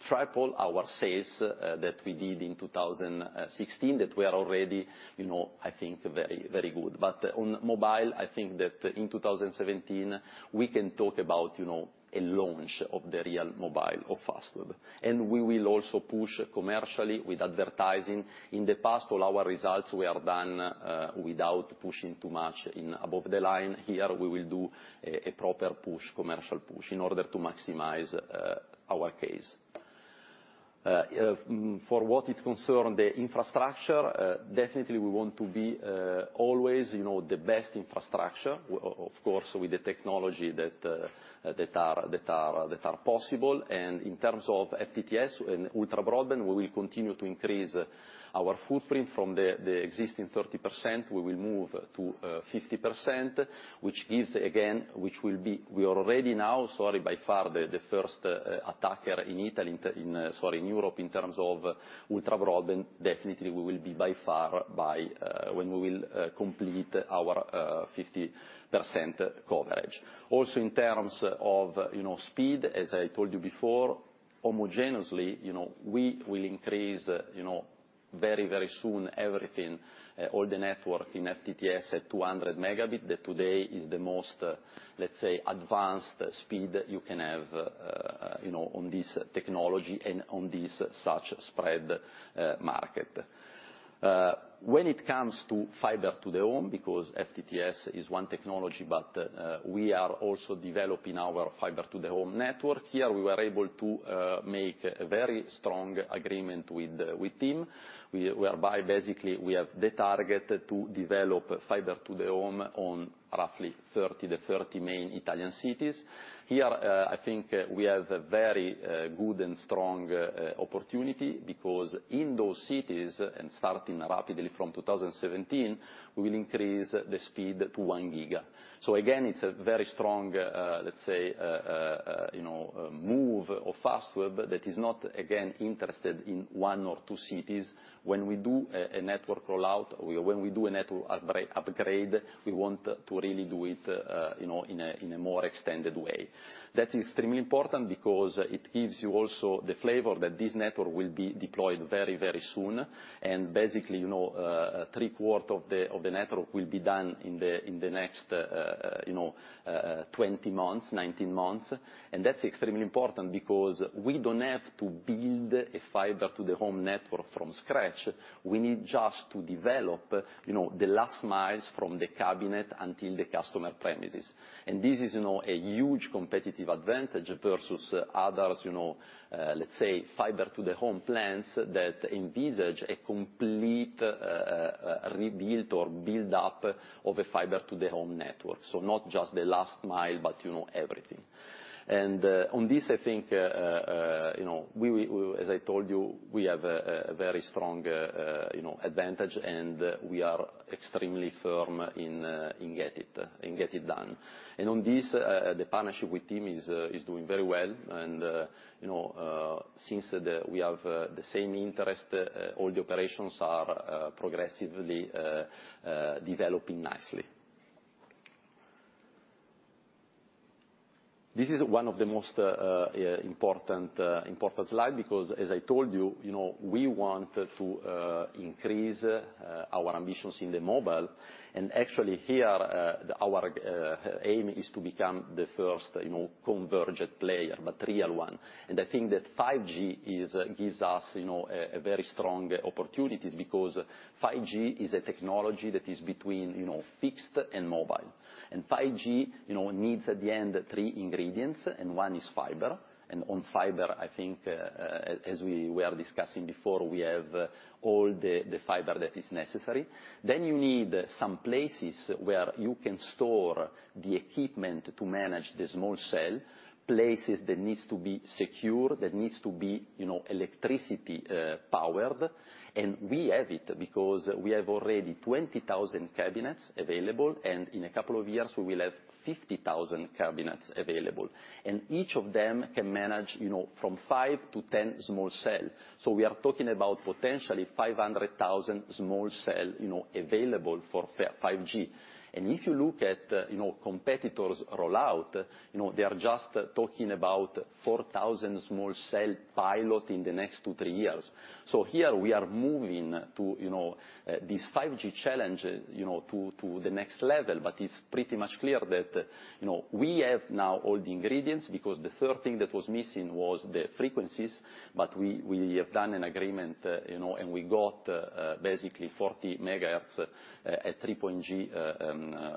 Speaker 7: triple our sales that we did in 2016, that we are already, I think very good. On mobile, I think that in 2017 we can talk about a launch of the real mobile of Fastweb. We will also push commercially with advertising. In the past, all our results were done without pushing too much in above the line. Here, we will do a proper push, commercial push in order to maximize our case. For what it concern the infrastructure, definitely we want to be always the best infrastructure, of course, with the technology that are possible, and in terms of FTTS and ultra broadband, we will continue to increase our footprint from the existing 30%, we will move to 50%. We are already now, sorry, by far the first attacker in Italy, sorry, in Europe in terms of ultra broadband. Definitely we will be by far when we will complete our 50% coverage. Also, in terms of speed, as I told you before, homogeneously, we will increase very soon everything, all the network in FTTS at 200 megabit. That today is the most, let's say, advanced speed you can have on this technology and on this such spread market. When it comes to fiber to the home, because FTTS is one technology, but we are also developing our fiber to the home network. Here we were able to make a very strong agreement with TIM, whereby basically we have the target to develop fiber to the home on roughly 30 main Italian cities. Here, I think we have a very good and strong opportunity because in those cities, starting rapidly from 2017, we will increase the speed to one giga. Again, it's a very strong, let's say, move of Fastweb that is not, again, interested in one or two cities. When we do a network rollout or when we do a network upgrade, we want to really do it in a more extended way. That's extremely important because it gives you also the flavor that this network will be deployed very soon. Basically, three quarters of the network will be done in the next 19 months. That's extremely important because we don't have to build a fiber to the home network from scratch. We need just to develop the last miles from the cabinet until the customer premises. This is a huge competitive advantage versus others, let's say fiber to the home plans that envisage a complete rebuild or build-up of a fiber to the home network. Not just the last mile, but everything. On this, I think, as I told you, we have a very strong advantage, and we are extremely firm in get it done. On this, the partnership with TIM is doing very well and since we have the same interest, all the operations are progressively developing nicely. This is one of the most important slide because as I told you, we want to increase our ambitions in the mobile. Actually here, our aim is to become the first convergent player, but real one. I think that 5G gives us a very strong opportunities because 5G is a technology that is between fixed and mobile. 5G needs at the end three ingredients, and one is fiber. On fiber, I think as we were discussing before, we have all the fiber that is necessary. You need some places where you can store the equipment to manage the small cell. Places that needs to be secure, that needs to be electricity powered. We have it because we have already 20,000 cabinets available, and in a couple of years we will have 50,000 cabinets available. Each of them can manage from five to 10 small cell. We are talking about potentially 500,000 small cell available for 5G. If you look at competitors' rollout, they are just talking about 4,000 small cell pilot in the next two, three years. Here we are moving to this 5G challenge, to the next level. But it's pretty much clear that we have now all the ingredients, because the third thing that was missing was the frequencies, but we have done an agreement, and we got basically 40 megahertz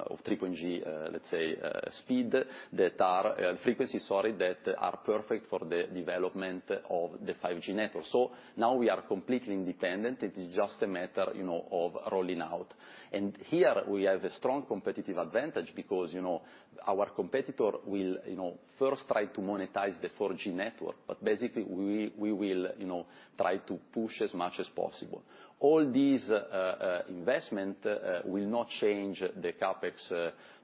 Speaker 7: of 3G speed, frequency, sorry, that are perfect for the development of the 5G network. Now we are completely independent. It is just a matter of rolling out. Here we have a strong competitive advantage because, our competitor will first try to monetize the 4G network. Basically, we will try to push as much as possible. All these investment will not change the CapEx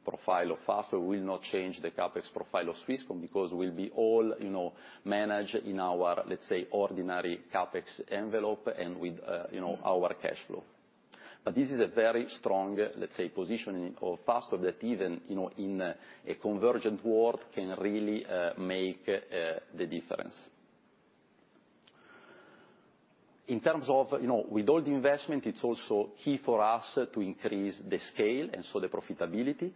Speaker 7: profile of Fastweb, will not change the CapEx profile of Swisscom, because we'll be all managed in our, let's say, ordinary CapEx envelope and with our cash flow. This is a very strong, let's say, positioning of Fastweb that even, in a convergent world, can really make the difference. With all the investment, it's also key for us to increase the scale, and so the profitability.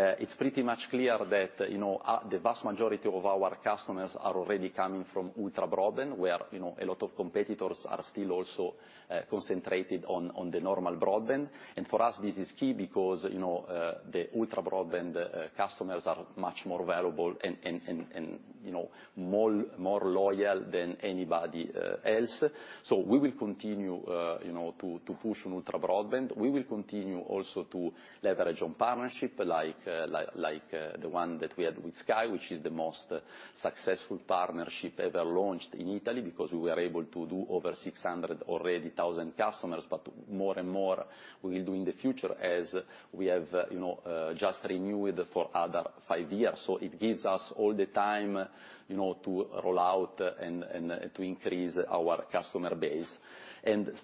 Speaker 7: It's pretty much clear that the vast majority of our customers are already coming from ultra-broadband, where a lot of competitors are still also concentrated on the normal broadband. For us, this is key because the ultra-broadband customers are much more valuable and more loyal than anybody else. We will continue to push on ultra-broadband. We will continue also to leverage on partnership like the one that we had with Sky, which is the most successful partnership ever launched in Italy because we were able to do over 600,000 already customers. More and more we will do in the future as we have just renewed for other 5 years. It gives us all the time to roll out and to increase our customer base.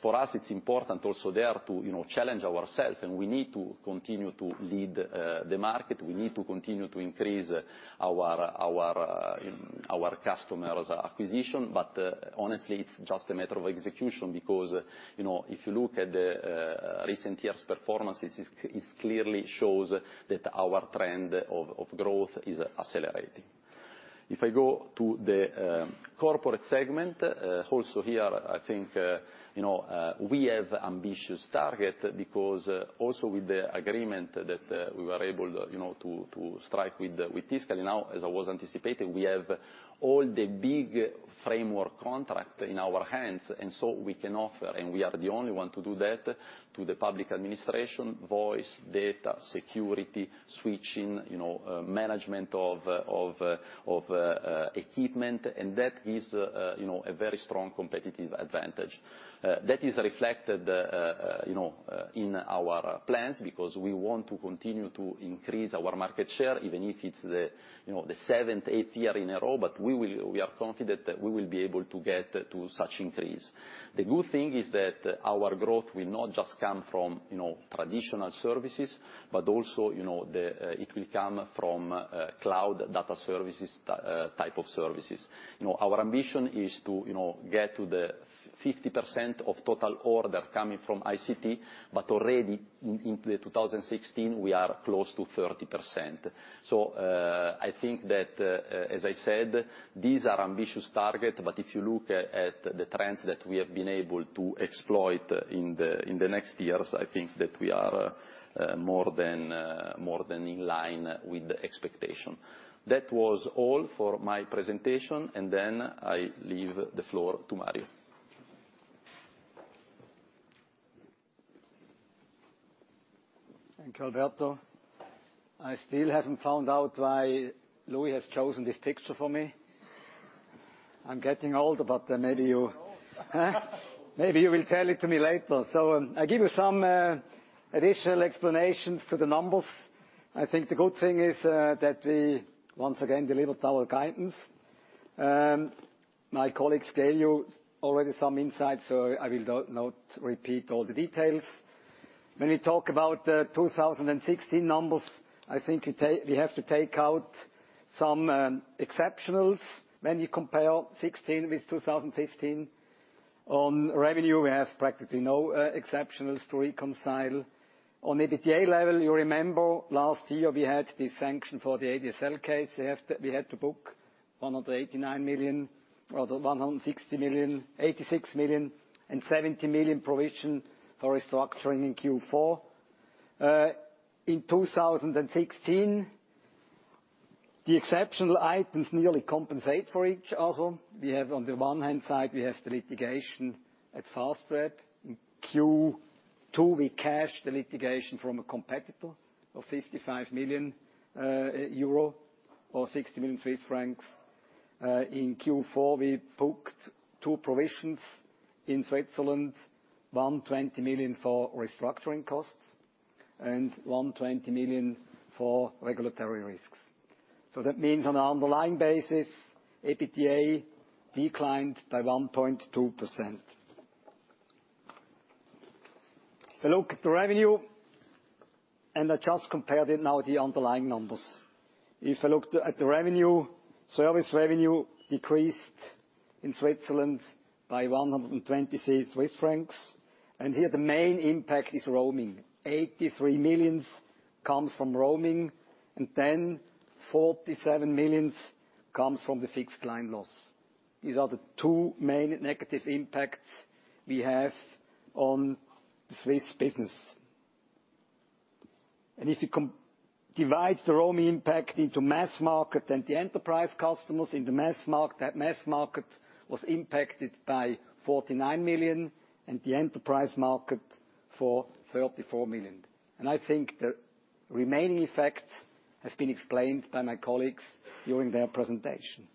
Speaker 7: For us, it's important also there to challenge ourself, and we need to continue to lead the market. We need to continue to increase our customers acquisition. Honestly, it's just a matter of execution because, if you look at recent years' performances, it clearly shows that our trend of growth is accelerating. If I go to the corporate segment, also here, I think we have ambitious target because also with the agreement that we were able to strike with Tiscali now, as I was anticipating, we have all the big framework contract in our hands. We can offer, and we are the only one to do that to the public administration, voice, data, security, switching, management of equipment. That is a very strong competitive advantage. That is reflected in our plans because we want to continue to increase our market share, even if it's the seventh, eighth year in a row, we are confident that we will be able to get to such increase. The good thing is that our growth will not just come from traditional services, also it will come from cloud data services type of services. Our ambition is to get to the 50% of total order coming from ICT, already in 2016, we are close to 30%. I think that, as I said, these are ambitious target, if you look at the trends that we have been able to exploit in the next years, I think that we are more than in line with the expectation. That was all for my presentation, I leave the floor to Mario.
Speaker 8: Thank you, Alberto. I still haven't found out why Louis has chosen this picture for me. I'm getting old, but maybe you will tell it to me later. I give you some additional explanations to the numbers. I think the good thing is that we once again delivered our guidance. My colleagues gave you already some insights, I will not repeat all the details. When we talk about 2016 numbers, I think we have to take out some exceptionals when you compare 2016 with 2015. On revenue, we have practically no exceptionals to reconcile. On EBITDA level, you remember last year we had the sanction for the ADSL case. We had to book 189 million, or the 160 million, 86 million, and 70 million provision for restructuring in Q4. In 2016, the exceptional items nearly compensate for each other. On the one-hand side, we have the litigation at Fastweb. In Q2, we cash the litigation from a competitor of 60 million. In Q4, we booked two provisions in Switzerland, 120 million for restructuring costs and 120 million for regulatory risks. That means on an underlying basis, EBITDA declined by 1.2%. If you look at the revenue, I just compared it now with the underlying numbers. If I looked at the revenue, service revenue decreased in Switzerland by 126 Swiss francs, here the main impact is roaming. 83 million comes from roaming, 47 million comes from the fixed line loss. These are the two main negative impacts we have on the Swiss business. If you divide the roaming impact into mass market and the enterprise customers in the mass market, that mass market was impacted by 49 million, the enterprise market for 34 million. I think the remaining effect has been explained by my colleagues during their presentation.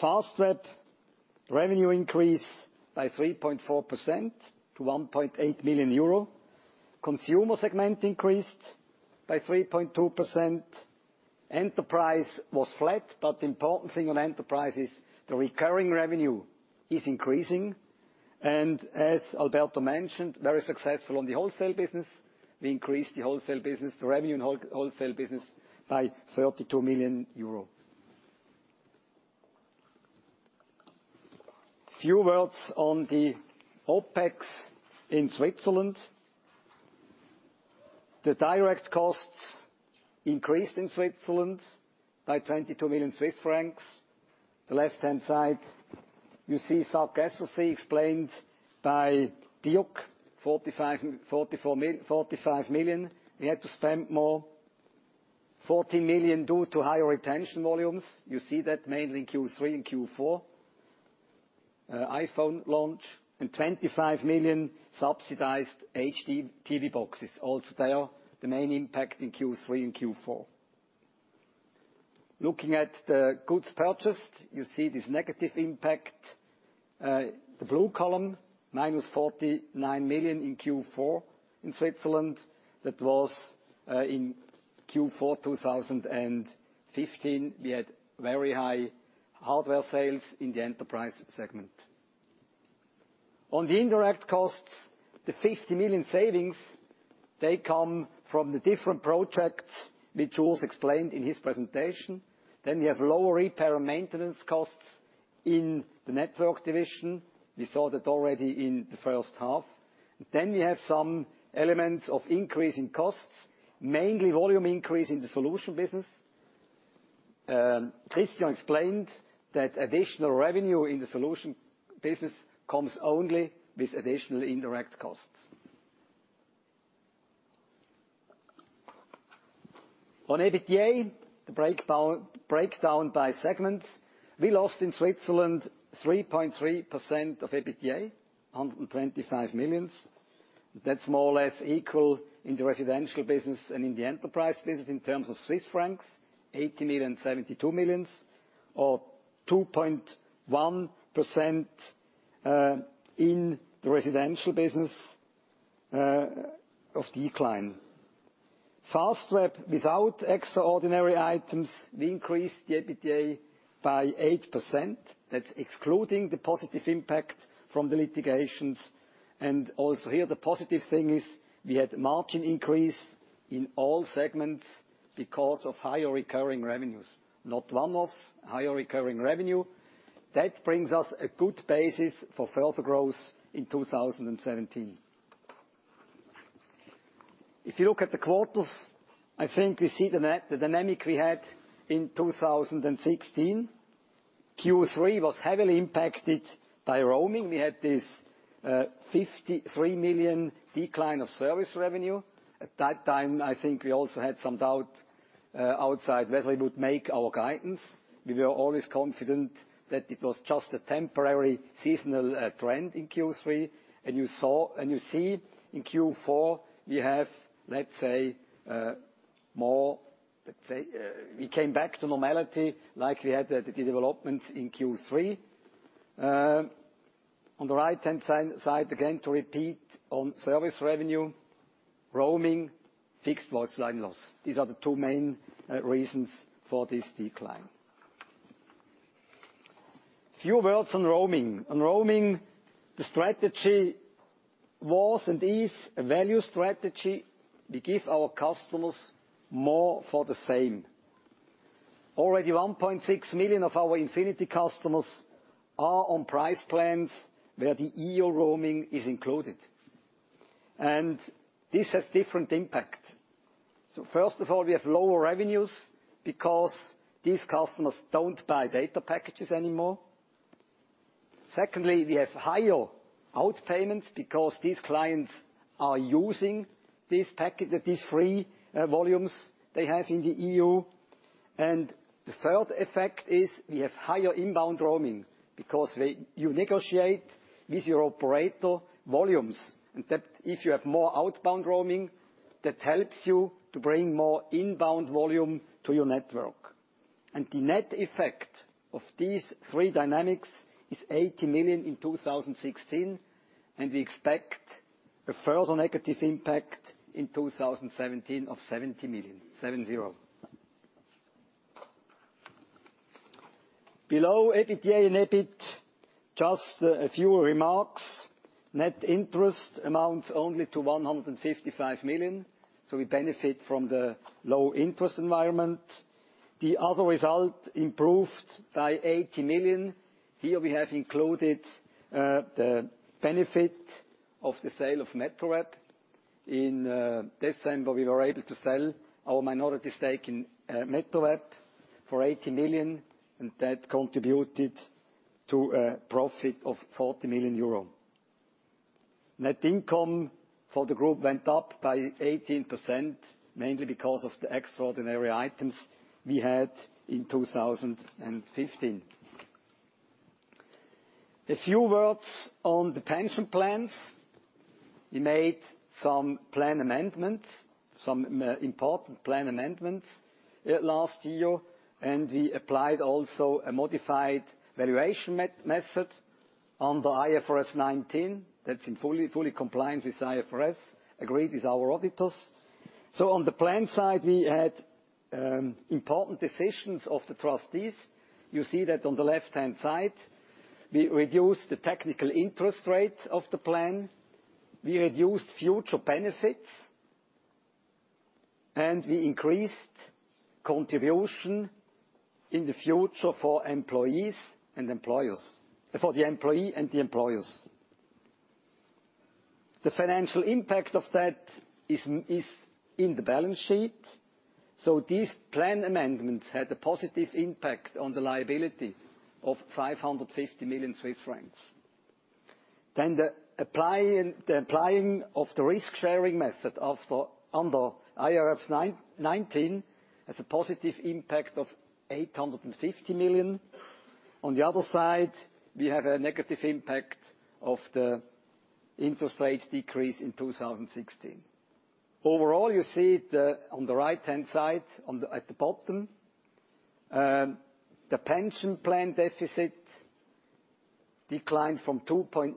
Speaker 8: Fastweb, revenue increased by 3.4% to 1.8 billion euro. Consumer segment increased by 3.2%. Enterprise was flat, the important thing on enterprise is the recurring revenue is increasing. As Alberto mentioned, very successful on the wholesale business. We increased the wholesale business, the revenue in wholesale business by 32 million euros. Few words on the OpEx in Switzerland. The direct costs increased in Switzerland by 22 million Swiss francs. The left-hand side, you see Subsidies explained by Dirk, 45 million. We had to spend more. 40 million due to higher retention volumes. You see that mainly in Q3 and Q4. iPhone launch and 25 million subsidized HDTV boxes. Also there, the main impact in Q3 and Q4. Looking at the goods purchased, you see this negative impact. The blue column, -49 million in Q4 in Switzerland. In Q4 2015, we had very high hardware sales in the enterprise segment. On the indirect costs, the 50 million savings, they come from the different projects which Urs explained in his presentation. We have lower repair and maintenance costs in the network division. We saw that already in the first half. We have some elements of increase in costs, mainly volume increase in the solution business. Christian explained that additional revenue in the solution business comes only with additional indirect costs. On EBITDA, the breakdown by segment. We lost in Switzerland 3.3% of EBITDA, 125 million. That's more or less equal in the residential business and in the enterprise business in terms of Swiss francs, 80 million, 72 million or 2.1% in the residential business of decline. Fastweb, without extraordinary items, we increased the EBITDA by 8%. That's excluding the positive impact from the litigations. Also here, the positive thing is we had margin increase in all segments because of higher recurring revenues. Not one-offs, higher recurring revenue. That brings us a good basis for further growth in 2017. If you look at the quarters, I think we see the dynamic we had in 2016. Q3 was heavily impacted by roaming. We had this 53 million decline of service revenue. At that time, I think we also had some doubt outside whether it would make our guidance. We were always confident that it was just a temporary seasonal trend in Q3. You see in Q4, we have, let's say, we came back to normality like we had the development in Q3. On the right-hand side, again, to repeat on service revenue, roaming, fixed-line loss. These are the two main reasons for this decline. Few words on roaming. On roaming, the strategy was and is a value strategy. We give our customers more for the same. Already 1.6 million of our Infinity customers are on price plans where the EU roaming is included. This has different impact. First of all, we have lower revenues because these customers don't buy data packages anymore. Secondly, we have higher outpayments because these clients are using these free volumes they have in the EU. The third effect is we have higher inbound roaming because when you negotiate with your operator volumes and that if you have more outbound roaming, that helps you to bring more inbound volume to your network. The net effect of these three dynamics is 80 million in 2016. We expect a further negative impact in 2017 of CHF 70 million. Below EBITDA and EBIT, just a few remarks. Net interest amounts only to 155 million. We benefit from the low interest environment. The other result improved by 80 million. Here we have included the benefit of the sale of Metroweb. In December, we were able to sell our minority stake in Metroweb for 80 million, and that contributed to a profit of 40 million euro. Net income for the group went up by 18%, mainly because of the extraordinary items we had in 2015. A few words on the pension plans. We made some plan amendments, some important plan amendments, last year. We applied also a modified valuation method under IAS 19. That's in fully compliance with IFRS, agreed with our auditors. On the plan side, we had important decisions of the trustees. You see that on the left-hand side. We reduced the technical interest rates of the plan. We reduced future benefits. We increased contribution in the future for the employee and the employers. The financial impact of that is in the balance sheet. These plan amendments had a positive impact on the liability of 550 million Swiss francs. Then the applying of the risk-sharing method under IAS 19 has a positive impact of 850 million. On the other side, we have a negative impact of the interest rates decrease in 2016. Overall, on the right-hand side, at the bottom, the pension plan deficit declined from 2.9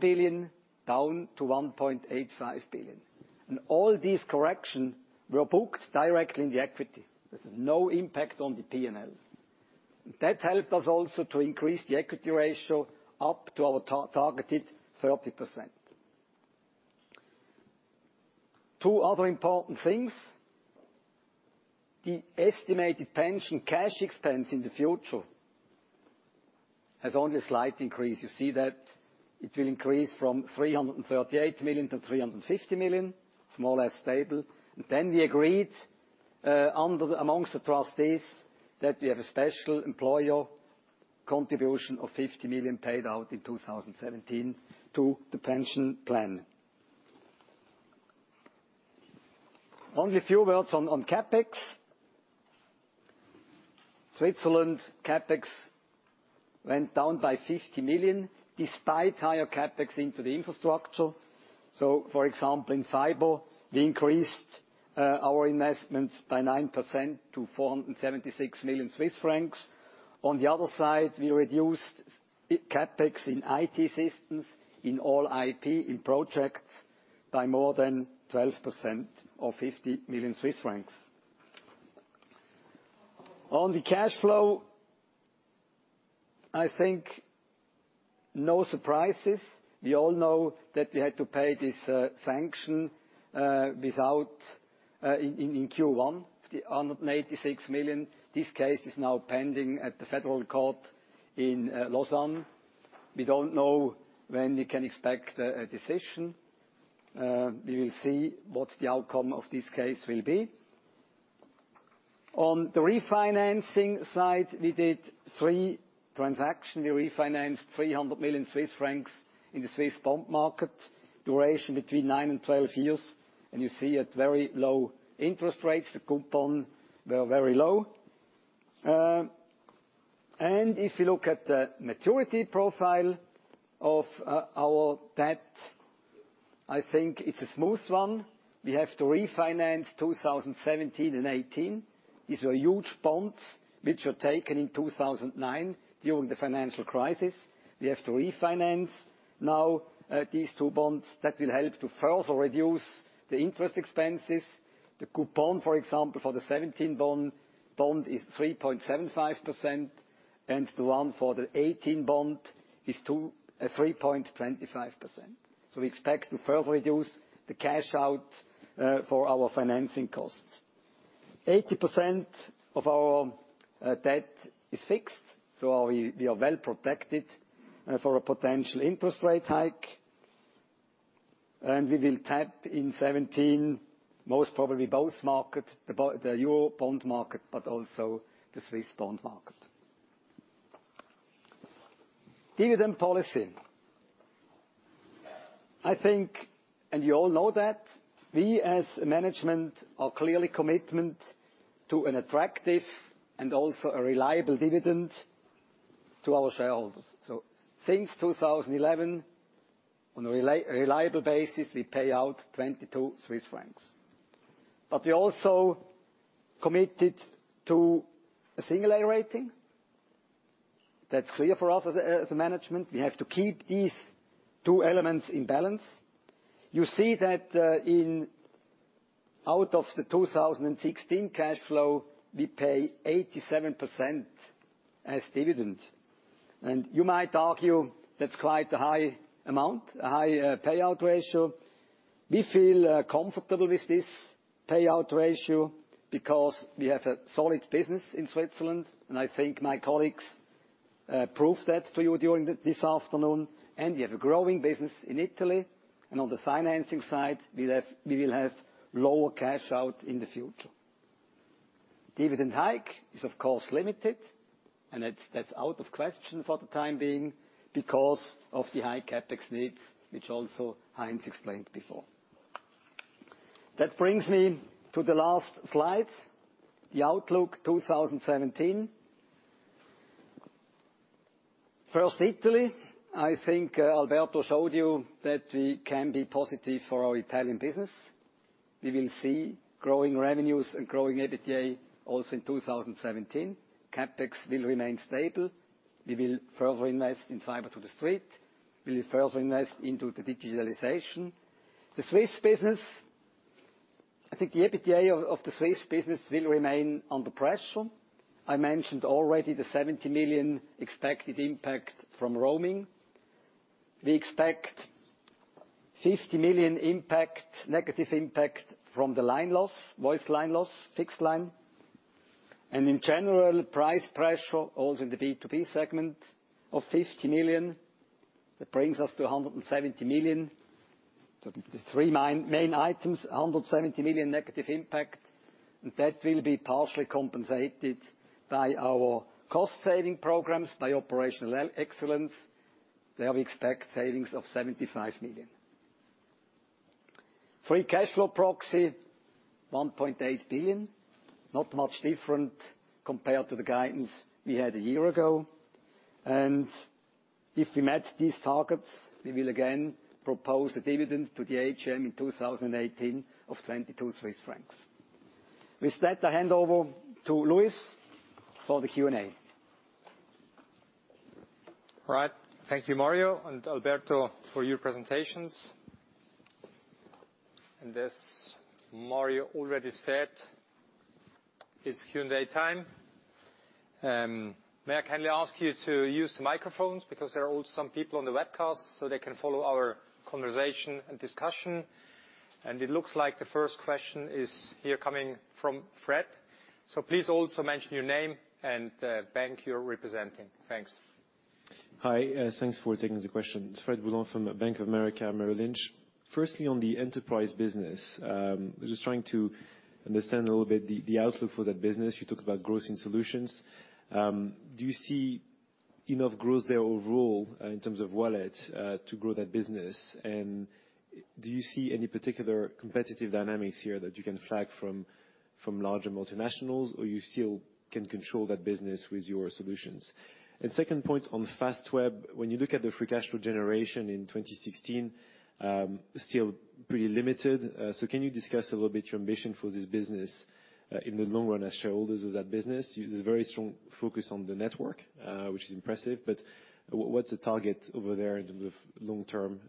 Speaker 8: billion down to 1.85 billion. All these corrections were booked directly in the equity. There's no impact on the P&L. That helped us also to increase the equity ratio up to our targeted 30%. Two other important things. The estimated pension cash expense in the future has only a slight increase. It will increase from 338 million to 350 million, it's more or less stable. We agreed amongst the trustees that we have a special employer contribution of 50 million paid out in 2017 to the pension plan. Only a few words on CapEx. Switzerland CapEx went down by 50 million, despite higher CapEx into the infrastructure. For example, in fiber, we increased our investments by 9% to 476 million Swiss francs. On the other side, we reduced CapEx in IT systems, in all IT, in projects, by more than 12% or 50 million Swiss francs. On the cash flow, no surprises. We all know that we had to pay this sanction in Q1, 186 million. This case is now pending at the federal court in Lausanne. We don't know when we can expect a decision. We will see what the outcome of this case will be. On the refinancing side, we did three transactions. We refinanced 300 million Swiss francs in the Swiss bond market, duration between 9 and 12 years, at very low interest rates. The coupons were very low. If you look at the maturity profile of our debt, it's a smooth one. We have to refinance 2017 and 2018. These were huge bonds which were taken in 2009 during the financial crisis. We have to refinance now these two bonds. That will help to further reduce the interest expenses. The coupon, for example, for the 2017 bond is 3.75%, and the one for the 2018 bond is 3.25%. We expect to further reduce the cash out for our financing costs. 80% of our debt is fixed, we are well protected for a potential interest rate hike. We will tap in 2017, most probably both markets, the Eurobond market, but also the Swiss bond market. Dividend policy. We as management are clearly committed to an attractive and also a reliable dividend to our shareholders. Since 2011, on a reliable basis, we pay out 22 Swiss francs. We also committed to a single A rating. That's clear for us as a management. We have to keep these two elements in balance. Out of the 2016 cash flow, we pay 87% as dividend. You might argue that's quite a high amount, a high payout ratio. We feel comfortable with this payout ratio because we have a solid business in Switzerland, my colleagues proved that to you during this afternoon. We have a growing business in Italy. On the financing side, we will have lower cash out in the future. Dividend hike is, of course, limited, and that's out of question for the time being because of the high CapEx needs, which also Heinz explained before. That brings me to the last slide, the outlook 2017. First, Italy. Alberto showed you that we can be positive for our Italian business. We will see growing revenues and growing EBITDA also in 2017. CapEx will remain stable. We will further invest in fiber to the street. We will further invest into the digitalization. The Swiss business, I think the EBITDA of the Swiss business will remain under pressure. I mentioned already the 70 million expected impact from roaming. We expect 50 million negative impact from the line loss, voice line loss, fixed line. In general, price pressure also in the B2B segment of 50 million. That brings us to 170 million. The three main items, 170 million negative impact. That will be partially compensated by our cost-saving programs, by operational excellence. There we expect savings of 75 million. Free cash flow proxy, 1.8 billion. Not much different compared to the guidance we had a year ago. If we match these targets, we will again propose the dividend to the AGM in 2018 of 22 Swiss francs. With that, I hand over to Louis for the Q&A.
Speaker 1: All right. Thank you, Mario and Alberto for your presentations. As Mario already said, it's Q&A time. May I kindly ask you to use the microphones because there are also some people on the webcast, so they can follow our conversation and discussion. It looks like the first question is here coming from Fred. Please also mention your name and bank you're representing. Thanks.
Speaker 9: Hi. Thanks for taking the question. It's Frederic Boulan from Bank of America, Merrill Lynch. Firstly, on the enterprise business, I'm just trying to understand a little bit the outlook for that business. You talked about growth in solutions. Do you see enough growth there overall in terms of wallet to grow that business? Do you see any particular competitive dynamics here that you can flag from larger multinationals, or you still can control that business with your solutions? Second point on Fastweb, when you look at the free cash flow generation in 2016, still pretty limited. Can you discuss a little bit your ambition for this business in the long run as shareholders of that business? There's a very strong focus on the network, which is impressive, but what's the target over there in terms of long-term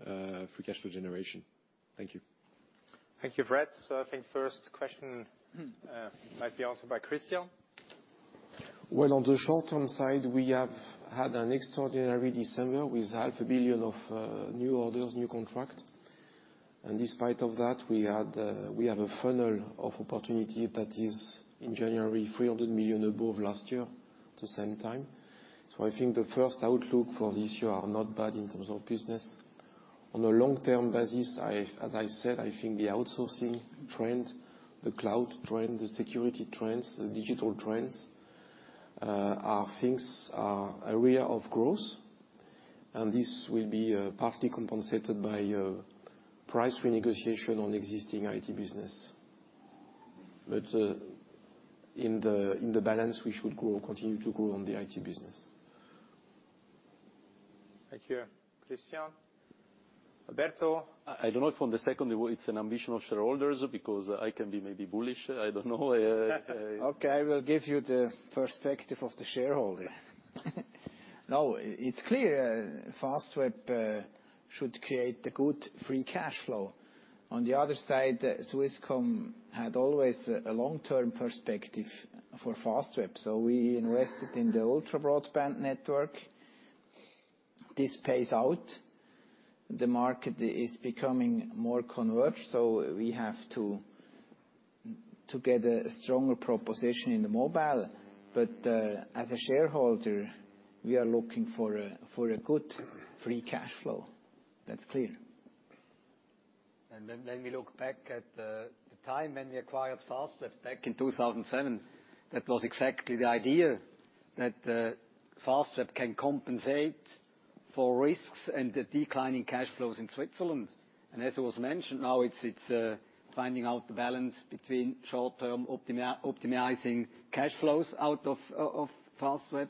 Speaker 9: free cash flow generation? Thank you.
Speaker 1: Thank you, Fred. I think first question might be answered by Christian.
Speaker 5: Well, on the short-term side, we have had an extraordinary December with half a billion of new orders, new contract. Despite of that, we have a funnel of opportunity that is in January 300 million above last year the same time. I think the first outlook for this year are not bad in terms of business. On a long-term basis, as I said, I think the outsourcing trend, the cloud trend, the security trends, the digital trends, are area of growth. This will be partly compensated by price renegotiation on existing IT business. In the balance, we should continue to grow on the IT business.
Speaker 1: Thank you, Christian. Alberto?
Speaker 8: I don't know if on the second level it's an ambition of shareholders because I can be maybe bullish. I don't know.
Speaker 5: Okay. I will give you the perspective of the shareholder. It's clear Fastweb should create a good free cash flow. On the other side, Swisscom had always a long-term perspective for Fastweb. We invested in the ultra broadband network. This pays out. The market is becoming more converged, we have to get a stronger proposition in the mobile. As a shareholder, we are looking for a good free cash flow. That's clear.
Speaker 8: When we look back at the time when we acquired Fastweb back in 2007, that was exactly the idea, that Fastweb can compensate for risks and the declining cash flows in Switzerland. As was mentioned, now it's finding out the balance between short-term optimizing cash flows out of Fastweb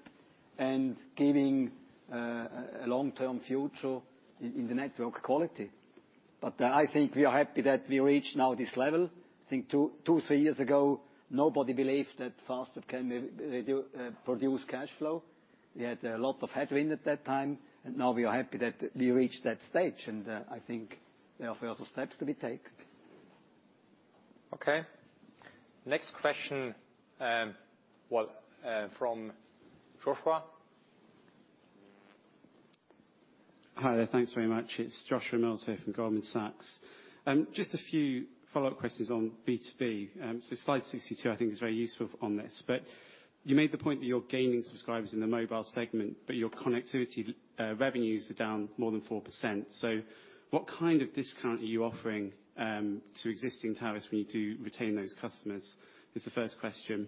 Speaker 8: and giving a long-term future in the network quality. I think we are happy that we reached now this level. I think two, three years ago, nobody believed that Fastweb can produce cash flow. We had a lot of headwind at that time, and now we are happy that we reached that stage, and I think there are further steps to be taken.
Speaker 1: Okay. Next question from Joshua.
Speaker 10: Hi there. Thanks very much. It's Joshua Mills here from Goldman Sachs. Just a few follow-up questions on B2B. Slide 62, I think is very useful on this. You made the point that you're gaining subscribers in the mobile segment, but your connectivity revenues are down more than 4%. What kind of discount are you offering to existing tariffs when you do retain those customers? Is the first question.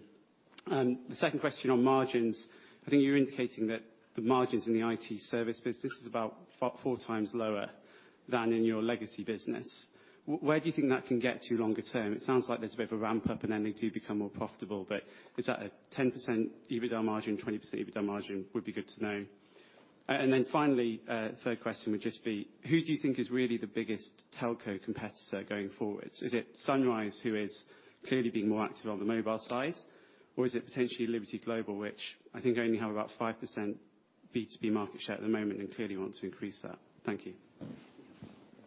Speaker 10: The second question on margins. I think you're indicating that the margins in the IT service business is about four times lower than in your legacy business. Where do you think that can get to longer term? It sounds like there's a bit of a ramp up and then they do become more profitable. Is that a 10% EBITDA margin, 20% EBITDA margin? Would be good to know. Finally, third question would just be, who do you think is really the biggest telco competitor going forward? Is it Sunrise who is clearly being more active on the mobile side, or is it potentially Liberty Global, which I think only have about 5% B2B market share at the moment and clearly want to increase that? Thank you.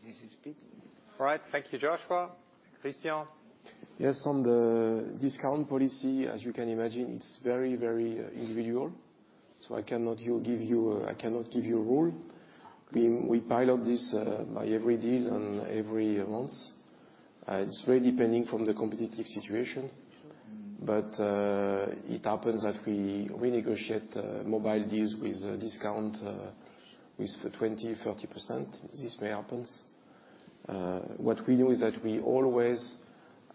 Speaker 8: This is Pit.
Speaker 1: All right. Thank you, Joshua. Christian?
Speaker 5: Yes, on the discount policy, as you can imagine, it's very individual, so I cannot give you a rule. We pilot this by every deal and every month. It's very depending from the competitive situation. It happens that we renegotiate mobile deals with discount with 20%, 30%. This may happen. What we know is that we always,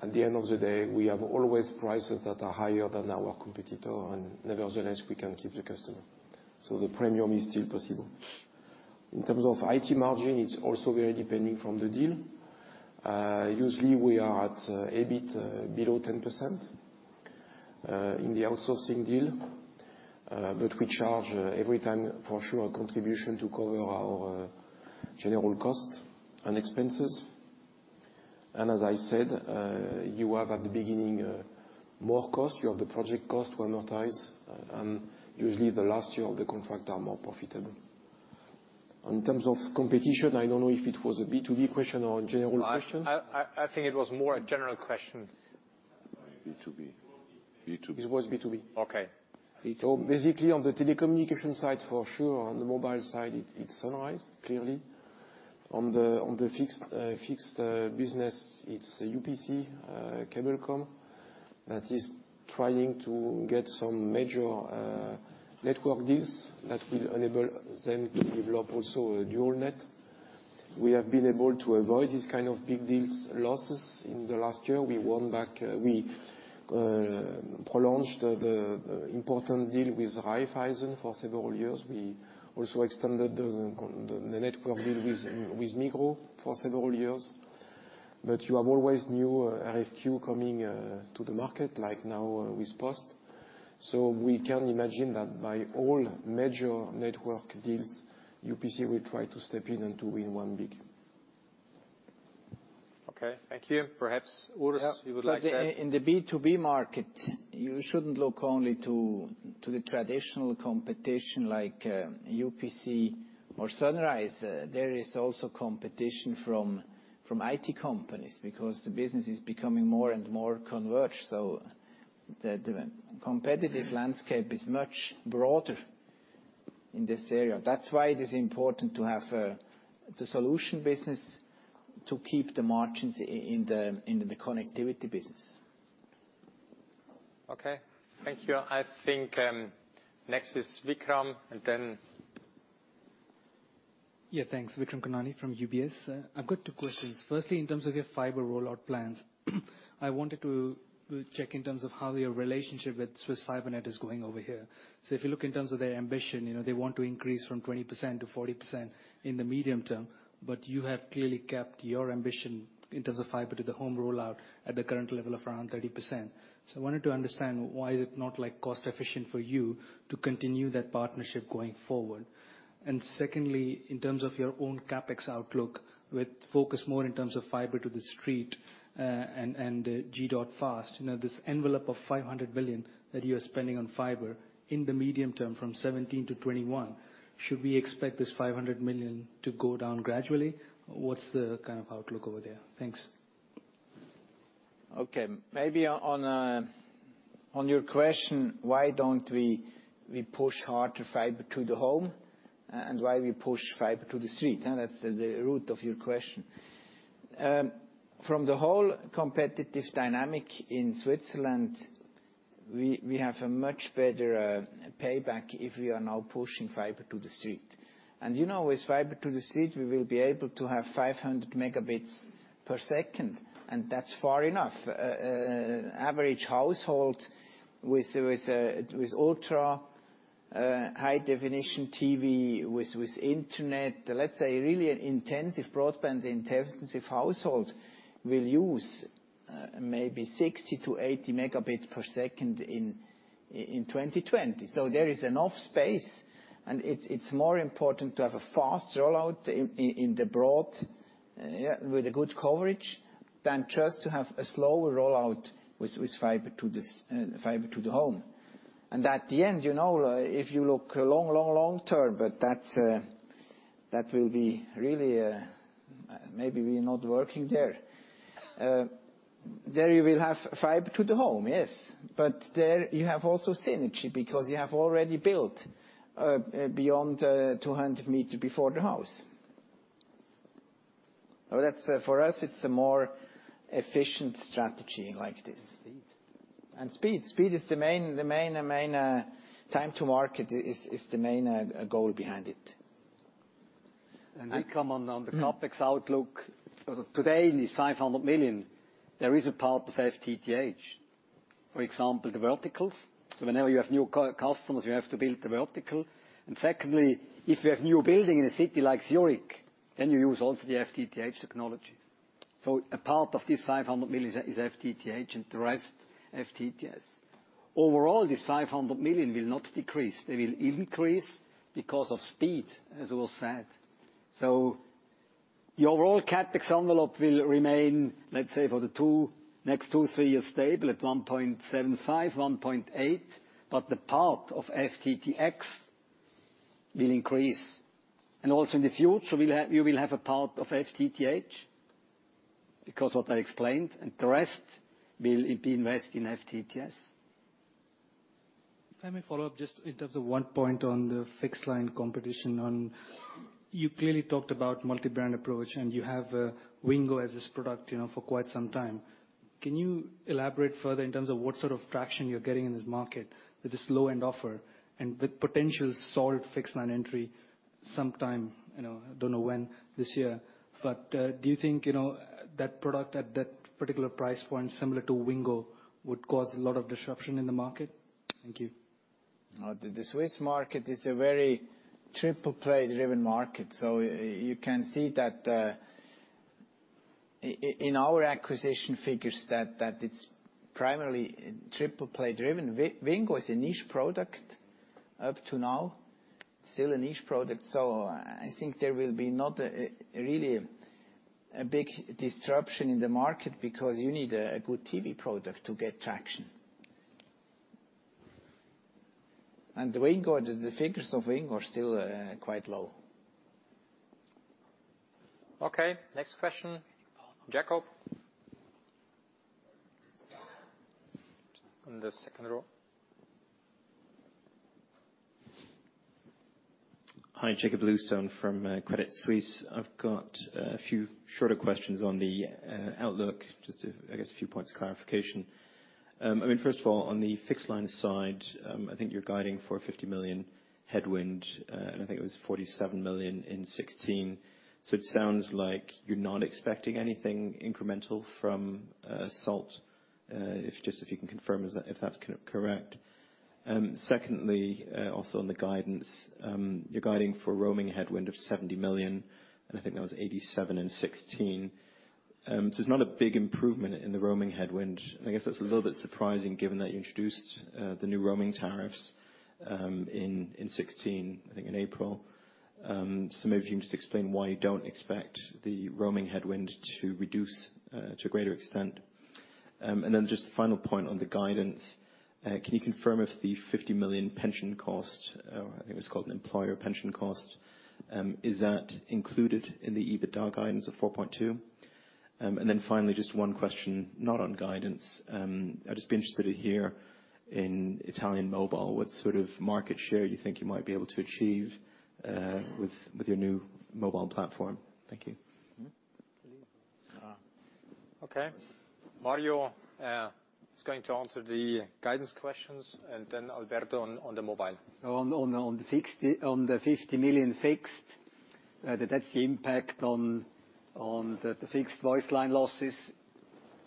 Speaker 5: at the end of the day, we have always prices that are higher than our competitor. Nevertheless, we can keep the customer. The premium is still possible. In terms of IT margin, it's also very depending from the deal. Usually, we are at a bit below 10%, in the outsourcing deal. We charge every time, for sure, a contribution to cover our general costs and expenses. As I said, you have, at the beginning, more cost. You have the project cost to amortize, Usually, the last year of the contract are more profitable. In terms of competition, I don't know if it was a B2B question or a general question.
Speaker 1: I think it was more a general question.
Speaker 8: B2B.
Speaker 5: It was B2B.
Speaker 1: Okay.
Speaker 5: Basically, on the telecommunication side, for sure, on the mobile side, it's Sunrise, clearly. On the fixed business, it's UPC, Cablecom, that is trying to get some major network deals that will enable them to develop also a dual net. We have been able to avoid this kind of big deals losses in the last year. We won back, we prolonged the important deal with Raiffeisen for several years. We also extended the network deal with Migros for several years. You have always new RFQ coming to the market, like now with Post. We can imagine that by all major network deals, UPC will try to step in and to win one big.
Speaker 1: Okay, thank you. Perhaps Urs, you would like to add.
Speaker 2: In the B2B market, you shouldn't look only to the traditional competition like UPC or Sunrise. There is also competition from IT companies because the business is becoming more and more converged. The competitive landscape is much broader in this area. That's why it is important to have the solution business to keep the margins in the connectivity business.
Speaker 1: Okay, thank you. I think next is Vikram and then
Speaker 11: Yeah, thanks. Vikram Karnany from UBS. I've got two questions. Firstly, in terms of your fiber rollout plans, I wanted to check in terms of how your relationship with Swiss Fibre Net is going over here. If you look in terms of their ambition, they want to increase from 20% to 40% in the medium term, but you have clearly kept your ambition in terms of fiber to the home rollout at the current level of around 30%. I wanted to understand why is it not cost-efficient for you to continue that partnership going forward. Secondly, in terms of your own CapEx outlook with focus more in terms of fiber to the street, and G.fast, this envelope of 500 million that you are spending on fiber in the medium term from 2017 to 2021, should we expect this 500 million to go down gradually? What's the kind of outlook over there? Thanks.
Speaker 8: Okay. Maybe on your question, why don't we push harder fiber to the home and why we push fiber to the street? That's the root of your question. From the whole competitive dynamic in Switzerland, we have a much better payback if we are now pushing fiber to the street. With fiber to the street, we will be able to have 500 megabits per second, and that's far enough. Average household with Ultra High-definition TV
Speaker 2: High-definition TV with internet. Let's say really a broadband intensive household will use maybe 60 to 80 megabits per second in 2020. There is enough space, it's more important to have a fast rollout in the broadband with a good coverage, than just to have a slower rollout with fiber to the home. At the end, if you look long term, that will be really, maybe we're not working there. There you will have fiber to the home, yes. There you have also synergy because you have already built beyond 200 meters before the house. For us, it's a more efficient strategy like this. Speed is the main time to market, is the main goal behind it.
Speaker 8: We come on the CapEx outlook. Today, in the 500 million, there is a part of FTTH. For example, the verticals. Whenever you have new customers, you have to build the vertical. Secondly, if you have new building in a city like Zurich, then you use also the FTTH technology. A part of this 500 million is FTTH and the rest FTTS. Overall, this 500 million will not decrease. They will increase because of speed, as was said. The overall CapEx envelope will remain, let's say for the next two, three years, stable at 1.75 billion, 1.8 billion. The part of FTTx will increase. Also in the future, we will have a part of FTTH because what I explained, and the rest will be invested in FTTS.
Speaker 11: If I may follow up, just in terms of one point on the fixed line competition, you clearly talked about multi-brand approach and you have Wingo as this product for quite some time. Can you elaborate further in terms of what sort of traction you're getting in this market with this low-end offer and with potential Salt fixed line entry sometime, don't know when this year, but, do you think that product at that particular price point similar to Wingo would cause a lot of disruption in the market? Thank you.
Speaker 2: The Swiss market is a very triple-play driven market, so you can see that in our acquisition figures that it's primarily triple-play driven. Wingo is a niche product up to now. Still a niche product. I think there will be not really a big disruption in the market because you need a good TV product to get traction. The figures of Wingo are still quite low.
Speaker 1: Okay. Next question. Jakob. On the second row.
Speaker 12: Hi, Jakob Bluestone from Credit Suisse. I've got a few shorter questions on the outlook, just to, I guess, a few points of clarification. First of all, on the fixed line side, I think you're guiding for 50 million headwind. I think it was 47 million in 2016. It sounds like you're not expecting anything incremental from Salt. If you can confirm if that's correct. Secondly, also on the guidance, you're guiding for roaming headwind of 70 million, and I think that was 87 million in 2016. It's not a big improvement in the roaming headwind. I guess that's a little bit surprising given that you introduced the new roaming tariffs in 2016, I think in April. Maybe if you can just explain why you don't expect the roaming headwind to reduce to a greater extent. Just the final point on the guidance. Can you confirm if the 50 million pension cost, or I think it was called an employer pension cost, is that included in the EBITDA guidance of 4.2 billion? Finally, just one question not on guidance. I'd just be interested to hear in Italian mobile, what sort of market share you think you might be able to achieve with your new mobile platform. Thank you.
Speaker 8: Okay. Mario is going to answer the guidance questions and Alberto on the mobile. On the 50 million fixed, that's the impact on the fixed voice line losses.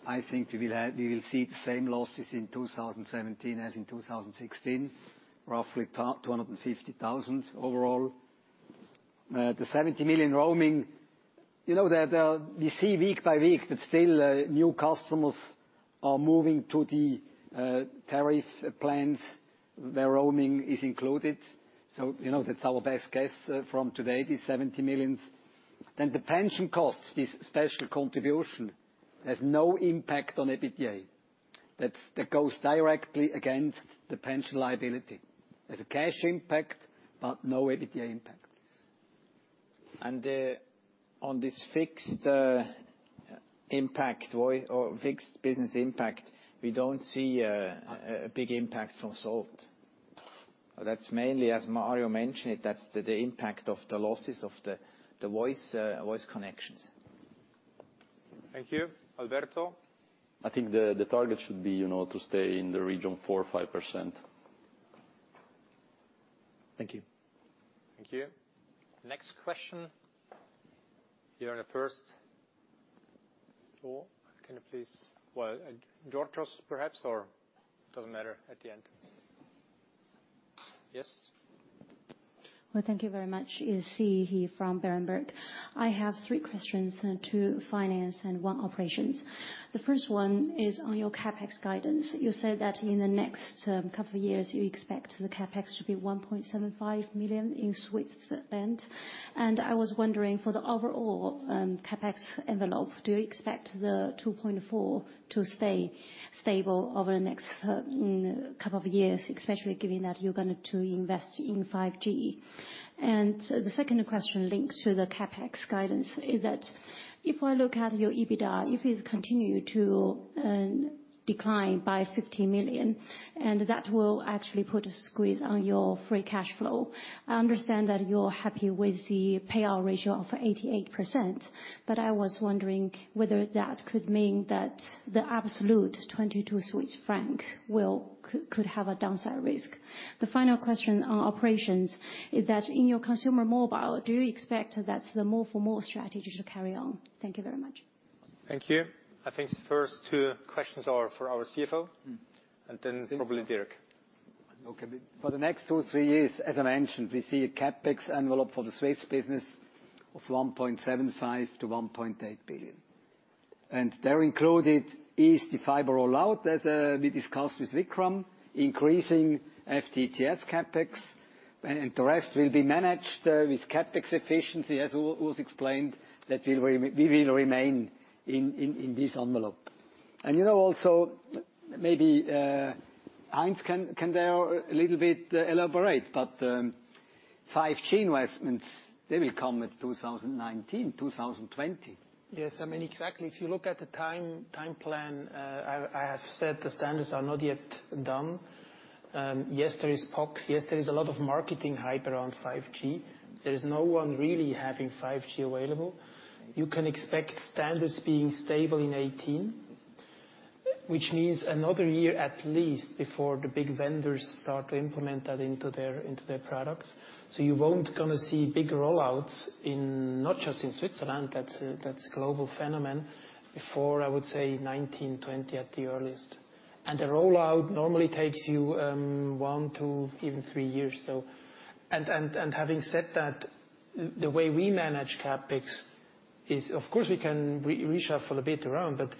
Speaker 8: I think we will see the same losses in 2017 as in 2016, roughly 250,000 overall. The 70 million roaming. We see week by week that still new customers are moving to the tariff plans where roaming is included. That's our best guess from today, the 70 million. The pension costs, this special contribution has no impact on EBITDA. That goes directly against the pension liability. There's a cash impact, but no EBITDA impact.
Speaker 2: On this fixed impact or fixed business impact, we don't see a big impact from Salt. That's mainly, as Mario mentioned, that's the impact of the losses of the voice connections.
Speaker 8: Thank you. Alberto.
Speaker 7: I think the target should be to stay in the region 4% or 5%.
Speaker 12: Thank you.
Speaker 1: Thank you. Next question. Here in the first Can you please, well, Georgios perhaps? It doesn't matter at the end. Yes.
Speaker 13: Well, thank you very much. It is Xi He from Berenberg. I have three questions, two finance and one operations. The first one is on your CapEx guidance. You said that in the next couple of years, you expect the CapEx to be 1.75 billion. I was wondering, for the overall CapEx envelope, do you expect the 2.4 to stay stable over the next couple of years, especially given that you are going to invest in 5G? The second question linked to the CapEx guidance is that if I look at your EBITDA, if it is continued to decline by 15 million, that will actually put a squeeze on your free cash flow. I understand that you are happy with the payout ratio of 88%, I was wondering whether that could mean that the absolute 22 Swiss franc could have a downside risk. The final question on operations is that in your consumer mobile, do you expect that the more for more strategy should carry on? Thank you very much.
Speaker 1: Thank you. I think the first two questions are for our CFO, then probably Dirk.
Speaker 8: Okay. For the next two, three years, as I mentioned, we see a CapEx envelope for the Swiss business of 1.75 billion-1.8 billion. There included is the fiber rollout as we discussed with Vikram, increasing FTTS CapEx. The rest will be managed with CapEx efficiency as Urs explained that we will remain in this envelope. Also, maybe Heinz can there a little bit elaborate, 5G investments, they will come with 2019, 2020.
Speaker 3: Yes. Exactly. If you look at the time plan, I have said the standards are not yet done. Yes, there is POC. Yes, there is a lot of marketing hype around 5G. There is no one really having 5G available. You can expect standards being stable in 2018, which needs another year at least before the big vendors start to implement that into their products. You won't going to see big roll-outs, not just in Switzerland, that's a global phenomenon, before, I would say 2019, 2020 at the earliest. The rollout normally takes you one to even three years. Having said that, the way we manage CapEx is, of course, we can reshuffle a bit around, but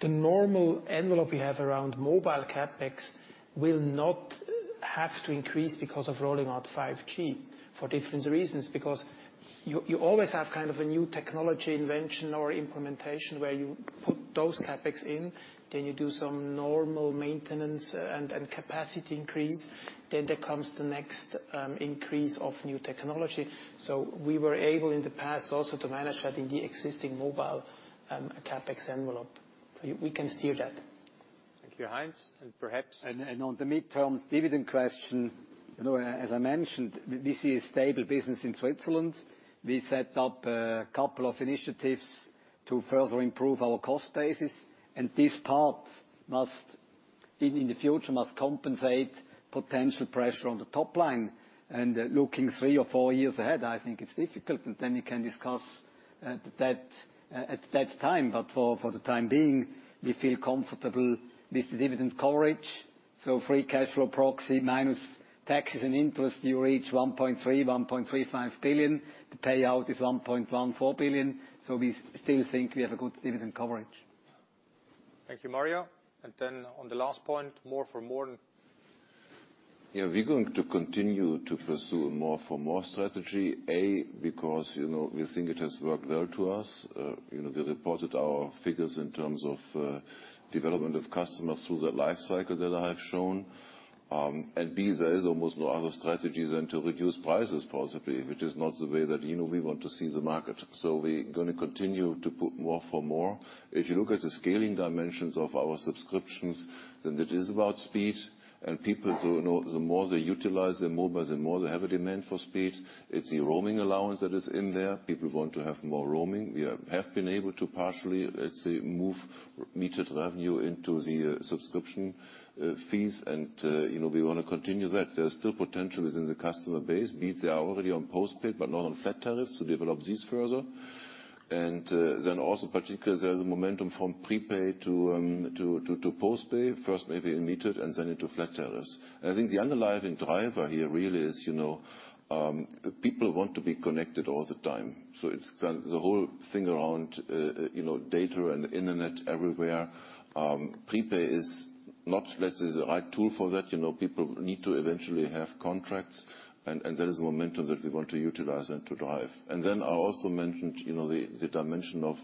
Speaker 3: the normal envelope we have around mobile CapEx will not have to increase because of rolling out 5G for different reasons, because you always have a new technology invention or implementation where you put those CapEx in, then you do some normal maintenance and capacity increase. Then there comes the next increase of new technology. We were able in the past also to manage that in the existing mobile CapEx envelope. We can steer that.
Speaker 1: Thank you, Heinz. Perhaps.
Speaker 8: On the midterm dividend question, as I mentioned, this is a stable business in Switzerland. We set up a couple of initiatives to further improve our cost basis, and this part, in the future, must compensate potential pressure on the top line. Looking three or four years ahead, I think it's difficult, and then you can discuss that at that time. For the time being, we feel comfortable with the dividend coverage. Free cash flow proxy minus taxes and interest, you reach 1.3 billion, 1.35 billion. The payout is 1.14 billion. We still think we have a good dividend coverage.
Speaker 1: Thank you, Mario. Then on the last point, more for more.
Speaker 4: We're going to continue to pursue more for more strategy. A, because we think it has worked well to us. We reported our figures in terms of development of customers through that life cycle that I have shown. B, there is almost no other strategies than to reduce prices possibly, which is not the way that we want to see the market. We're going to continue to put more for more. If you look at the scaling dimensions of our subscriptions, it is about speed and people, the more they utilize their mobile, the more they have a demand for speed. It's the roaming allowance that is in there. People want to have more roaming. We have been able to partially, let's say, move metered revenue into the subscription fees, we want to continue that. There's still potential within the customer base, means they are already on postpaid, but not on flat tariffs, to develop these further. Also particularly, there's a momentum from prepaid to postpaid. First maybe in metered, then into flat tariffs. I think the underlying driver here really is people want to be connected all the time. It's the whole thing around data and internet everywhere. Prepaid is not necessarily the right tool for that. People need to eventually have contracts, there is momentum that we want to utilize and to drive. I also mentioned the dimension of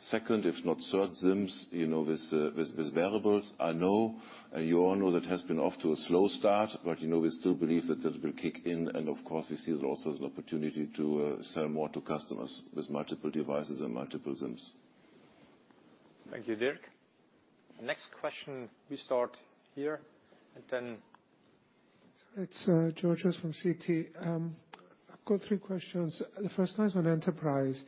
Speaker 4: second, if not third SIMs, with wearables. I know, you all know that has been off to a slow start, we still believe that it will kick in, of course, we see it also as an opportunity to sell more to customers with multiple devices and multiple SIMs.
Speaker 1: Thank you, Dirk. Next question, we start here and then
Speaker 14: It's Georgios from Citi. I've got three questions. The first one is on enterprise,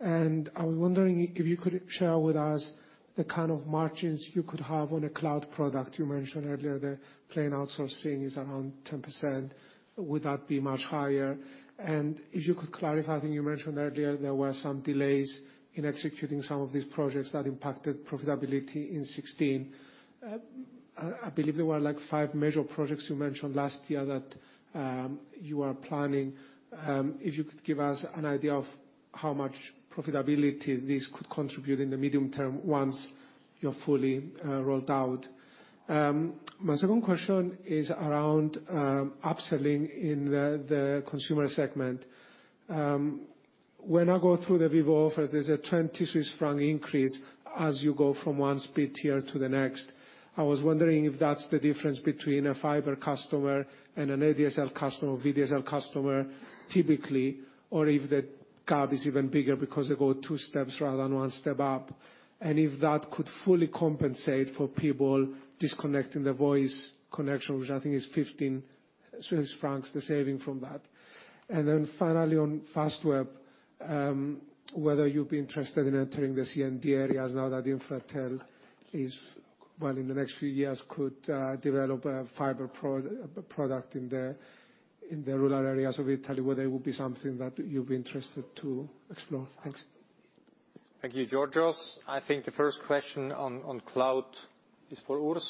Speaker 14: and I was wondering if you could share with us the kind of margins you could have on a cloud product. You mentioned earlier the plain outsourcing is around 10%. Would that be much higher? If you could clarify, I think you mentioned earlier there were some delays in executing some of these projects that impacted profitability in 2016. I believe there were five major projects you mentioned last year that you are planning. If you could give us an idea of how much profitability this could contribute in the medium term once you're fully rolled out. My second question is around upselling in the consumer segment. When I go through the Vivo offers, there's a 20 franc increase as you go from one speed tier to the next. I was wondering if that's the difference between a fiber customer and an ADSL customer or VDSL customer typically, or if the gap is even bigger because they go two steps rather than one step up. If that could fully compensate for people disconnecting the voice connection, which I think is 15 Swiss francs, the saving from that. Finally, on Fastweb, whether you'd be interested in entering the C&D areas now that Infratel, in the next few years, could develop a fiber product in the rural areas of Italy. Whether it would be something that you'd be interested to explore. Thanks.
Speaker 1: Thank you, Georgios. I think the first question on cloud is for Urs.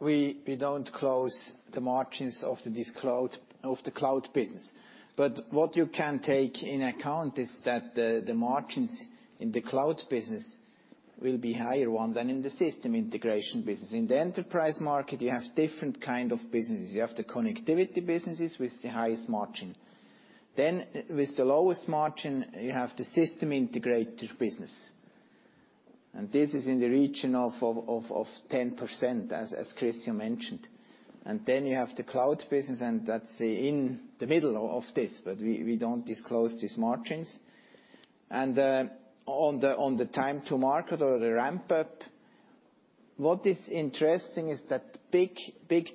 Speaker 2: We don't close the margins of the cloud business. What you can take in account is that the margins in the cloud business will be higher than in the system integration business. In the enterprise market, you have different kind of businesses. You have the connectivity businesses with the highest margin. Then with the lowest margin, you have the system integrator business. This is in the region of 10%, as Christian mentioned. You have the cloud business, and that's in the middle of this, but we don't disclose these margins. On the time to market or the ramp up, what is interesting is that big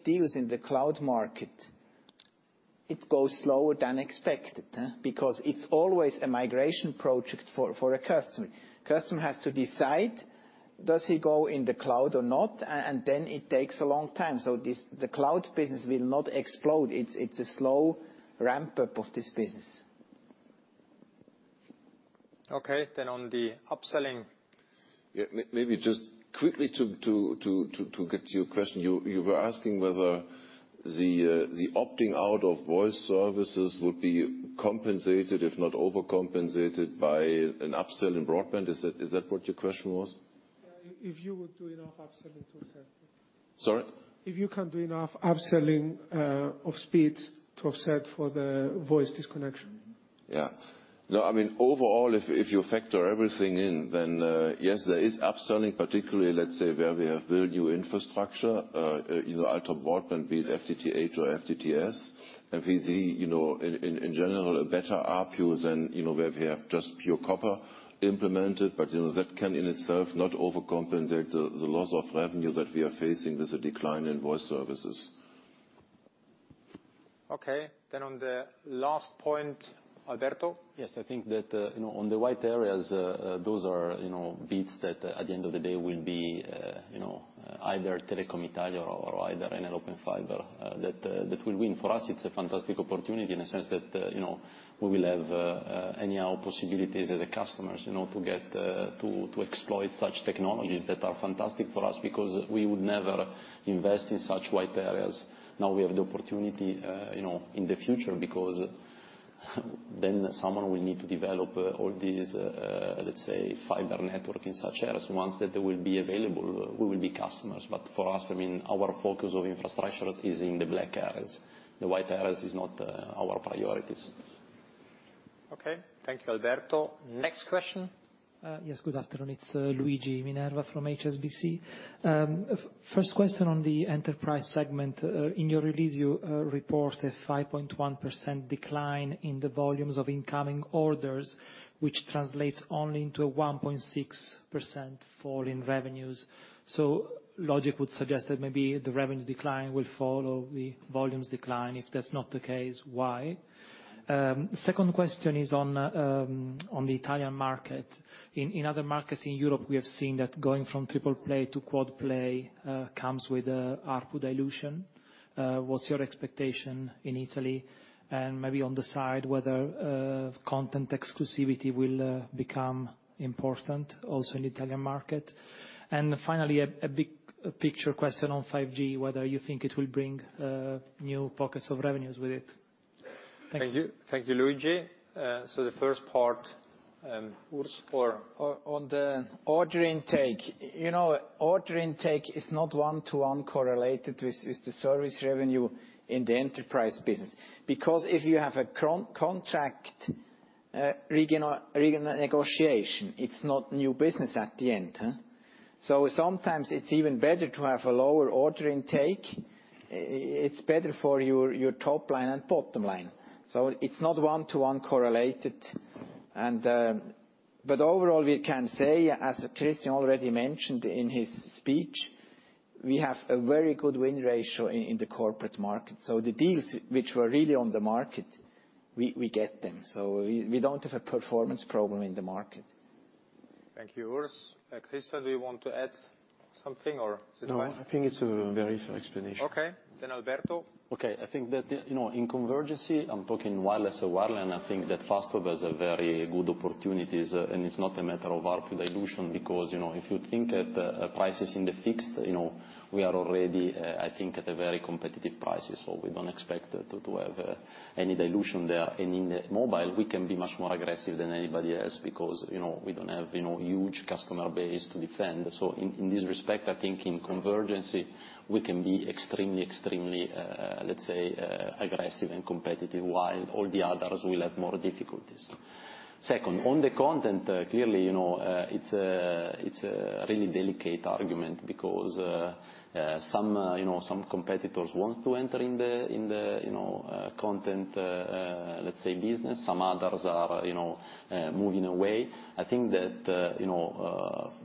Speaker 2: deals in the cloud market, it goes slower than expected. Because it's always a migration project for a customer. Customer has to decide, does he go in the cloud or not, and then it takes a long time. The cloud business will not explode. It's a slow ramp-up of this business.
Speaker 1: On the upselling.
Speaker 4: Maybe just quickly to get to your question. You were asking whether the opting out of voice services would be compensated, if not overcompensated by an upsell in broadband. Is that what your question was?
Speaker 14: Yeah, if you would do enough upselling to offset.
Speaker 4: Sorry?
Speaker 14: If you can do enough upselling of speeds to offset for the voice disconnection.
Speaker 4: Yeah. No, overall, if you factor everything in, yes, there is upselling, particularly, let's say, where we have built new infrastructure. Ultra broadband, be it FTTH or FTTS. We see, in general, a better ARPU than where we have just pure copper implemented. That can, in itself, not overcompensate the loss of revenue that we are facing with the decline in voice services.
Speaker 1: Okay. On the last point, Alberto?
Speaker 7: Yes. I think that on the white areas, those are bits that at the end of the day will be either Telecom Italia or either an Open Fiber that will win. For us, it's a fantastic opportunity in the sense that we will have anyhow possibilities as customers to get to exploit such technologies that are fantastic for us. We would never invest in such white areas. We have the opportunity in the future, because then someone will need to develop all these fiber network in such areas. Once they will be available, we will be customers. For us, our focus of infrastructure is in the black areas. The white areas is not our priorities.
Speaker 1: Okay. Thank you, Alberto. Next question?
Speaker 15: Yes, good afternoon. It's Luigi Minerva from HSBC. First question on the enterprise segment. In your release, you report a 5.1% decline in the volumes of incoming orders, which translates only into a 1.6% fall in revenues. Logic would suggest that maybe the revenue decline will follow the volumes decline. If that's not the case, why? Second question is on the Italian market. In other markets in Europe, we have seen that going from triple play to quad play comes with ARPU dilution. What's your expectation in Italy? Maybe on the side, whether content exclusivity will become important also in the Italian market? Finally, a big picture question on 5G, whether you think it will bring new pockets of revenues with it? Thank you.
Speaker 1: Thank you, Luigi. The first part, Urs?
Speaker 2: On the order intake. Order intake is not one-to-one correlated with the service revenue in the enterprise business. If you have a contract renegotiation, it's not new business at the end. Sometimes it's even better to have a lower order intake. It's better for your top line and bottom line. It's not one-to-one correlated. Overall, we can say, as Christian already mentioned in his speech, we have a very good win ratio in the corporate market. The deals which were really on the market, we get them. We don't have a performance problem in the market.
Speaker 1: Thank you, Urs. Christian, do you want to add something or is it fine?
Speaker 5: No, I think it's a very fair explanation.
Speaker 1: Okay. Alberto.
Speaker 7: Okay. I think that in convergence, I'm talking wireless to wireline, I think that Fastweb has a very good opportunities, and it's not a matter of ARPU dilution because, if you think at prices in the fixed, we are already I think at a very competitive price. We don't expect to have any dilution there. In the mobile, we can be much more aggressive than anybody else because, we don't have huge customer base to defend. In this respect, I think in convergence, we can be extremely, let's say, aggressive and competitive while all the others will have more difficulties. Second, on the content, clearly, it's a really delicate argument because some competitors want to enter in the content, let's say, business, some others are moving away. I think that,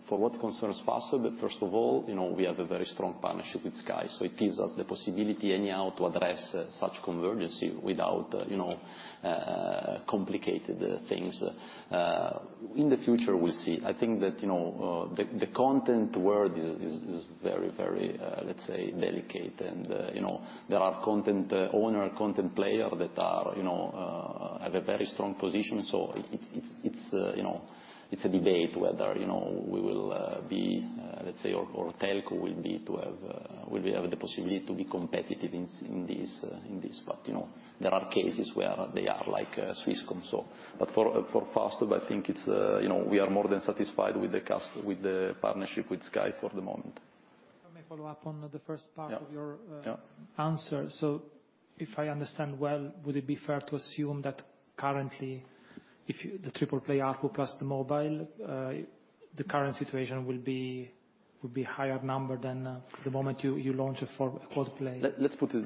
Speaker 7: for what concerns Fastweb, first of all, we have a very strong partnership with Sky, it gives us the possibility anyhow to address such convergence without complicated things. In the future we'll see. I think that the content world is very, let's say, delicate and there are content owner, content player that have a very strong position. It's a debate whether we will be, let's say, or Telco will be able to have the possibility to be competitive in this. There are cases where they are like Swisscom. For Fastweb, I think we are more than satisfied with the partnership with Sky for the moment.
Speaker 15: Let me follow up on the first part of your answer.
Speaker 7: Yeah.
Speaker 15: If I understand well, would it be fair to assume that currently if the triple play ARPU plus the mobile, the current situation will be higher number than the moment you launch a four play product?
Speaker 7: Let's put it.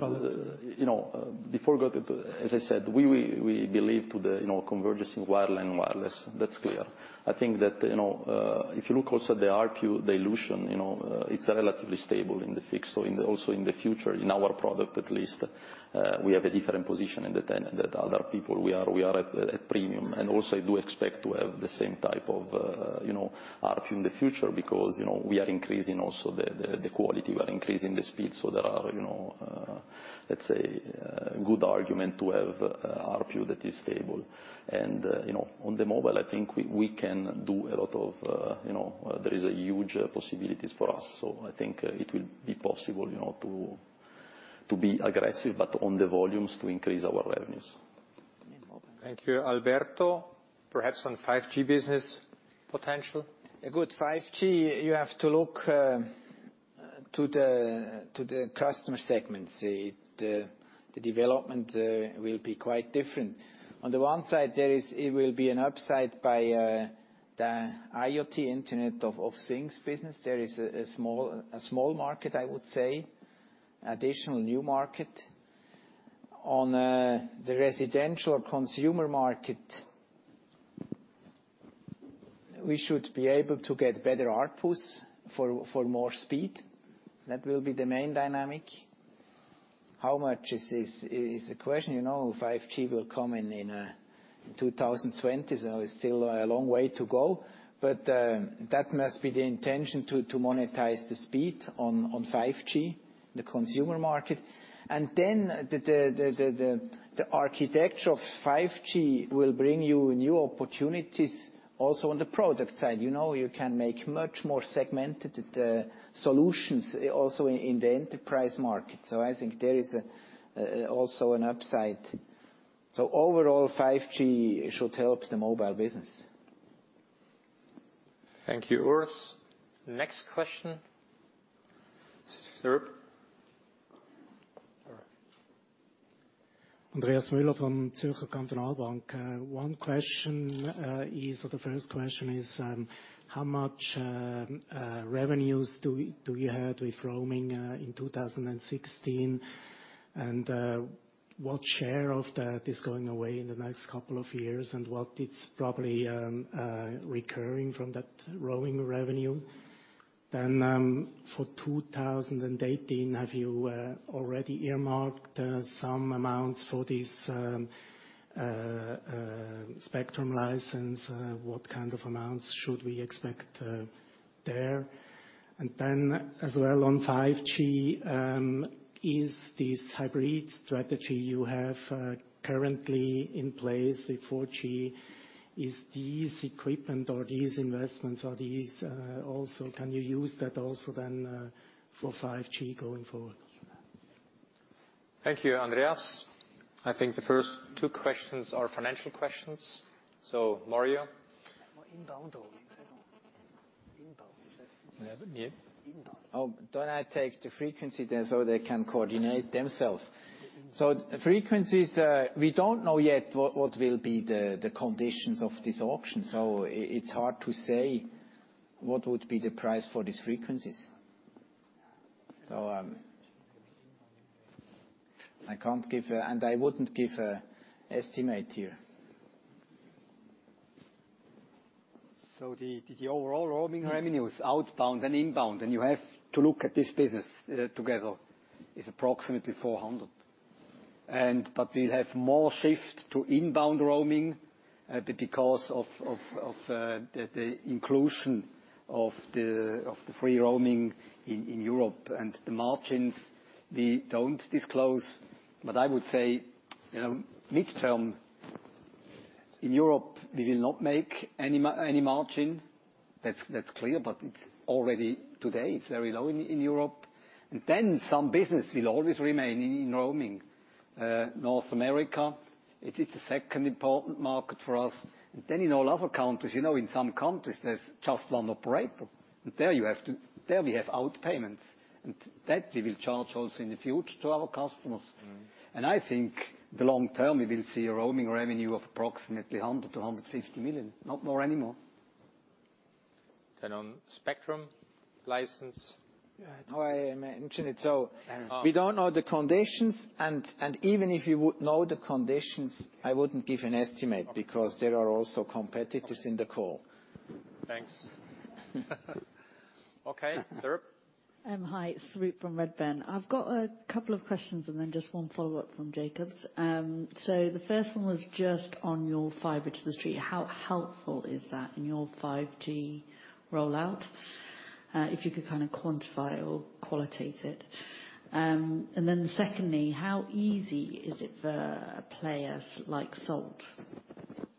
Speaker 7: Before I go into, as I said, we believe to the convergence in wireline, wireless. That's clear. I think that, if you look also at the ARPU dilution, it's relatively stable in the fixed. Also in the future, in our product at least, we have a different position than the other people. We are at premium. Also, I do expect to have the same type of ARPU in the future because we are increasing also the quality. We are increasing the speed. There are, let's say, good arguments to have ARPU that is stable. On the mobile, I think we can do a lot. There is a huge possibility for us. I think it will be possible to be aggressive, but on the volumes to increase our revenues.
Speaker 1: Thank you. Alberto, perhaps on 5G business potential.
Speaker 2: Good. 5G, you have to look to the customer segments. The development will be quite different. On one side, it will be an upside by the IoT, Internet of Things business. There is a small market, I would say, additional new market. On the residential consumer market, we should be able to get better ARPUs for more speed. That will be the main dynamic. How much is a question. 5G will come in 2020. It's still a long way to go. That must be the intention to monetize the speed on 5G in the consumer market. The architecture of 5G will bring you new opportunities also on the product side. You know you can make much more segmented solutions also in the enterprise market. I think there is also an upside. Overall, 5G should help the mobile business.
Speaker 1: Thank you, Urs. Next question? Sir.
Speaker 16: Andreas Müller from Zürcher Kantonalbank. One question is, or the first question is, how much revenue do you had with roaming in 2016? What share of that is going away in the next couple of years, and what is probably recurring from that roaming revenue? For 2018, have you already earmarked some amounts for this spectrum license? What kind of amounts should we expect there? As well on 5G, is this hybrid strategy you have currently in place with 4G, is this equipment or these investments, can you use that also then for 5G going forward?
Speaker 1: Thank you, Andreas. I think the first two questions are financial questions. Mario.
Speaker 2: I take the frequency then so they can coordinate themselves. Frequencies, we don't know yet what will be the conditions of this auction. It's hard to say what would be the price for these frequencies. I can't give, and I wouldn't give an estimate here.
Speaker 8: The overall roaming revenue is outbound and inbound, and you have to look at this business together is approximately 400. We'll have more shift to inbound roaming because of the inclusion of the free roaming in Europe. The margins, we don't disclose. I would say, midterm, in Europe, we will not make any margin. That's clear. Already today, it's very low in Europe. Some business will always remain in roaming. North America, it is the second important market for us. In all other countries, in some countries, there's just one operator. There we have out payments. That we will charge also in the future to our customers. I think the long term, we will see a roaming revenue of approximately 100 million-150 million, not more anymore.
Speaker 1: On spectrum license.
Speaker 2: I mentioned it. We don't know the conditions, and even if we would know the conditions, I wouldn't give an estimate because there are also competitors in the call.
Speaker 1: Thanks. Okay, Sarab.
Speaker 17: Hi. Sarab from Redburn. I've got a couple of questions, and then just one follow-up from Jakob's. The first one was just on your fiber to the street. How helpful is that in your 5G rollout? If you could quantify or qualitate it. Secondly, how easy is it for players like Salt?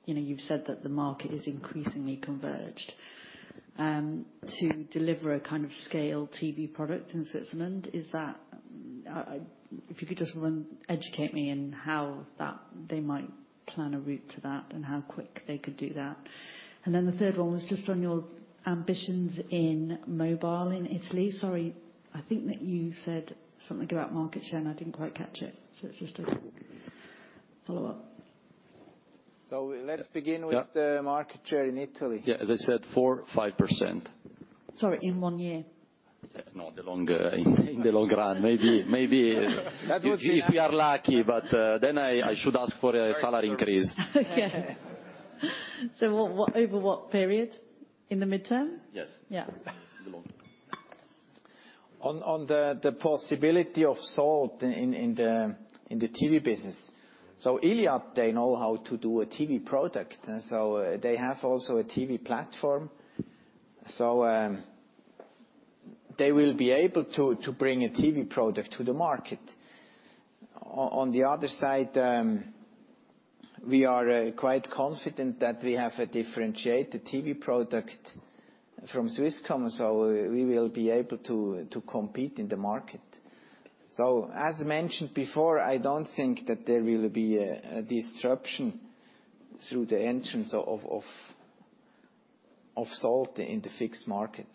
Speaker 17: You've said that the market is increasingly converged. To deliver a kind of scale TV product in Switzerland. If you could just educate me in how they might plan a route to that and how quick they could do that. The third one was just on your ambitions in mobile in Italy. Sorry, I think that you said something about market share, and I didn't quite catch it. It's just a follow-up.
Speaker 2: Let's begin with the market share in Italy.
Speaker 7: Yeah. As I said, 4%, 5%.
Speaker 17: Sorry, in one year?
Speaker 7: No, in the long run. Maybe. That would be. if we are lucky. I should ask for a salary increase.
Speaker 17: Okay. Over what period? In the midterm?
Speaker 1: Yes.
Speaker 17: Yeah.
Speaker 7: In the long-term.
Speaker 2: On the possibility of Salt in the TV business. Iliad, they know how to do a TV product. They have also a TV platform. They will be able to bring a TV product to the market. On the other side, we are quite confident that we have a differentiated TV product from Swisscom, we will be able to compete in the market. As mentioned before, I do not think that there will be a disruption through the entrance of Salt in the fixed market.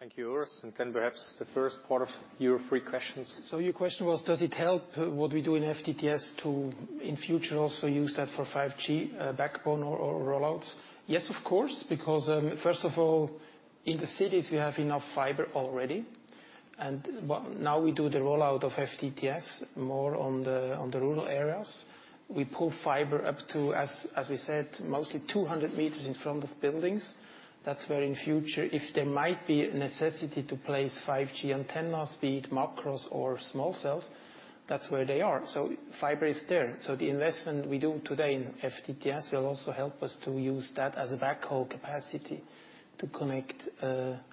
Speaker 1: Thank you, Urs. Perhaps the first part of your three questions.
Speaker 3: Your question was, does it help what we do in FTTS to, in future, also use that for 5G backbone or rollouts? Yes, of course, because first of all, in the cities, we have enough fiber already. Now we do the rollout of FTTS more on the rural areas. We pull fiber up to, as we said, mostly 200 meters in front of buildings. That is where in future, if there might be a necessity to place 5G antennas, be it macros or small cells, that is where they are. Fiber is there. The investment we do today in FTTS will also help us to use that as a backhaul capacity to connect.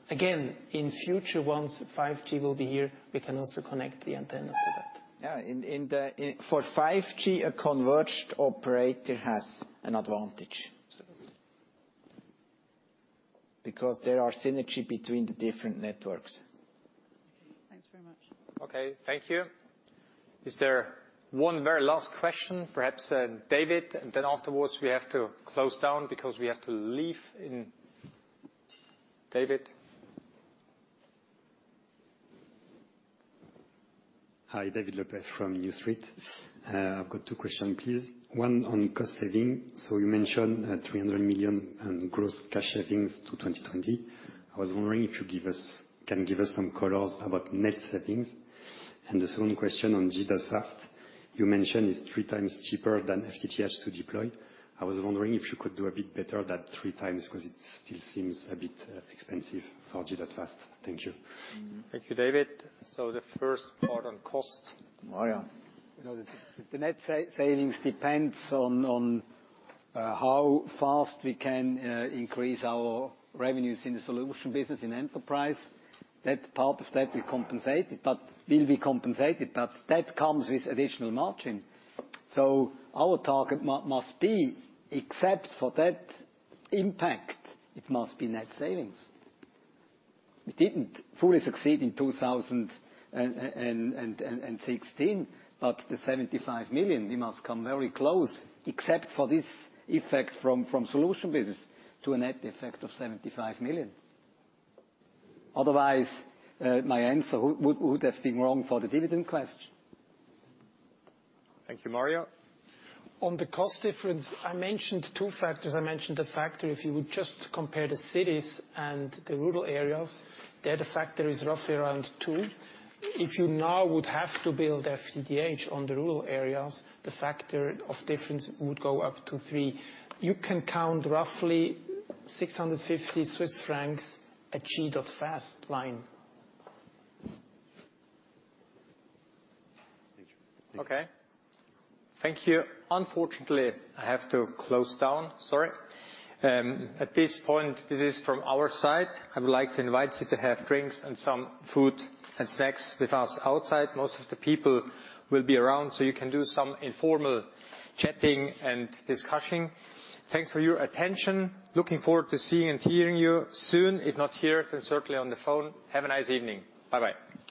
Speaker 3: Again, in future, once 5G will be here, we can also connect the antennas to that.
Speaker 2: Yeah. For 5G, a converged operator has an advantage.
Speaker 17: Absolutely.
Speaker 2: Because there are synergy between the different networks.
Speaker 17: Okay. Thanks very much.
Speaker 1: Okay, thank you. Is there one very last question? Perhaps David, then afterwards we have to close down because we have to leave. David?
Speaker 18: Hi. David Lopes from New Street. I've got two question, please. One on cost saving. You mentioned 300 million in gross cash savings to 2020. I was wondering if you can give us some colors about net savings. The second question on G.fast. You mentioned it's three times cheaper than FTTH to deploy. I was wondering if you could do a bit better than three times, because it still seems a bit expensive for G.fast. Thank you.
Speaker 1: Thank you, David. The first part on cost.
Speaker 2: Mario.
Speaker 8: The net savings depends on how fast we can increase our revenues in the solution business in enterprise. That part, we compensate it. That comes with additional margin. Our target must be, except for that impact, it must be net savings. We didn't fully succeed in 2016, but the 75 million, we must come very close, except for this effect from solution business, to a net effect of 75 million. Otherwise, my answer would have been wrong for the dividend question.
Speaker 1: Thank you. Mario?
Speaker 3: On the cost difference, I mentioned two factors. I mentioned the factor, if you would just compare the cities and the rural areas, there the factor is roughly around two. If you now would have to build FTTH on the rural areas, the factor of difference would go up to three. You can count roughly 650 Swiss francs a G.fast line.
Speaker 1: Okay. Thank you. Unfortunately, I have to close down. Sorry. At this point, this is from our side. I would like to invite you to have drinks and some food and snacks with us outside. Most of the people will be around, so you can do some informal chatting and discussing. Thanks for your attention. Looking forward to seeing and hearing you soon. If not here, then certainly on the phone. Have a nice evening. Bye-bye.